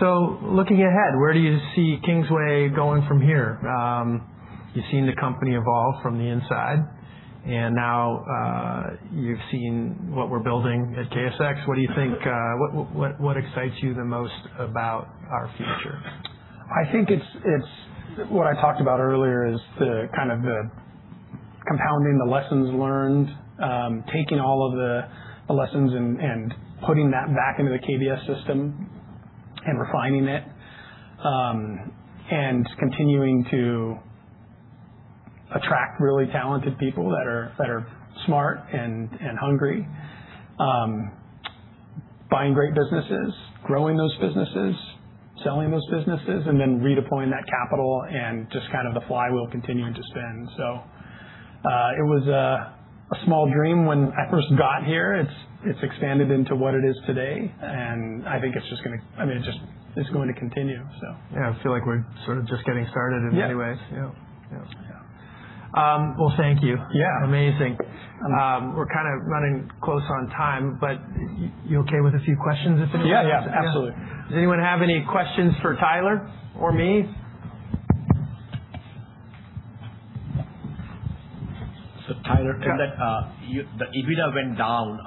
S1: Yep. Looking ahead, where do you see Kingsway going from here? You've seen the company evolve from the inside, and now, you've seen what we're building at KSX. What do you think, what excites you the most about our future?
S12: I think it's what I talked about earlier is the kind of the compounding the lessons learned, taking all of the lessons and putting that back into the KBS system and refining it, and continuing to attract really talented people that are smart and hungry. Buying great businesses, growing those businesses, selling those businesses, redeploying that capital and just kind of the flywheel continuing to spin. It was a small dream when I first got here. It's expanded into what it is today. I think it's just gonna I mean, it just is going to continue.
S1: Yeah, I feel like we're sort of just getting started in many ways.
S12: Yeah.
S1: Yeah. Yeah. Well, thank you.
S12: Yeah.
S1: Amazing. We're kind of running close on time, but you okay with a few questions if anyone has any?
S12: Yeah, yeah. Absolutely.
S1: Does anyone have any questions for Tyler or me?
S13: Tyler.
S12: Yeah.
S13: In the EBITDA went down,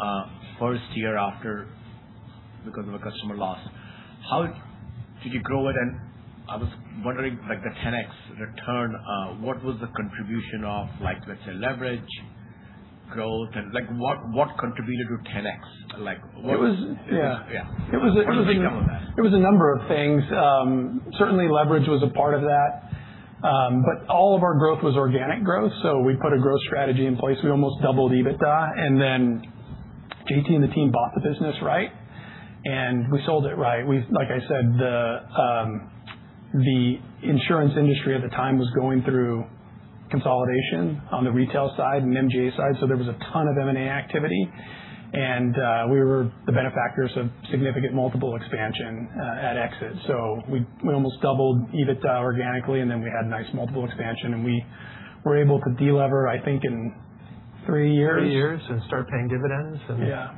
S13: first year after because of a customer loss. How did you grow it? I was wondering, like the 10x return, what was the contribution of like, let's say, leverage, growth, and like what contributed to 10x?
S12: It was-
S13: Yeah.
S12: Yeah.
S13: Can you just tell me that?
S12: It was a number of things. Certainly leverage was a part of that. All of our growth was organic growth, so we put a growth strategy in place. We almost doubled EBITDA, and then JT and the team bought the business right, and we sold it right. Like I said, the insurance industry at the time was going through consolidation on the retail side and MGA side, so there was a ton of M&A activity. We were the benefactors of significant multiple expansion at exit. We almost doubled EBITDA organically, and then we had nice multiple expansion, and we were able to de-lever, I think, in three years.
S1: Three years and start paying dividends.
S12: Yeah.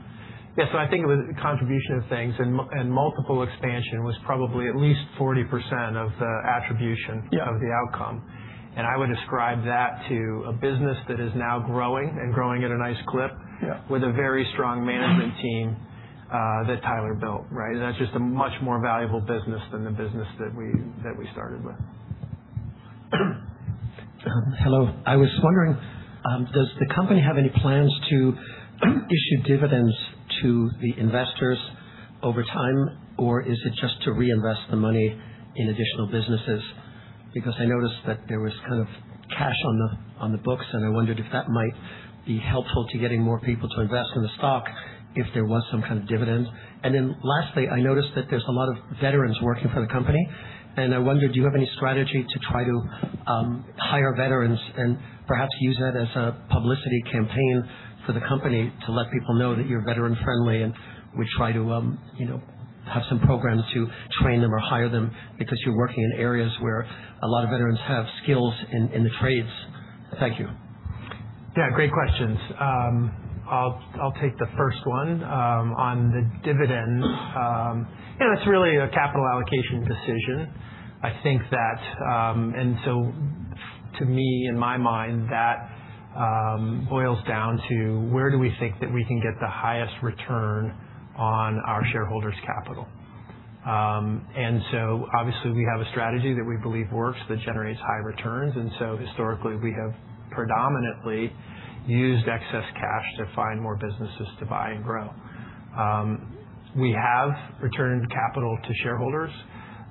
S1: I think it was a contribution of things, and multiple expansion was probably at least 40% of the attribution.
S12: Yeah
S1: of the outcome. I would ascribe that to a business that is now growing and growing at a nice clip.
S12: Yeah
S1: with a very strong management team, that Tyler built, right? That's just a much more valuable business than the business that we started with.
S14: Hello. I was wondering, does the company have any plans to issue dividends to the investors over time, or is it just to reinvest the money in additional businesses? I noticed that there was kind of cash on the books, and I wondered if that might be helpful to getting more people to invest in the stock if there was some kind of dividend. Lastly, I noticed that there's a lot of veterans working for the company, and I wondered, do you have any strategy to try to hire veterans and perhaps use that as a publicity campaign for the company to let people know that you're veteran-friendly and would try to, you know, have some programs to train them or hire them because you're working in areas where a lot of veterans have skills in the trades. Thank you.
S1: Yeah, great questions. I'll take the first one on the dividend. You know, that's really a capital allocation decision. I think that, to me, in my mind, that boils down to where do we think that we can get the highest return on our shareholders' capital. Obviously, we have a strategy that we believe works that generates high returns. Historically, we have predominantly used excess cash to find more businesses to buy and grow. We have returned capital to shareholders,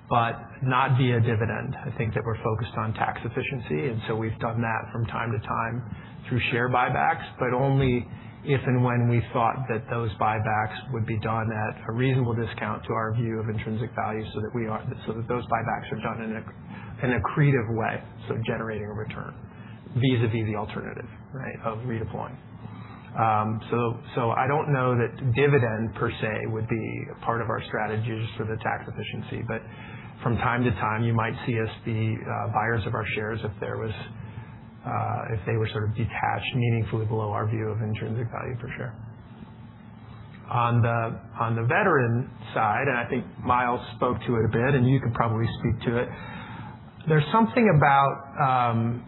S1: but not via dividend. I think that we're focused on tax efficiency. We've done that from time to time through share buybacks, only if and when we thought that those buybacks would be done at a reasonable discount to our view of intrinsic value so that those buybacks are done in an accretive way, so generating a return vis-à-vis the alternative, right, of redeploying. So I don't know that dividend per se would be a part of our strategy just for the tax efficiency. From time to time, you might see us be buyers of our shares if they were sort of detached meaningfully below our view of intrinsic value for sure. On the veteran side, I think Miles spoke to it a bit, and you can probably speak to it. There's something about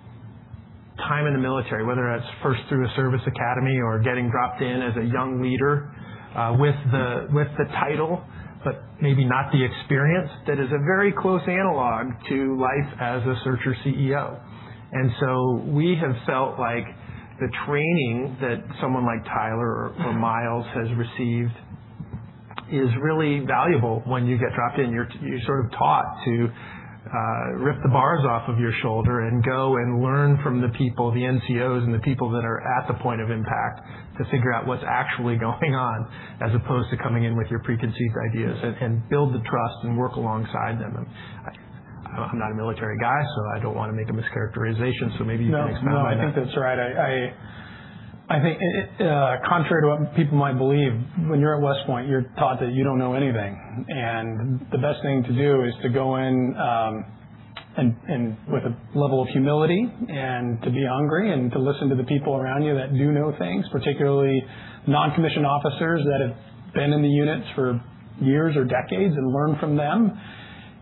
S1: time in the military, whether that's first through a service academy or getting dropped in as a young leader, with the title, but maybe not the experience, that is a very close analog to life as a Searcher CEO. We have felt like the training that someone like Tyler or Miles has received is really valuable when you get dropped in. You're sort of taught to rip the bars off of your shoulder and go and learn from the people, the NCOs and the people that are at the point of impact to figure out what's actually going on as opposed to coming in with your preconceived ideas and build the trust and work alongside them. I'm not a military guy, so I don't wanna make a mischaracterization, so maybe you can expound on that.
S12: No, no, I think that's right. I think it, contrary to what people might believe, when you're at West Point, you're taught that you don't know anything. The best thing to do is to go in, and with a level of humility and to be hungry and to listen to the people around you that do know things, particularly non-commissioned officers that have been in the units for years or decades and learn from them.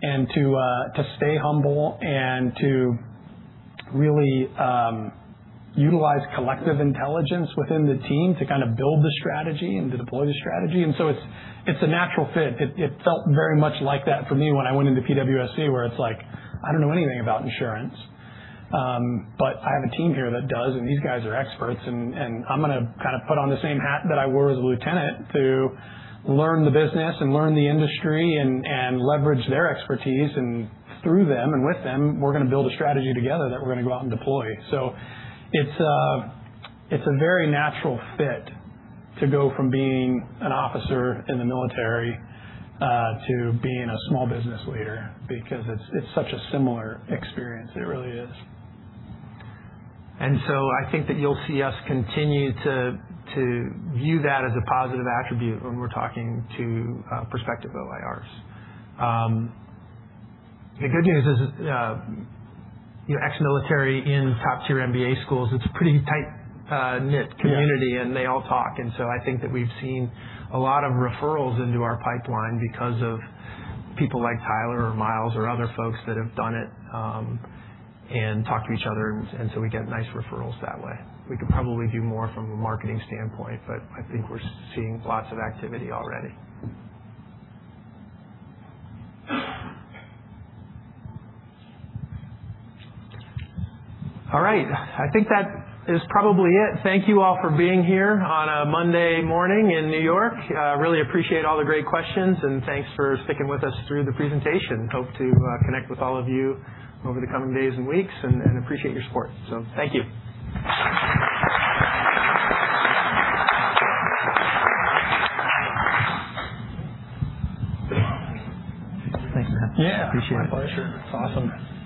S12: To stay humble and to really utilize collective intelligence within the team to kind of build the strategy and to deploy the strategy. It's a natural fit. It felt very much like that for me when I went into PWSC, where it's like, I don't know anything about insurance, but I have a team here that does, and these guys are experts. I'm gonna kind of put on the same hat that I wore as a lieutenant to learn the business and learn the industry and leverage their expertise. Through them and with them, we're gonna build a strategy together that we're gonna go out and deploy. It's a very natural fit to go from being an officer in the military, to being a small business leader because it's such a similar experience. It really is.
S1: I think that you'll see us continue to view that as a positive attribute when we're talking to prospective OIRs. The good news is, you know, ex-military in top tier MBA schools, it's a pretty tight knit community.
S12: Yeah.
S1: They all talk. I think that we've seen a lot of referrals into our pipeline because of people like Tyler or Miles or other folks that have done it, and talk to each other. We get nice referrals that way. We could probably do more from a marketing standpoint, but I think we're seeing lots of activity already. All right. I think that is probably it. Thank you all for being here on a Monday morning in New York. Really appreciate all the great questions, and thanks for sticking with us through the presentation. Hope to connect with all of you over the coming days and weeks and appreciate your support. Thank you.
S12: Thanks, man.
S1: Yeah.
S12: Appreciate it.
S1: My pleasure. It's awesome.